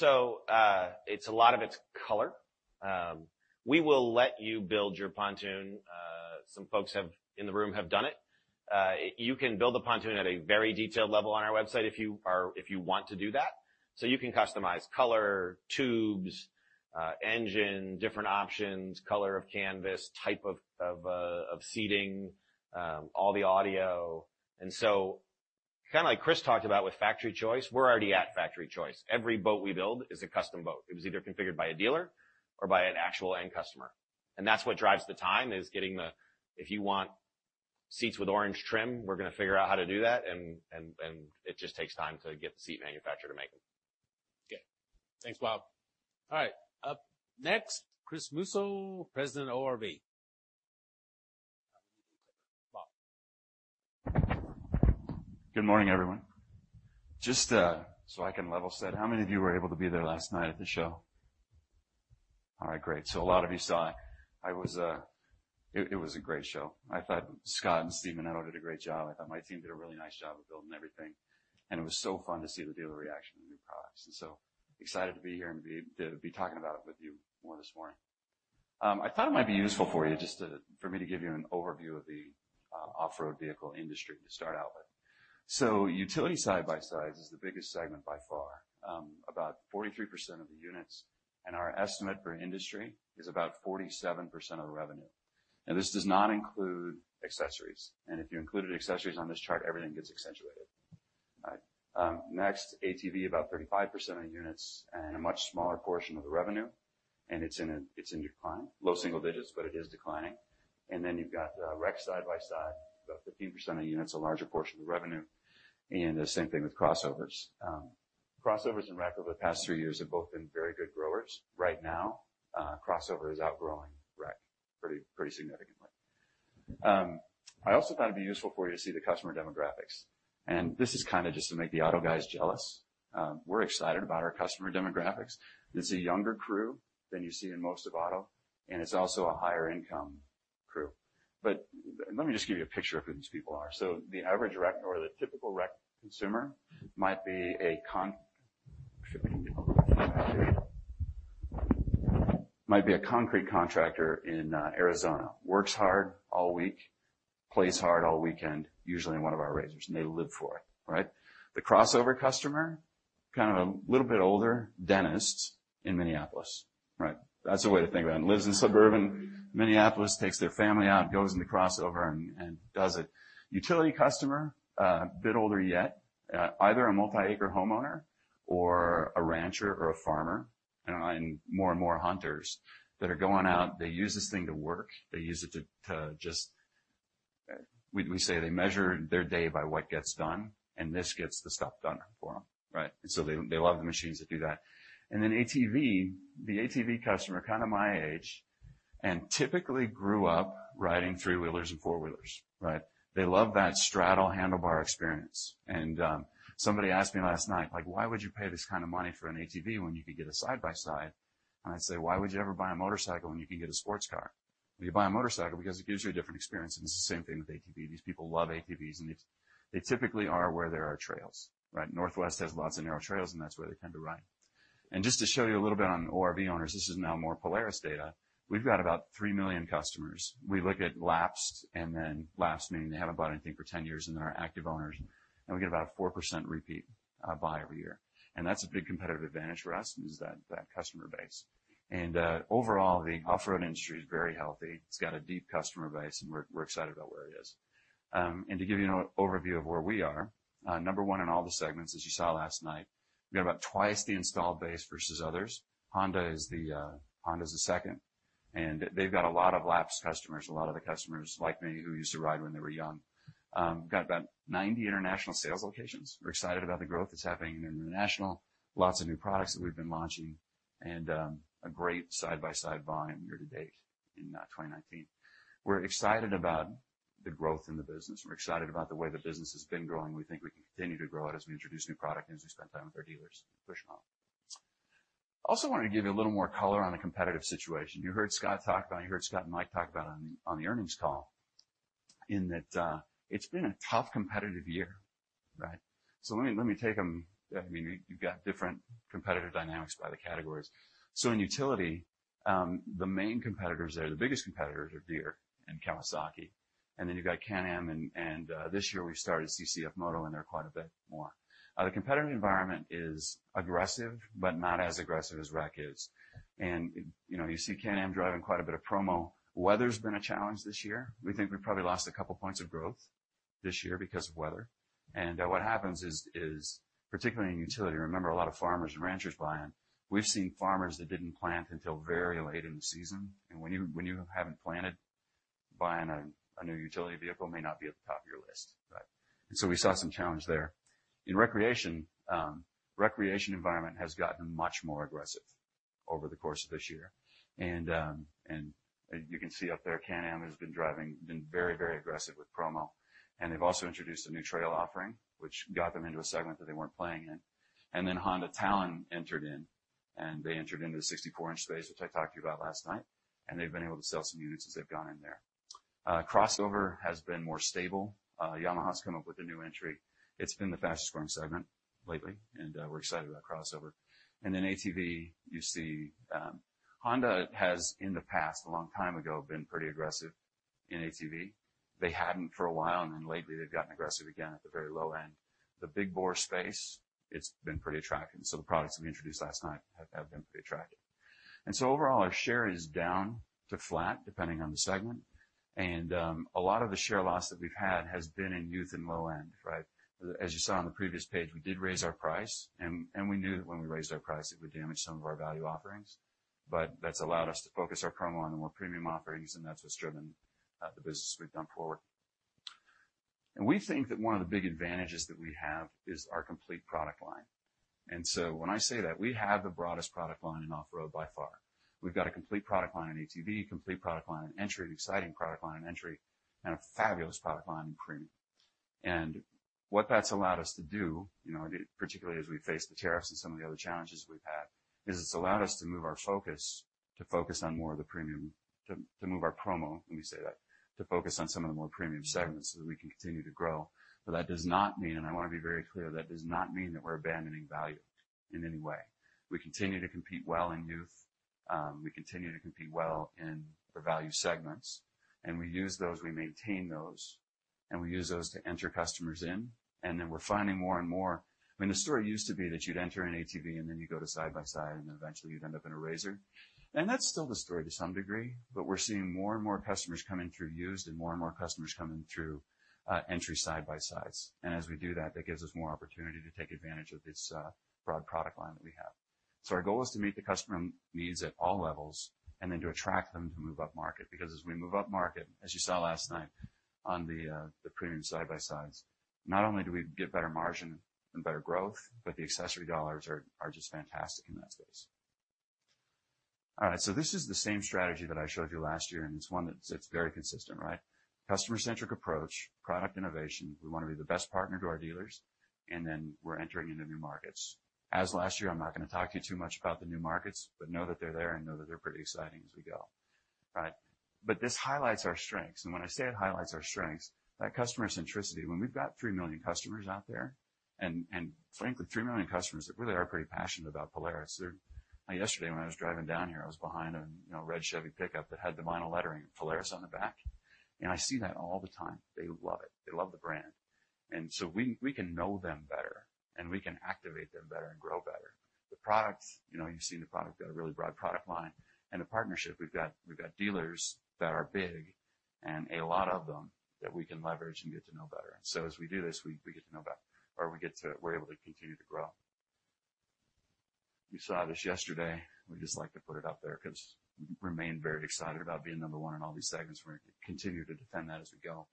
A lot of it's color. We will let you build your pontoon. Some folks in the room have done it. You can build a pontoon at a very detailed level on our website if you want to do that. You can customize color, tubes, engine, different options, color of canvas, type of seating, all the audio. Kind of like Chris talked about with Factory Choice, we're already at Factory Choice. Every boat we build is a custom boat. It was either configured by a dealer or by an actual end customer. That's what drives the time is getting if you want seats with orange trim, we're going to figure out how to do that. It just takes time to get the seat manufacturer to make them. Okay. Thanks, Bob. All right. Up next, Chris Musso, President, ORV. Bob. Good morning, everyone. Just so I can level set, how many of you were able to be there last night at the show? All right, great. A lot of you saw it. It was a great show. I thought Scott and Steve did a great job. I thought my team did a really nice job of building everything. It was so fun to see the dealer reaction to the new products. Excited to be here and be able to be talking about it with you more this morning. I thought it might be useful for you just for me to give you an overview of the off-road vehicle industry to start out with. Utility side-by-sides is the biggest segment by far, about 43% of the units. Our estimate for industry is about 47% of the revenue. Now, this does not include accessories. If you included accessories on this chart, everything gets accentuated. Next, ATV, about 35% of the units and a much smaller portion of the revenue. It's in decline. Low single digits, but it is declining. Then you've got the rec side-by-side, about 15% of units, a larger portion of the revenue, and the same thing with crossovers. Crossovers and rec over the past three years have both been very good growers. Right now, crossover is outgrowing rec pretty significantly. I also thought it'd be useful for you to see the customer demographics. This is kind of just to make the auto guys jealous. We're excited about our customer demographics. It's a younger crew than you see in most of auto, and it's also a higher income crew. Let me just give you a picture of who these people are. The average rec or the typical rec consumer might be a concrete contractor in Arizona, works hard all week, plays hard all weekend, usually in one of our RZRs, and they live for it, right? The crossover customer, kind of a little bit older, dentist in Minneapolis, right? That's the way to think about it. Lives in suburban Minneapolis, takes their family out, goes in the crossover and does it. Utility customer, a bit older yet, either a multi-acre homeowner or a rancher or a farmer, and more and more hunters that are going out. They use this thing to work. They use it to We say they measure their day by what gets done, and this gets the stuff done for them, right? They love the machines that do that. ATV, the ATV customer, kind of my age, and typically grew up riding three-wheelers and four-wheelers, right? They love that straddle handlebar experience. Somebody asked me last night, like, "Why would you pay this kind of money for an an ATV when you could get a side-by-side?" I'd say, "Why would you ever buy a motorcycle when you can get a sports car?" Well, you buy a motorcycle because it gives you a different experience, and it's the same thing with ATV. These people love ATVs, and they typically are where there are trails, right? Northwest has lots of narrow trails, and that's where they tend to ride. Just to show you a little bit on ORV owners, this is now more Polaris data. We've got about three million customers. We look at lapsed, meaning they haven't bought anything for 10 years and then our active owners. We get about 4% repeat buy every year. That's a big competitive advantage for us is that customer base. Overall, the off-road industry is very healthy. It's got a deep customer base, and we're excited about where it is. To give you an overview of where we are, number 1 in all the segments, as you saw last night. We've got about twice the installed base versus others. Honda is the second, and they've got a lot of lapsed customers, a lot of the customers like me who used to ride when they were young. We've got about 90 international sales locations. We're excited about the growth that's happening in international. Lots of new products that we've been launching and a great side-by-side volume year to date in 2019. We're excited about the growth in the business. We're excited about the way the business has been growing. We think we can continue to grow it as we introduce new product and as we spend time with our dealers and push them out. Also wanted to give you a little more color on the competitive situation. You heard Scott talk about it, you heard Scott and Mike talk about it on the earnings call in that it's been a tough competitive year, right? Let me take them. You've got different competitive dynamics by the categories. In utility, the main competitors there, the biggest competitors are Deere and Kawasaki. You've got Can-Am and this year we've started CFMOTO and they're quite a bit more. The competitive environment is aggressive but not as aggressive as rec is. You see Can-Am driving quite a bit of promo. Weather's been a challenge this year. We think we probably lost a couple points of growth this year because of weather. What happens is, particularly in utility, remember a lot of farmers and ranchers buy them. We've seen farmers that didn't plant until very late in the season. When you haven't planted, buying a new utility vehicle may not be at the top of your list, right? We saw some challenge there. In recreation environment has gotten much more aggressive over the course of this year. You can see up there, Can-Am has been very aggressive with promo. They've also introduced a new trail offering, which got them into a segment that they weren't playing in. Honda Talon entered in, and they entered into the 64-inch space, which I talked to you about last night, and they've been able to sell some units as they've gone in there. Crossover has been more stable. Yamaha's come up with a new entry. It's been the fastest growing segment lately, and we're excited about crossover. ATV, you see Honda has in the past, a long time ago, been pretty aggressive in ATV. They hadn't for a while, and then lately they've gotten aggressive again at the very low end. The big bore space, it's been pretty attractive. Some of the products that we introduced last night have been pretty attractive. Overall, our share is down to flat, depending on the segment. A lot of the share loss that we've had has been in youth and low end, right? As you saw on the previous page, we did raise our price. We knew that when we raised our price, it would damage some of our value offerings. That's allowed us to focus our promo on the more premium offerings. That's what's driven the business we've done forward. We think that one of the big advantages that we have is our complete product line. When I say that we have the broadest product line in off-road by far. We've got a complete product line in ATV, complete product line in entry, an exciting product line in entry, and a fabulous product line in premium. What that's allowed us to do, particularly as we face the tariffs and some of the other challenges we've had, is it's allowed us to move our promo, let me say that, to focus on some of the more premium segments so that we can continue to grow. That does not mean, and I want to be very clear, that does not mean that we're abandoning value in any way. We continue to compete well in youth. We continue to compete well in the value segments. We use those, we maintain those, and we use those to enter customers in. We're finding more and more I mean, the story used to be that you'd enter an ATV and then you go to side-by-side, and then eventually you'd end up in a RZR. That's still the story to some degree, but we're seeing more and more customers coming through used and more and more customers coming through entry side-by-sides. As we do that gives us more opportunity to take advantage of this broad product line that we have. Our goal is to meet the customer needs at all levels and then to attract them to move upmarket. As we move upmarket, as you saw last night on the premium side-by-sides, not only do we get better margin and better growth, but the accessory dollars are just fantastic in that space. All right. This is the same strategy that I showed you last year, and it's one that sits very consistent, right? Customer-centric approach, product innovation. We want to be the best partner to our dealers, and then we're entering into new markets. As last year, I'm not going to talk to you too much about the new markets, know that they're there and know that they're pretty exciting as we go. This highlights our strengths. When I say it highlights our strengths, that customer centricity, when we've got 3 million customers out there, and frankly, 3 million customers that really are pretty passionate about Polaris. Yesterday, when I was driving down here, I was behind a red Chevy pickup that had the vinyl lettering, Polaris on the back. I see that all the time. They love it. They love the brand. We can know them better, and we can activate them better and grow better. The products, you've seen the product, got a really broad product line. The partnership, we've got dealers that are big and a lot of them that we can leverage and get to know better. As we do this, we're able to continue to grow. You saw this yesterday. We just like to put it up there because we remain very excited about being number one in all these segments. We're going to continue to defend that as we go.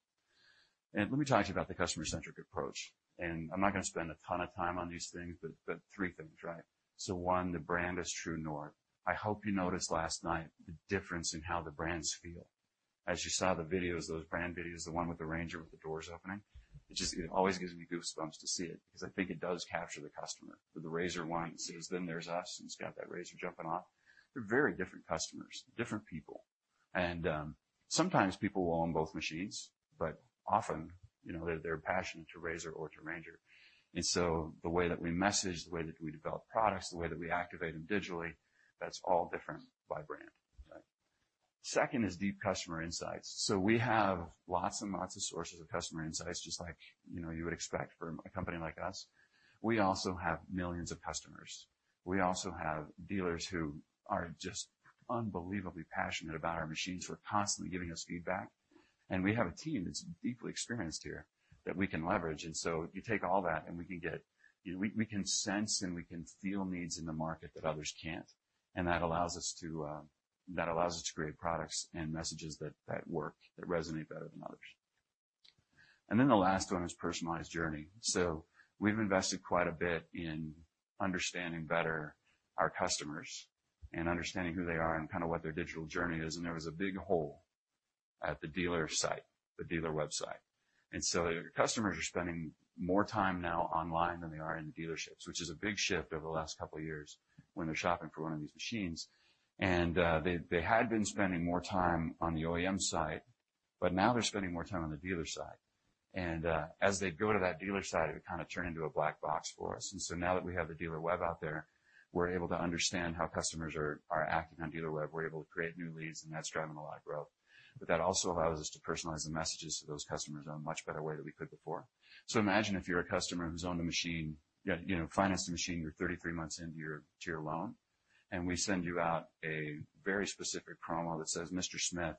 Let me talk to you about the customer-centric approach. I'm not going to spend a ton of time on these things, but three things, right? One, the brand is true north. I hope you noticed last night the difference in how the brands feel. As you saw the videos, those brand videos, the one with the RANGER with the doors opening, it always gives me goosebumps to see it because I think it does capture the customer. With the RZR one, it says, "Then there's us," and it's got that RZR jumping off. They're very different customers, different people. Sometimes people will own both machines, but often, they're passionate to RZR or to RANGER. The way that we message, the way that we develop products, the way that we activate them digitally, that's all different by brand. Second is deep customer insights. We have lots and lots of sources of customer insights, just like you would expect from a company like us. We also have millions of customers. We also have dealers who are just unbelievably passionate about our machines, who are constantly giving us feedback. We have a team that's deeply experienced here that we can leverage. You take all that and we can sense and we can feel needs in the market that others can't. That allows us to create products and messages that work, that resonate better than others. The last one is personalized journey. We've invested quite a bit in understanding better our customers and understanding who they are and kind of what their digital journey is. There was a big hole at the dealer website. Customers are spending more time now online than they are in the dealerships, which is a big shift over the last couple of years when they're shopping for one of these machines. They had been spending more time on the OEM side, but now they're spending more time on the dealer side. As they go to that dealer side, it kind of turned into a black box for us. Now that we have the dealer web out there, we're able to understand how customers are acting on dealer web. We're able to create new leads, and that's driving a lot of growth. That also allows us to personalize the messages to those customers in a much better way than we could before. Imagine if you're a customer who's owned a machine, financed a machine, you're 33 months into your loan. We send you out a very specific promo that says, "Mr. Smith,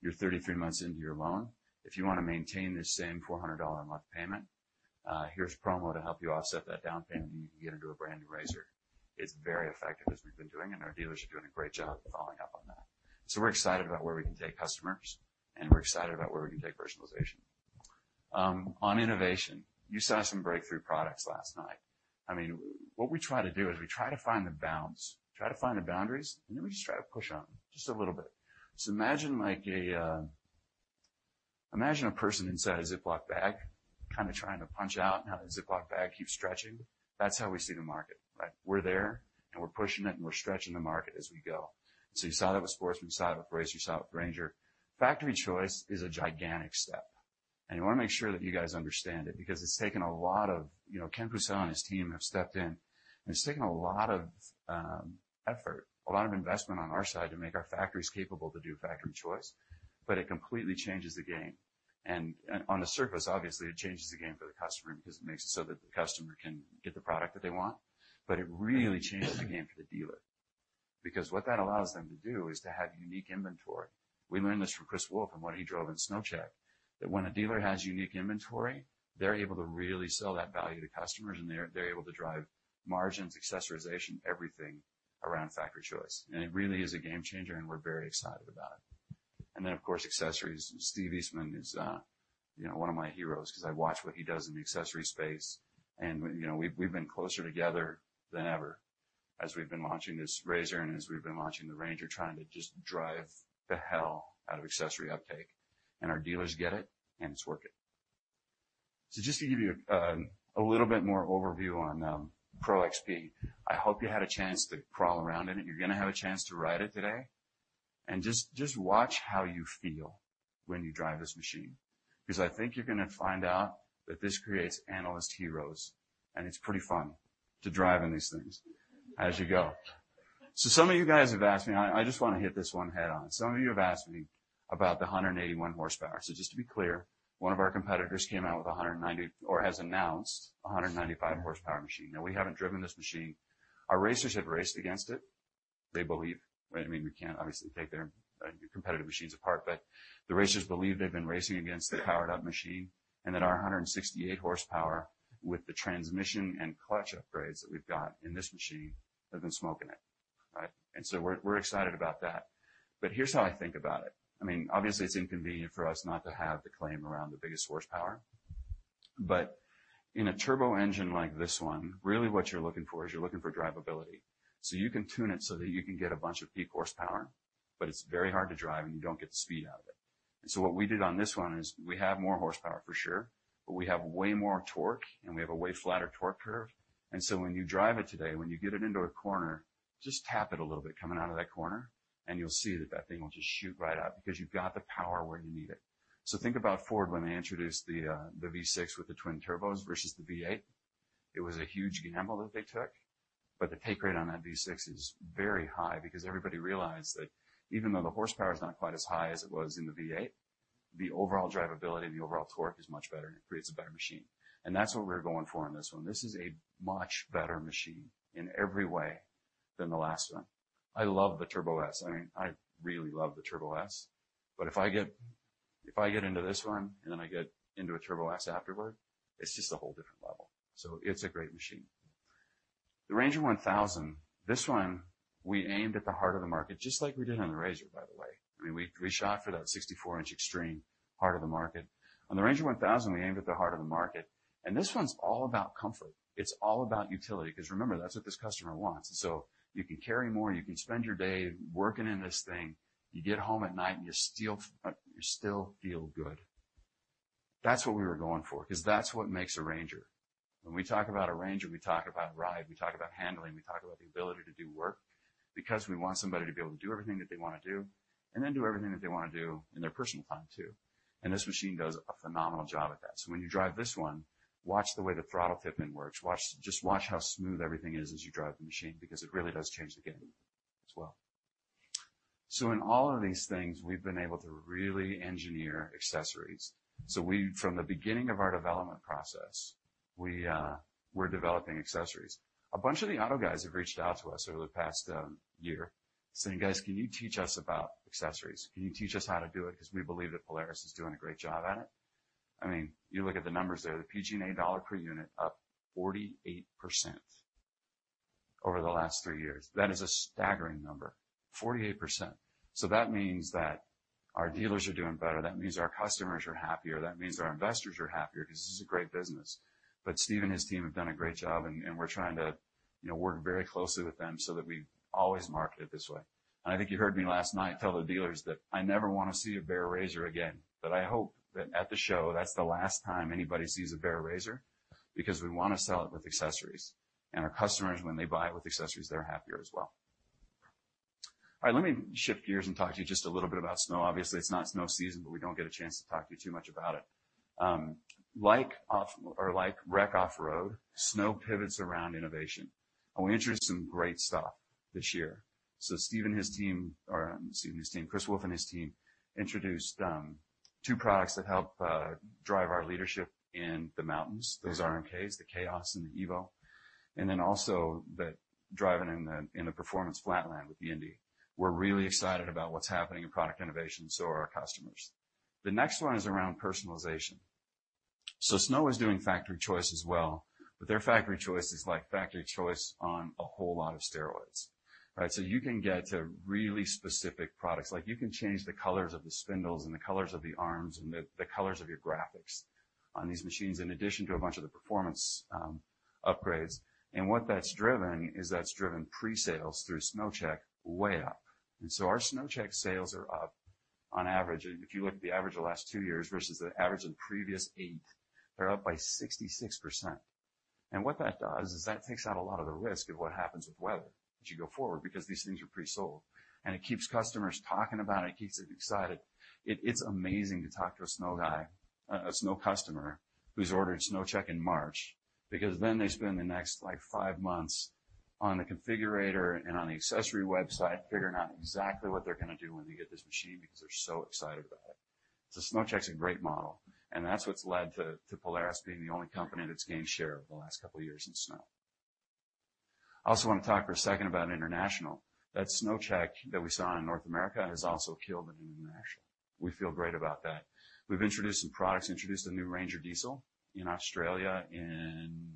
you're 33 months into your loan. If you want to maintain this same $400 a month payment, here's a promo to help you offset that down payment and you can get into a brand-new RZR." It's very effective as we've been doing, and our dealers are doing a great job following up on that. We're excited about where we can take customers, and we're excited about where we can take personalization. On innovation, you saw some breakthrough products last night. What we try to do is we try to find the balance, try to find the boundaries, and then we just try to push on them just a little bit. Imagine a person inside a Ziploc bag, trying to punch out, and how the Ziploc bag keeps stretching. That's how we see the market. We're there, and we're pushing it, and we're stretching the market as we go. You saw that with Sportsman. You saw it with RZR. You saw it with RANGER. Factory Choice is a gigantic step, and we want to make sure that you guys understand it because Ken Pucel and his team have stepped in, and it's taken a lot of effort, a lot of investment on our side to make our factories capable to do Factory Choice, but it completely changes the game. On the surface, obviously, it changes the game for the customer because it makes it so that the customer can get the product that they want. It really changes the game for the dealer. What that allows them to do is to have unique inventory. We learned this from Chris Wolf from what he drove in SnowCheck. That when a dealer has unique inventory, they're able to really sell that value to customers and they're able to drive margins, accessorization, everything around Factory Choice. It really is a game changer, we're very excited about it. Of course, accessories. Steve Eastman is one of my heroes because I watch what he does in the accessory space. We've been closer together than ever as we've been launching this RZR and as we've been launching the RANGER, trying to just drive the hell out of accessory uptake. Our dealers get it, and it's working. Just to give you a little bit more overview on Pro XP. I hope you had a chance to crawl around in it. You're going to have a chance to ride it today. Just watch how you feel when you drive this machine, because I think you're going to find out that this creates analyst heroes, and it's pretty fun to drive in these things as you go. Some of you guys have asked me. I just want to hit this one head-on. Some of you have asked me about the 181 horsepower. One of our competitors came out with 190 horsepower or has announced 195 horsepower machine. We haven't driven this machine. Our racers have raced against it. We can't obviously take their competitive machines apart, but the racers believe they've been racing against the powered-up machine and that our 168 horsepower with the transmission and clutch upgrades that we've got in this machine have been smoking it. Right. We're excited about that. Here's how I think about it. Obviously, it's inconvenient for us not to have the claim around the biggest horsepower. In a turbo engine like this one, really what you're looking for is you're looking for drivability. You can tune it so that you can get a bunch of peak horsepower, but it's very hard to drive and you don't get the speed out of it. What we did on this one is we have more horsepower for sure, but we have way more torque and we have a way flatter torque curve. When you drive it today, when you get it into a corner, just tap it a little bit coming out of that corner and you'll see that that thing will just shoot right out because you've got the power where you need it. Think about Ford when they introduced the V6 with the twin turbos versus the V8. It was a huge gamble that they took, but the take rate on that V6 is very high because everybody realized that even though the horsepower is not quite as high as it was in the V8, the overall drivability and the overall torque is much better and it creates a better machine. That's what we're going for on this one. This is a much better machine in every way than the last one. I love the Turbo S. I really love the Turbo S. If I get into this one and then I get into a Turbo S afterward, it's just a whole different level. It's a great machine. The RANGER 1000, this one we aimed at the heart of the market, just like we did on the RZR, by the way. We shot for that 64-inch extreme part of the market. On the RANGER 1000, we aimed at the heart of the market, this one's all about comfort. It's all about utility because remember, that's what this customer wants. You can carry more, you can spend your day working in this thing. You get home at night and you still feel good. That's what we were going for because that's what makes a RANGER. When we talk about a RANGER, we talk about ride, we talk about handling, we talk about the ability to do work because we want somebody to be able to do everything that they want to do and then do everything that they want to do in their personal time, too. This machine does a phenomenal job at that. When you drive this one, watch the way the throttle tip-in works. Just watch how smooth everything is as you drive the machine because it really does change the game as well. In all of these things, we've been able to really engineer accessories. From the beginning of our development process, we're developing accessories. A bunch of the auto guys have reached out to us over the past year saying, "Guys, can you teach us about accessories? Can you teach us how to do it because we believe that Polaris is doing a great job at it?" You look at the numbers there, the PG&A dollar per unit up 48% over the last three years. That is a staggering number, 48%. That means that our dealers are doing better. That means our customers are happier. That means our investors are happier because this is a great business. Steve and his team have done a great job and we're trying to work very closely with them so that we always market it this way. I think you heard me last night tell the dealers that I never want to see a bare RZR again. I hope that at the show, that's the last time anybody sees a bare RZR because we want to sell it with accessories. Our customers, when they buy it with accessories, they're happier as well. All right. Let me shift gears and talk to you just a little bit about snow. Obviously, it's not snow season, but we don't get a chance to talk to you too much about it. Like Rec Offroad, snow pivots around innovation, and we introduced some great stuff this year. Chris Wolf and his team introduced two products that help drive our leadership in the mountains. Those RMKs, the Khaos and the EVO. Also driving in the performance flat land with the INDY. We're really excited about what's happening in product innovation, so are our customers. The next one is around personalization. Snow is doing Factory Choice as well, but their Factory Choice is like Factory Choice on a whole lot of steroids, right? You can get to really specific products. You can change the colors of the spindles and the colors of the arms and the colors of your graphics on these machines, in addition to a bunch of the performance upgrades. What that's driven is that's driven pre-sales through SnowCheck way up. Our SnowCheck sales are up on average. If you look at the average of the last two years versus the average of the previous eight, they're up by 66%. What that does is that takes out a lot of the risk of what happens with weather as you go forward because these things are pre-sold. It keeps customers talking about it keeps them excited. It's amazing to talk to a Snow guy, a Snow customer who's ordered SnowCheck in March, because then they spend the next five months on the configurator and on the accessory website figuring out exactly what they're going to do when they get this machine because they're so excited about it. SnowCheck's a great model, and that's what's led to Polaris being the only company that's gained share over the last couple of years in snow. I also want to talk for a second about international. That SnowCheck that we saw in North America has also killed it in international. We feel great about that. We've introduced some products. Introduced a new RANGER Diesel in Australia in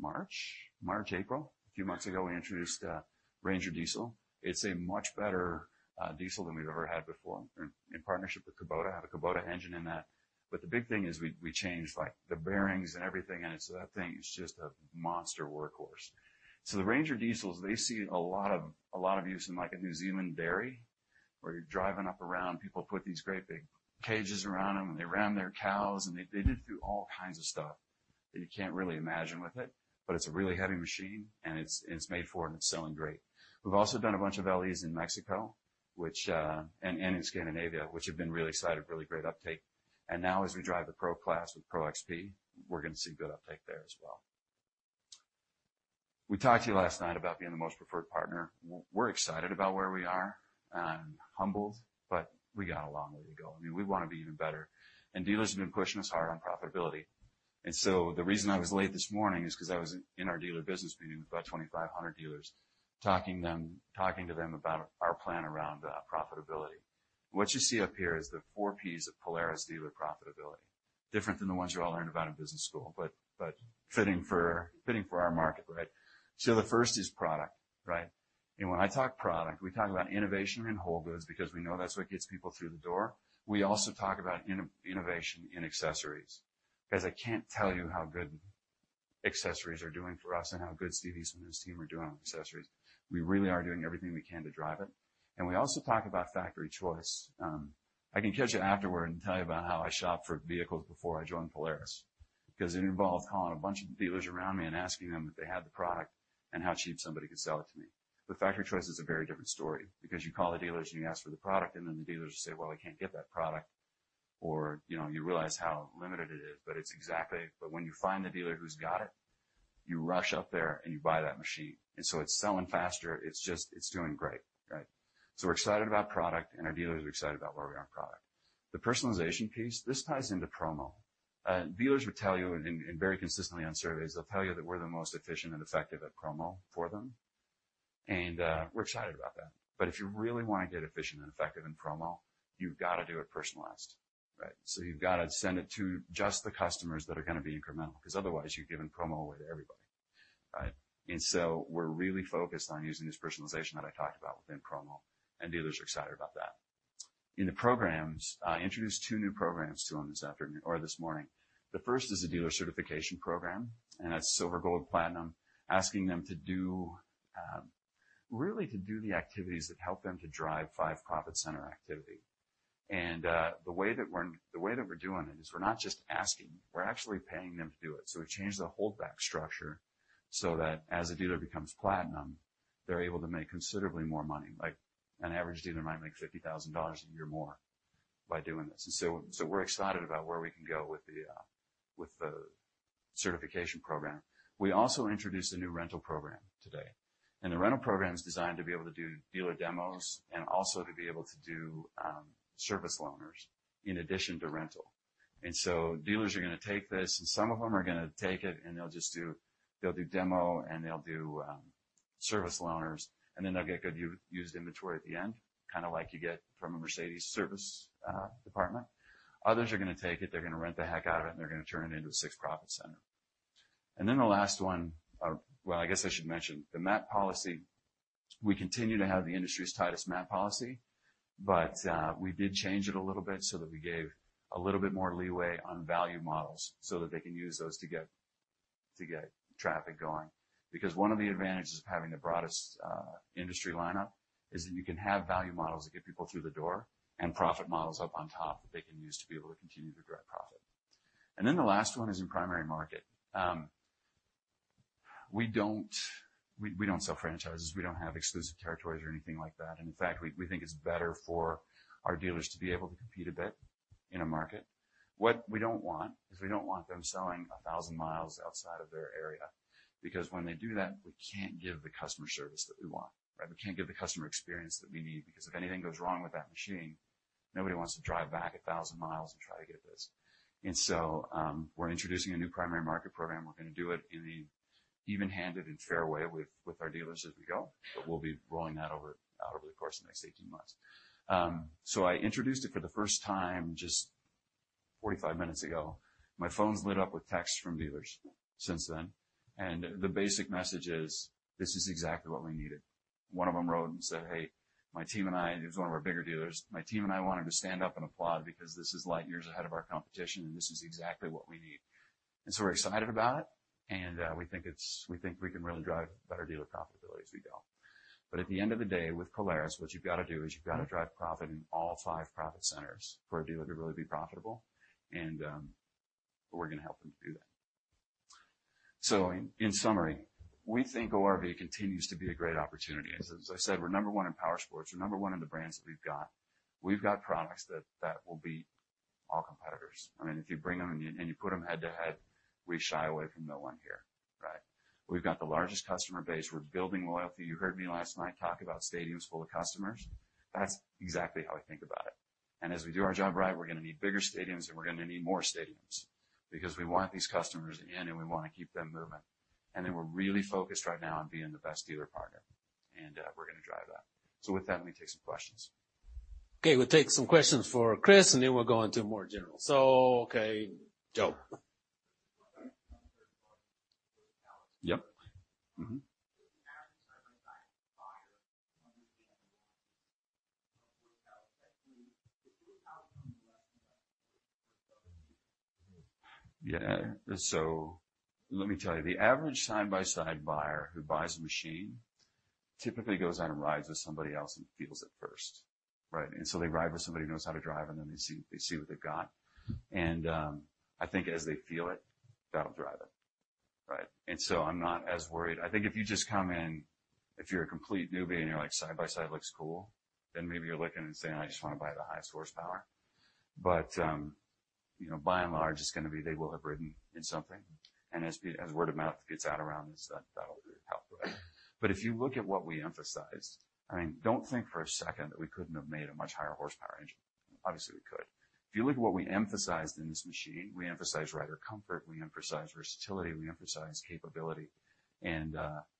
March, April. A few months ago, we introduced a RANGER Diesel. It's a much better diesel than we've ever had before. In partnership with Kubota, had a Kubota engine in that. The big thing is we changed the bearings and everything, and so that thing is just a monster workhorse. The RANGER Diesels, they see a lot of use in, like, a New Zealand dairy, where you're driving up around. People put these great big cages around them, and they ran their cows, and they did do all kinds of stuff that you can't really imagine with it. It's a really heavy machine, and it's made for it, and it's selling great. We've also done a bunch of LEs in Mexico and in Scandinavia, which have been really excited, really great uptake. Now as we drive the pro class with Pro XP, we're going to see good uptake there as well. We talked to you last night about being the most preferred partner. We're excited about where we are and humbled, but we got a long way to go. I mean, we want to be even better. Dealers have been pushing us hard on profitability. The reason I was late this morning is because I was in our dealer business meeting with about 2,500 dealers, talking to them about our plan around profitability. What you see up here is the 4 Ps of Polaris dealer profitability. Different than the ones you all learned about in business school, fitting for our market, right? The first is product, right? When I talk product, we talk about innovation in whole goods because we know that's what gets people through the door. We also talk about innovation in accessories. Guys, I can't tell you how good accessories are doing for us and how good Steve and his team are doing on accessories. We really are doing everything we can to drive it. We also talk about Factory Choice. I can catch you afterward and tell you about how I shopped for vehicles before I joined Polaris because it involved calling a bunch of dealers around me and asking them if they had the product and how cheap somebody could sell it to me. Factory Choice is a very different story because you call the dealers and you ask for the product, the dealers say, "Well, I can't get that product," you realize how limited it is. When you find the dealer who's got it, you rush up there you buy that machine. It's selling faster. It's doing great, right? We're excited about product, our dealers are excited about where we are in product. The personalization piece, this ties into promo. Dealers will tell you, very consistently on surveys, they'll tell you that we're the most efficient and effective at promo for them. We're excited about that. If you really want to get efficient and effective in promo, you've got to do it personalized, right? You've got to send it to just the customers that are going to be incremental because otherwise you're giving promo away to everybody, right? We're really focused on using this personalization that I talked about within promo, and dealers are excited about that. In the programs, I introduced two new programs to them this morning. The first is a dealer certification program, and that's silver, gold, platinum, asking them really to do the activities that help them to drive five profit center activity. The way that we're doing it is we're not just asking, we're actually paying them to do it. We changed the holdback structure so that as a dealer becomes platinum, they're able to make considerably more money. Like an average dealer might make $50,000 a year more by doing this. We're excited about where we can go with the certification program. We also introduced a new rental program today, and the rental program is designed to be able to do dealer demos and also to be able to do service loaners in addition to rental. Dealers are going to take this, and some of them are going to take it and they'll just do demo and they'll do service loaners, and then they'll get good used inventory at the end, kind of like you get from a Mercedes service department. Others are going to take it, they're going to rent the heck out of it, and they're going to turn it into a six profit center. Then the last one. Well, I guess I should mention the MAP policy. We continue to have the industry's tightest MAP policy, but we did change it a little bit so that we gave a little bit more leeway on value models so that they can use those to get traffic going. Because one of the advantages of having the broadest industry lineup is that you can have value models that get people through the door and profit models up on top that they can use to be able to continue to drive profit. Then the last one is in primary market. We don't sell franchises. We don't have exclusive territories or anything like that. In fact, we think it's better for our dealers to be able to compete a bit in a market. What we don't want is we don't want them selling 1,000 mi outside of their area, because when they do that, we can't give the customer service that we want. We can't give the customer experience that we need, because if anything goes wrong with that machine, nobody wants to drive back 1,000 mi and try to get it fixed. We're introducing a new primary market program. We're going to do it in an even-handed and fair way with our dealers as we go, but we'll be rolling that out over the course of the next 18 months. I introduced it for the first time just 45 minutes ago. My phone's lit up with texts from dealers since then, and the basic message is, "This is exactly what we needed." One of them wrote and said, "Hey, my team and I," he's one of our bigger dealers, "My team and I wanted to stand up and applaud because this is light years ahead of our competition, and this is exactly what we need." We're excited about it, and we think we can really drive better dealer profitability as we go. At the end of the day, with Polaris, what you've got to do is you've got to drive profit in all five profit centers for a dealer to really be profitable. We're going to help them do that. In summary, we think ORV continues to be a great opportunity. As I said, we're number one in powersports. We're number one in the brands that we've got. We've got products that will beat all competitors. If you bring them and you put them head to head, we shy away from no one here. We've got the largest customer base. We're building loyalty. You heard me last night talk about stadiums full of customers. That's exactly how we think about it. As we do our job right, we're going to need bigger stadiums, and we're going to need more stadiums because we want these customers in and we want to keep them moving. We're really focused right now on being the best dealer partner, and we're going to drive that. With that, let me take some questions. Okay, we'll take some questions for Chris, and then we'll go into more general. Okay, Joe. Yep. Mm-hmm. Yeah. Let me tell you, the average side-by-side buyer who buys a machine typically goes out and rides with somebody else and feels it first. They ride with somebody who knows how to drive, and then they see what they've got. I think as they feel it, that'll drive it. I'm not as worried. I think if you just come in, if you're a complete newbie and you're like, "Side-by-side looks cool," then maybe you're looking and saying, "I just want to buy the highest horsepower." By and large, it's going to be they will have ridden in something. As word of mouth gets out around this, that'll help. If you look at what we emphasized, don't think for a second that we couldn't have made a much higher horsepower engine. Obviously, we could. If you look at what we emphasized in this machine, we emphasize rider comfort, we emphasize versatility, we emphasize capability, and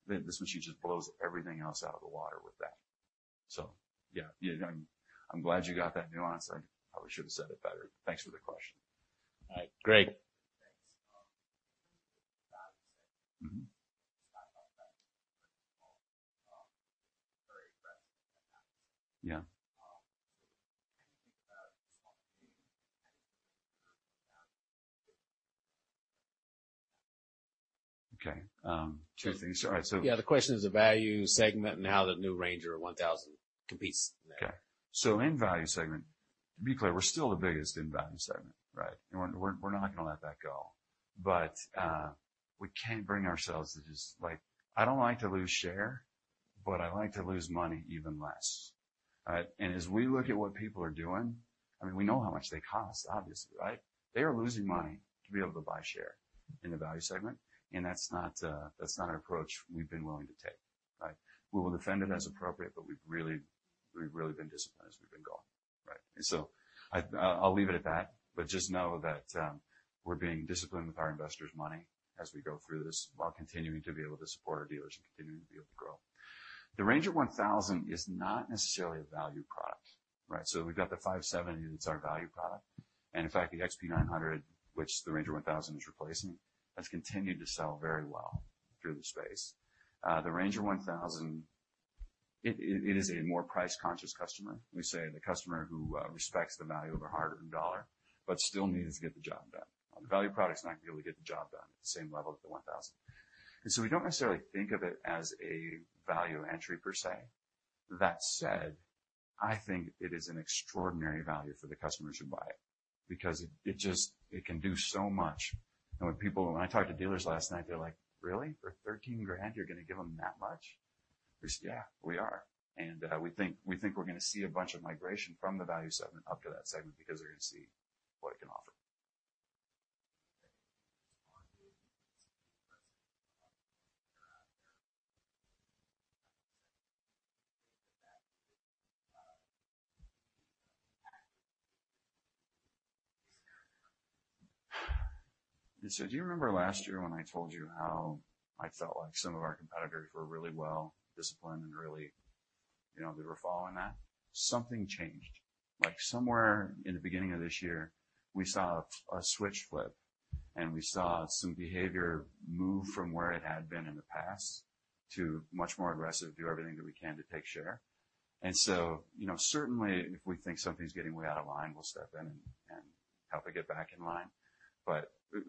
this machine just blows everything else out of the water with that. Yeah. I'm glad you got that nuance. I probably should've said it better. Thanks for the question. All right, Craig. Thanks. Mm-hmm. Yeah. Okay. Two things. All right. Yeah, the question is the value segment now that the new RANGER 1000 competes in that. Okay. In value segment, to be clear, we're still the biggest in value segment. We're not going to let that go. We can't bring ourselves to just I don't like to lose share, but I like to lose money even less. As we look at what people are doing, we know how much they cost, obviously. They are losing money to be able to buy share in the value segment, and that's not an approach we've been willing to take. We will defend it as appropriate, but we've really been disciplined as we've been going. I'll leave it at that, but just know that we're being disciplined with our investors' money as we go through this while continuing to be able to support our dealers and continuing to be able to grow. The RANGER 1000 is not necessarily a value product. We've got the RANGER 570 that's our value product. In fact, the XP 900, which the RANGER 1000 is replacing, has continued to sell very well through the space. The RANGER 1000, it is a more price-conscious customer. We say the customer who respects the value of a hard-earned dollar but still needs to get the job done. The value product's not going to be able to get the job done at the same level as the 1000. We don't necessarily think of it as a value entry per se. That said, I think it is an extraordinary value for the customers who buy it because it can do so much. When I talked to dealers last night, they're like, "Really? For 13 grand, you're going to give them that much? We said, "Yeah, we are." We think we're going to see a bunch of migration from the value segment up to that segment because they're going to see what it can offer. Do you remember last year when I told you how I felt like some of our competitors were really well-disciplined and really they were following that? Something changed. Somewhere in the beginning of this year, we saw a switch flip, and we saw some behavior move from where it had been in the past to much more aggressive, do everything that we can to take share. Certainly, if we think something's getting way out of line, we'll step in and help it get back in line.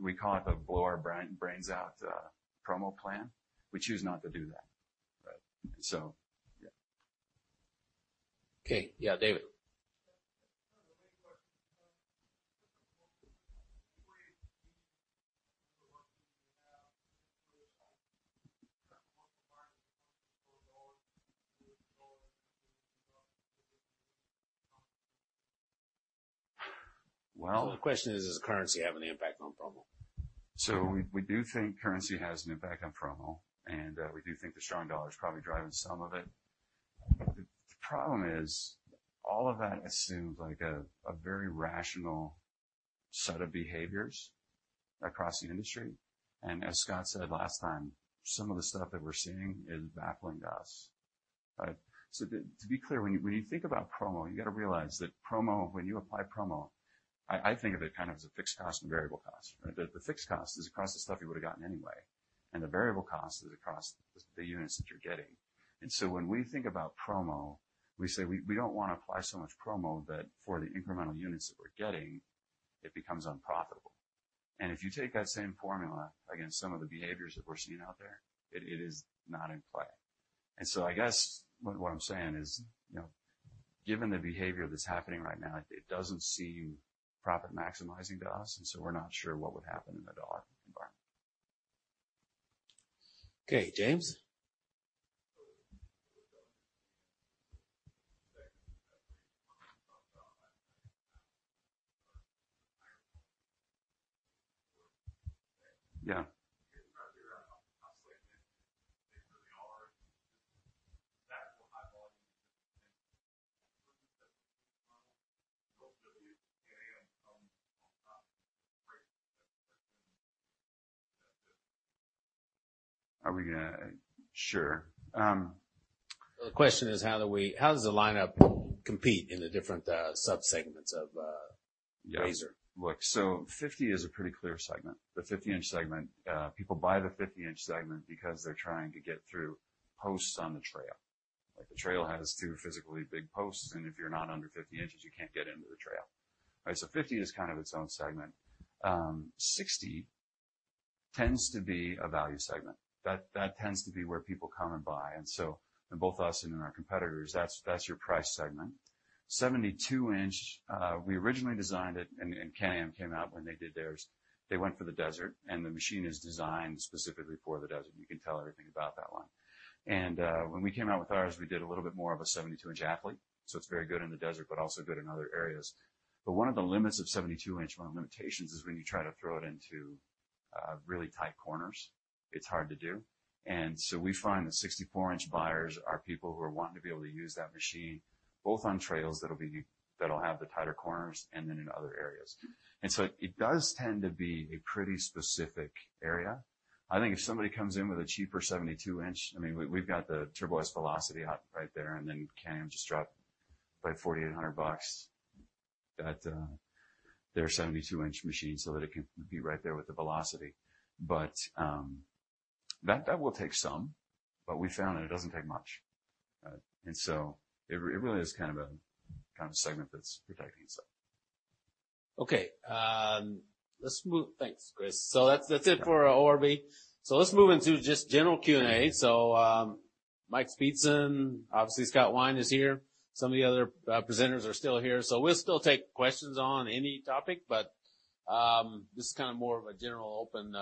We call it the blow our brains out promo plan. We choose not to do that. Yeah. Okay. Yeah, David. Well- The question is, does currency have any impact on promo? We do think currency has an impact on promo, and we do think the strong dollar is probably driving some of it. The problem is all of that assumes a very rational set of behaviors across the industry. As Scott said last time, some of the stuff that we're seeing is baffling to us. To be clear, when you think about promo, you got to realize that promo, when you apply promo, I think of it kind of as a fixed cost and variable cost. The fixed cost is the cost of the stuff you would've gotten anyway, and the variable cost is the cost of the units that you're getting. When we think about promo, we say we don't want to apply so much promo that for the incremental units that we're getting, it becomes unprofitable. If you take that same formula against some of the behaviors that we're seeing out there, it is not in play. I guess what I'm saying is, given the behavior that's happening right now, it doesn't seem profit-maximizing to us, and so we're not sure what would happen in a dollar environment. Okay. James? Yeah. Sure. The question is, how does the lineup compete in the different sub-segments of RZR? Look, 50-inch is a pretty clear segment. The 50-inch segment, people buy the 50-inch segment because they're trying to get through posts on the trail. The trail has two physically big posts, and if you're not under 50 inches, you can't get into the trail. 50 is kind of its own segment. 60 inch tends to be a value segment. That tends to be where people come and buy. In both us and in our competitors, that's your price segment. 72 inch, we originally designed it, and Can-Am came out when they did theirs. They went for the desert, and the machine is designed specifically for the desert. You can tell everything about that one. When we came out with ours, we did a little bit more of a 72-inch athlete, so it's very good in the desert, but also good in other areas. One of the limits of 72-inch, one of the limitations, is when you try to throw it into really tight corners, it's hard to do. We find the 64-inch buyers are people who are wanting to be able to use that machine, both on trails that'll have the tighter corners, and then in other areas. It does tend to be a pretty specific area. I think if somebody comes in with a cheaper 72-inch, we've got the Turbo S Velocity right there, and then Can-Am just dropped by $4,800 their 72-inch machine so that it can compete right there with the Velocity. That will take some, but we found that it doesn't take much. It really is kind of a segment that's protecting itself. Okay. Thanks, Chris. That's it for ORV. Let's move into just general Q&A. Mike Speetzen, obviously Scott Wine is here. Some of the other presenters are still here. We'll still take questions on any topic, but this is kind of more of a general open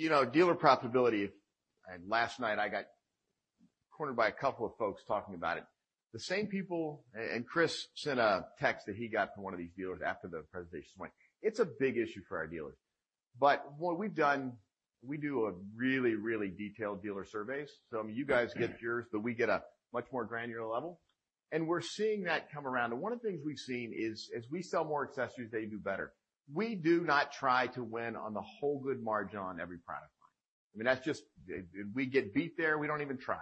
Q&A. Start with Craig. Dealer profitability. Last night I got cornered by a couple of folks talking about it. Chris sent a text that he got from one of these dealers after the presentation this morning. It's a big issue for our dealers. What we've done, we do a really detailed dealer surveys. Some of you guys get yours, we get a much more granular level, we're seeing that come around. One of the things we've seen is as we sell more accessories, they do better. We do not try to win on the whole good margin on every product line. If we get beat there, we don't even try.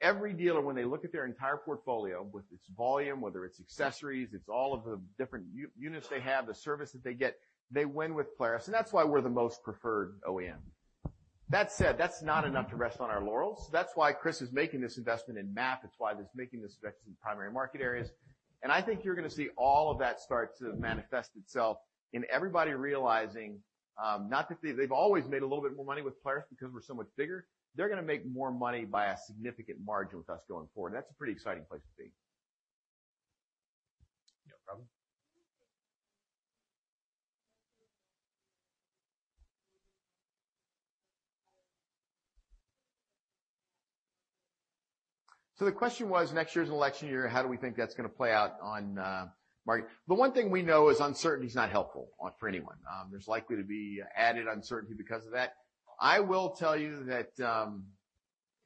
Every dealer, when they look at their entire portfolio with its volume, whether it's accessories, it's all of the different units they have, the service that they get, they win with Polaris, and that's why we're the most preferred OEM. That said, that's not enough to rest on our laurels. That's why Chris is making this investment in market. It's why he's making this investment in primary market areas. I think you're going to see all of that start to manifest itself in everybody realizing, not that they've always made a little bit more money with Polaris because we're so much bigger. They're going to make more money by a significant margin with us going forward, and that's a pretty exciting place to be. Yeah, Robin. The question was, next year's an election year, how do we think that's going to play out on market? The one thing we know is uncertainty is not helpful for anyone. There's likely to be added uncertainty because of that. I will tell you that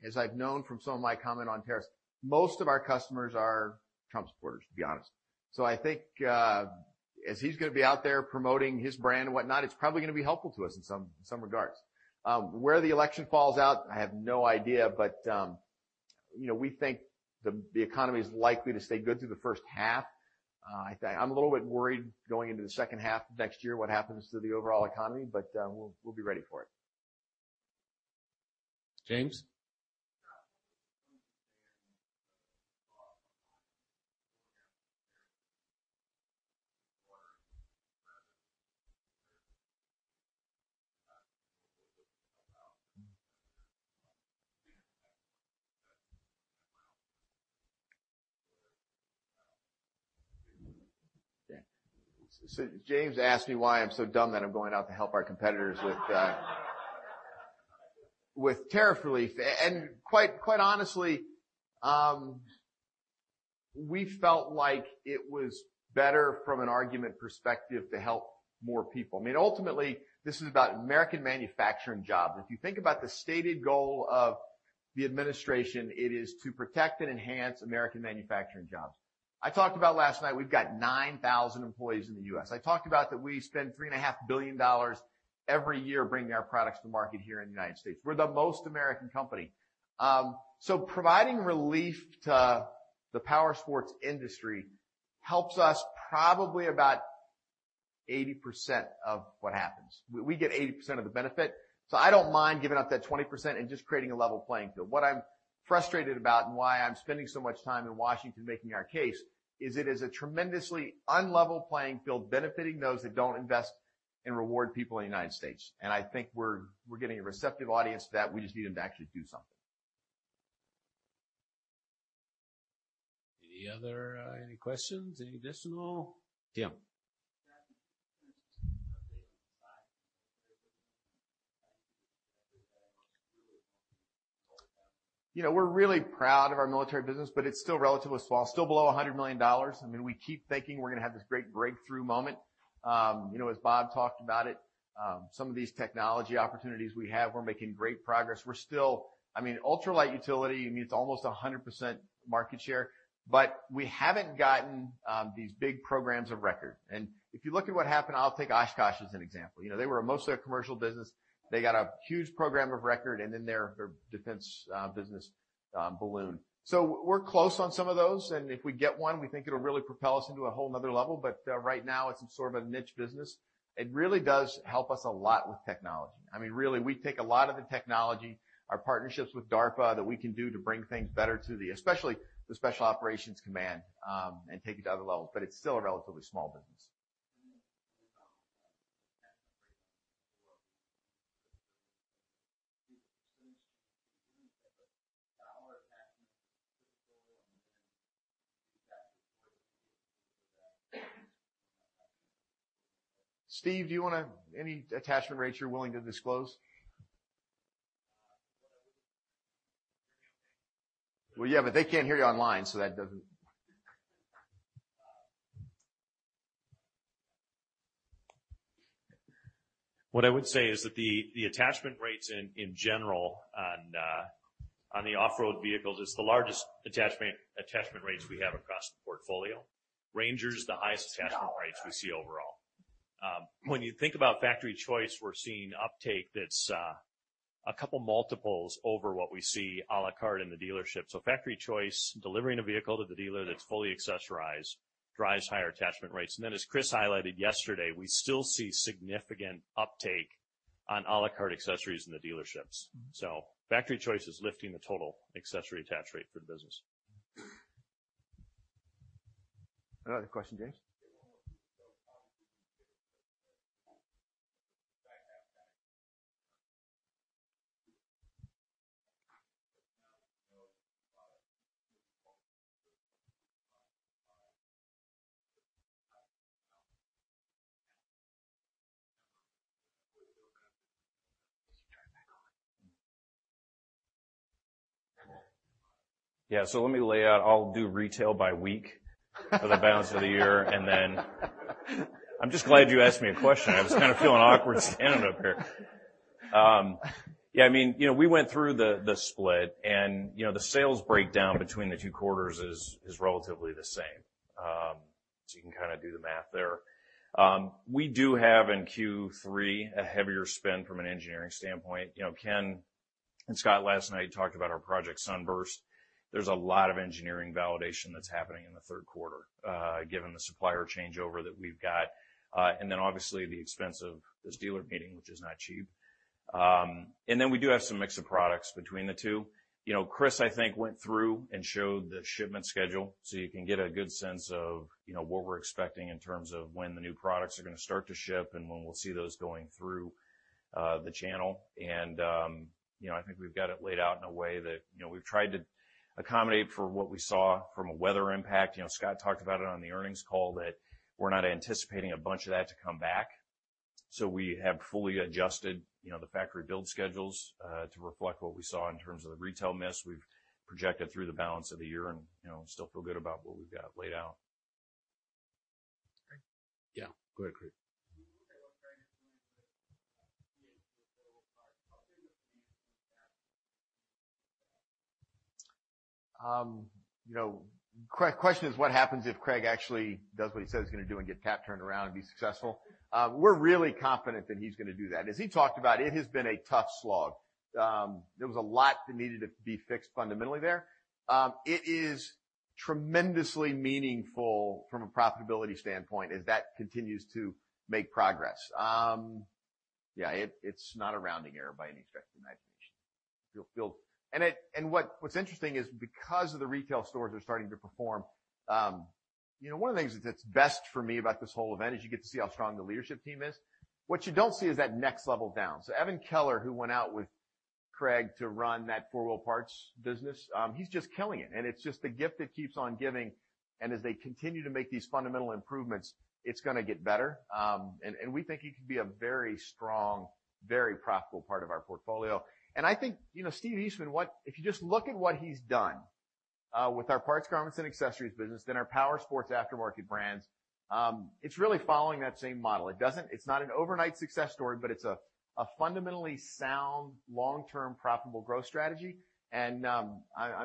as I've known from some of my comment on tariffs, most of our customers are Trump supporters, to be honest. I think as he's going to be out there promoting his brand and whatnot, it's probably going to be helpful to us in some regards. Where the election falls out, I have no idea. We think the economy is likely to stay good through the first half. I'm a little bit worried going into the second half of next year, what happens to the overall economy, but we'll be ready for it. James? James asked me why I'm so dumb that I'm going out to help our competitors with tariff relief. Quite honestly, we felt like it was better from an argument perspective to help more people. I mean, ultimately, this is about American manufacturing jobs. If you think about the stated goal of the administration, it is to protect and enhance American manufacturing jobs. I talked about last night, we've got 9,000 employees in the U.S. I talked about that we spend $3.5 billion every year bringing our products to market here in the United States. We're the most American company. Providing relief to the powersports industry helps us probably about 80% of what happens. We get 80% of the benefit. I don't mind giving up that 20% and just creating a level playing field. What I'm frustrated about and why I'm spending so much time in Washington making our case is it is a tremendously unlevel playing field benefiting those that don't invest and reward people in the United States. I think we're getting a receptive audience to that. We just need them to actually do something. Any other questions? Any additional? Tim. We're really proud of our military business, but it's still relatively small, still below $100 million. We keep thinking we're going to have this great breakthrough moment. As Bob talked about it, some of these technology opportunities we have, we're making great progress. We're still ultralight utility means almost 100% market share, but we haven't gotten these big programs of record. If you look at what happened, I'll take Oshkosh as an example. They were mostly a commercial business. They got a huge program of record, and then their defense business ballooned. We're close on some of those, and if we get one, we think it'll really propel us into a whole another level. Right now, it's sort of a niche business. It really does help us a lot with technology. Really, we take a lot of the technology, our partnerships with DARPA, that we can do to bring things better to the especially the Special Operations Command, and take it to other levels, but it's still a relatively small business. Steve, do you want to any attachment rates you're willing to disclose? Well, yeah, but they can't hear you online, so that doesn't. What I would say is that the attachment rates in general on the off-road vehicles is the largest attachment rates we have across the portfolio. RANGER's the highest attachment rates we see overall. When you think about Factory Choice, we're seeing uptake that's a couple multiples over what we see a la carte in the dealership. Factory Choice, delivering a vehicle to the dealer that's fully accessorized, drives higher attachment rates. As Chris highlighted yesterday, we still see significant uptake on a la carte accessories in the dealerships. Factory Choice is lifting the total accessory attach rate for the business. Another question, James? Yeah. Let me lay out, I'll do retail by week for the balance of the year. I'm just glad you asked me a question. I was kind of feeling awkward standing up here. Yeah, we went through the split, and the sales breakdown between the two quarters is relatively the same. You can kind of do the math there. We do have in Q3 a heavier spend from an engineering standpoint. Ken and Scott last night talked about our Project Sunburst. There's a lot of engineering validation that's happening in the third quarter, given the supplier changeover that we've got. Obviously the expense of this dealer meeting, which is not cheap. We do have some mix of products between the two. Chris, I think, went through and showed the shipment schedule, so you can get a good sense of what we're expecting in terms of when the new products are going to start to ship and when we'll see those going through the channel. I think we've got it laid out in a way that we've tried to accommodate for what we saw from a weather impact. Scott talked about it on the earnings call that we're not anticipating a bunch of that to come back. We have fully adjusted the factory build schedules, to reflect what we saw in terms of the retail mix. We've projected through the balance of the year and still feel good about what we've got laid out. Great. Yeah. Go ahead, Craig. The question is what happens if Craig actually does what he says he's going to do and get TAP turned around and be successful? We're really confident that he's going to do that. As he talked about, it has been a tough slog. There was a lot that needed to be fixed fundamentally there. It is tremendously meaningful from a profitability standpoint as that continues to make progress. Yeah, it's not a rounding error by any stretch of the imagination. What's interesting is because of the retail stores are starting to perform, one of the things that's best for me about this whole event is you get to see how strong the leadership team is. What you don't see is that next level down. Evan Keller, who went out with Craig to run that 4 Wheel Parts business, he's just killing it, and it's just the gift that keeps on giving. As they continue to make these fundamental improvements, it's going to get better. We think he can be a very strong, very profitable part of our portfolio. I think, Steve Eastman, if you just look at what he's done with our Parts, Garments, and Accessories business, then our powersports aftermarket brands, it's really following that same model. It's not an overnight success story, but it's a fundamentally sound, long-term profitable growth strategy. I'm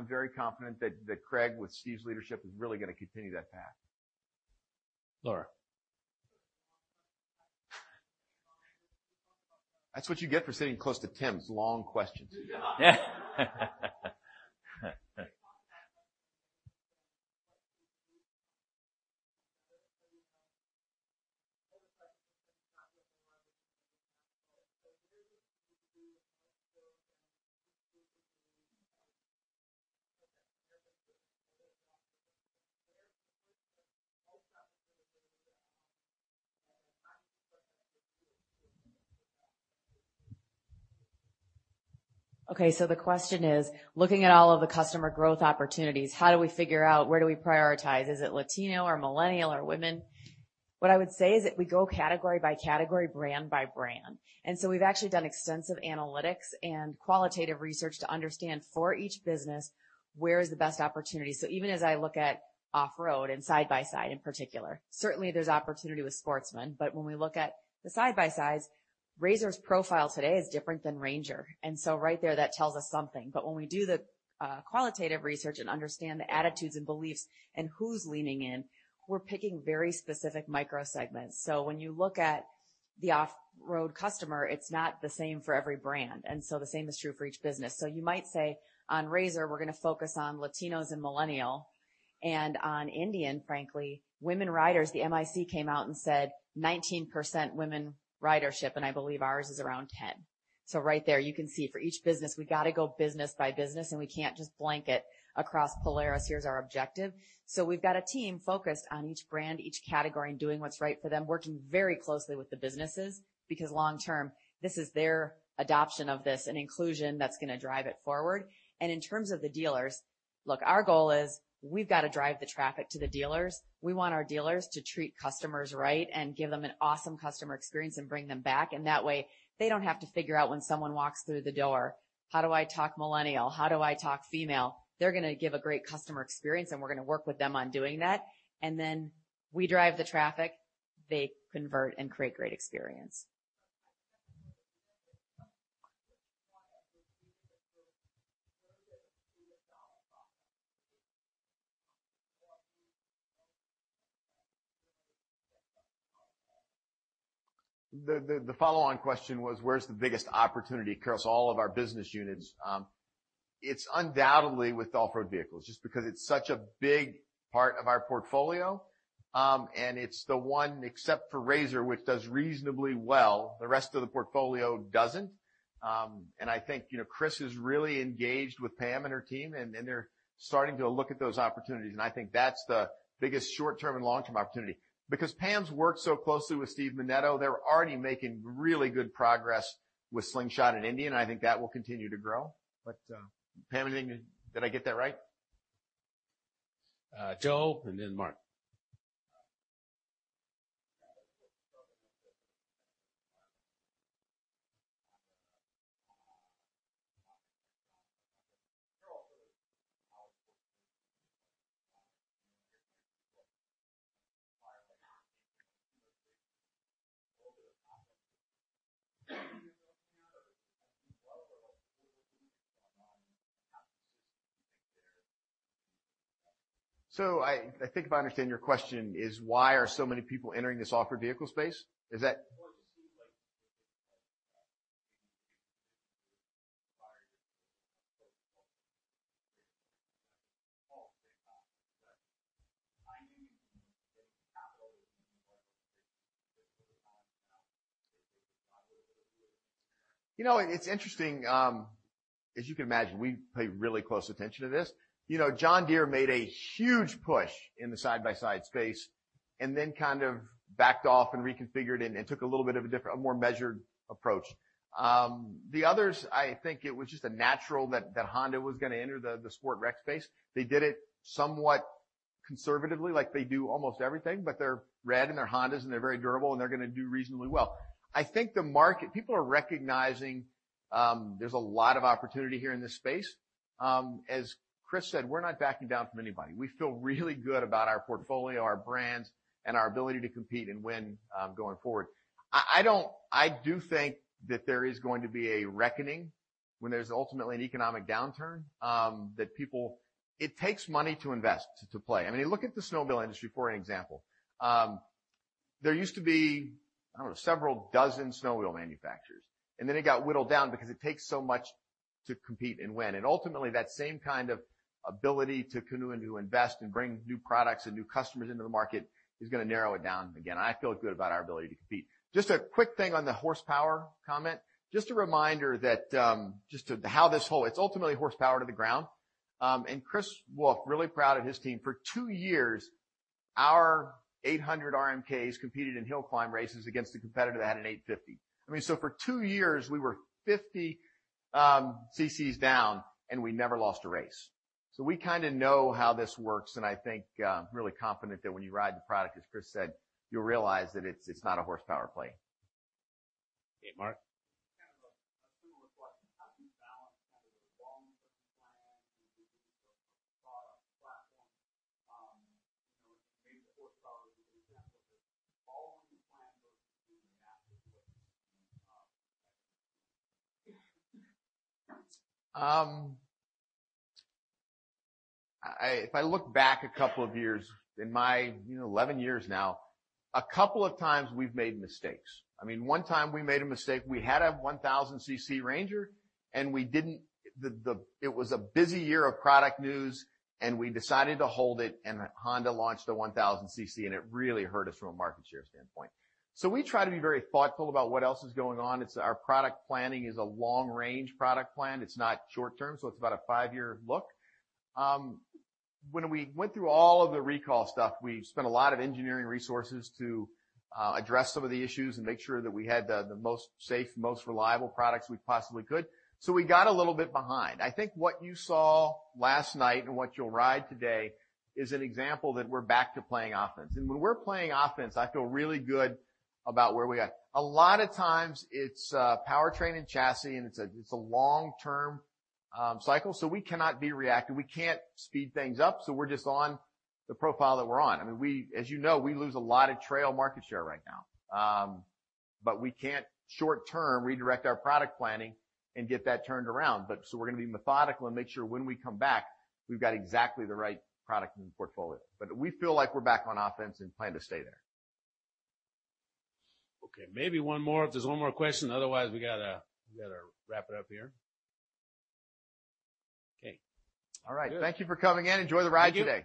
very confident that Craig, with Steve's leadership, is really going to continue that path. Laura. That's what you get for sitting close to Tim, long questions. [inaudible] Okay, the question is: looking at all of the customer growth opportunities, how do we figure out where do we prioritize? Is it Latino or Millennial or women? What I would say is that we go category by category, brand by brand. We've actually done extensive analytics and qualitative research to understand for each business, where is the best opportunity. Even as I look at off-road and side-by-side in particular, certainly there's opportunity with Sportsman. When we look at the side-by-sides, RZR's profile today is different than RANGER. Right there, that tells us something. When we do the qualitative research and understand the attitudes and beliefs and who's leaning in, we're picking very specific microsegments. When you look at the off-road customer, it's not the same for every brand. The same is true for each business. You might say on RZR, we're going to focus on Latinos and millennial, and on Indian, frankly, women riders. The MIC came out and said 19% women ridership, and I believe ours is around 10. Right there you can see for each business, we got to go business by business, and we can't just blanket across Polaris, here's our objective. We've got a team focused on each brand, each category, and doing what's right for them, working very closely with the businesses, because long term, this is their adoption of this and inclusion that's going to drive it forward. In terms of the dealers, look, our goal is we've got to drive the traffic to the dealers. We want our dealers to treat customers right and give them an awesome customer experience and bring them back. That way, they don't have to figure out when someone walks through the door, how do I talk millennial? How do I talk female? They're going to give a great customer experience, and we're going to work with them on doing that. Then we drive the traffic, they convert and create great experience. [inaudible] The follow-on question was where's the biggest opportunity across all of our business units? It's undoubtedly with off-road vehicles, just because it's such a big part of our portfolio. It's the one, except for RZR, which does reasonably well, the rest of the portfolio doesn't. I think Chris is really engaged with Pam and her team, and they're starting to look at those opportunities. I think that's the biggest short-term and long-term opportunity. Because Pam's worked so closely with Steve Menneto, they're already making really good progress with Slingshot and Indian. I think that will continue to grow. Pam, did I get that right? Joe then Mark. [inaudible] I think if I understand your question is why are so many people entering this off-road vehicle space? Is that? [inaudible] It's interesting. As you can imagine, we pay really close attention to this. John Deere made a huge push in the side-by-side space and then kind of backed off and reconfigured and took a little bit of a different, a more measured approach. The others, I think it was just a natural that Honda was going to enter the sport rec space. They did it somewhat conservatively, like they do almost everything, but they're red and they're Hondas and they're very durable, and they're going to do reasonably well. I think people are recognizing there's a lot of opportunity here in this space. As Chris said, we're not backing down from anybody. We feel really good about our portfolio, our brands, and our ability to compete and win going forward. I do think that there is going to be a reckoning when there's ultimately an economic downturn that It takes money to invest, to play. I mean, look at the snowmobile industry, for an example. There used to be, I don't know, several dozen snowmobile manufacturers, and then it got whittled down because it takes so much to compete and win. And ultimately, that same kind of ability to continue to invest and bring new products and new customers into the market is going to narrow it down. Again, I feel good about our ability to compete. Just a quick thing on the horsepower comment. Just a reminder that it's ultimately horsepower to the ground. And Chris Wolf, really proud of his team. For two years, our 800 RMKs competed in hill climb races against a competitor that had an 850 RMKs. For two years, we were 50 cc's down, and we never lost a race. We know how this works, and I think, really confident that when you ride the product, as Chris said, you'll realize that it's not a horsepower play. Okay, Mark. Kind of a similar question. How do you balance the long-term plan with the new product platform? Maybe the horsepower was a good example of this. All of the plan goes into If I look back a couple of years in my 11 years now, a couple of times we've made mistakes. One time we made a mistake, we had a 1,000cc RANGER, and it was a busy year of product news, and we decided to hold it, and then Honda launched a 1,000cc, and it really hurt us from a market share standpoint. We try to be very thoughtful about what else is going on. Our product planning is a long-range product plan. It's not short-term, so it's about a five-year look. When we went through all of the recall stuff, we spent a lot of engineering resources to address some of the issues and make sure that we had the most safe, most reliable products we possibly could. We got a little bit behind. I think what you saw last night and what you'll ride today is an example that we're back to playing offense. When we're playing offense, I feel really good about where we are at. A lot of times it's powertrain and chassis, and it's a long-term cycle, so we cannot be reactive. We can't speed things up, so we're just on the profile that we're on. As you know, we lose a lot of trail market share right now. We can't short-term redirect our product planning and get that turned around. We're going to be methodical and make sure when we come back, we've got exactly the right product in the portfolio. We feel like we're back on offense and plan to stay there. Okay, maybe one more. If there's one more question, otherwise we got to wrap it up here. Okay. All right. Good. Thank you for coming in. Enjoy the ride today.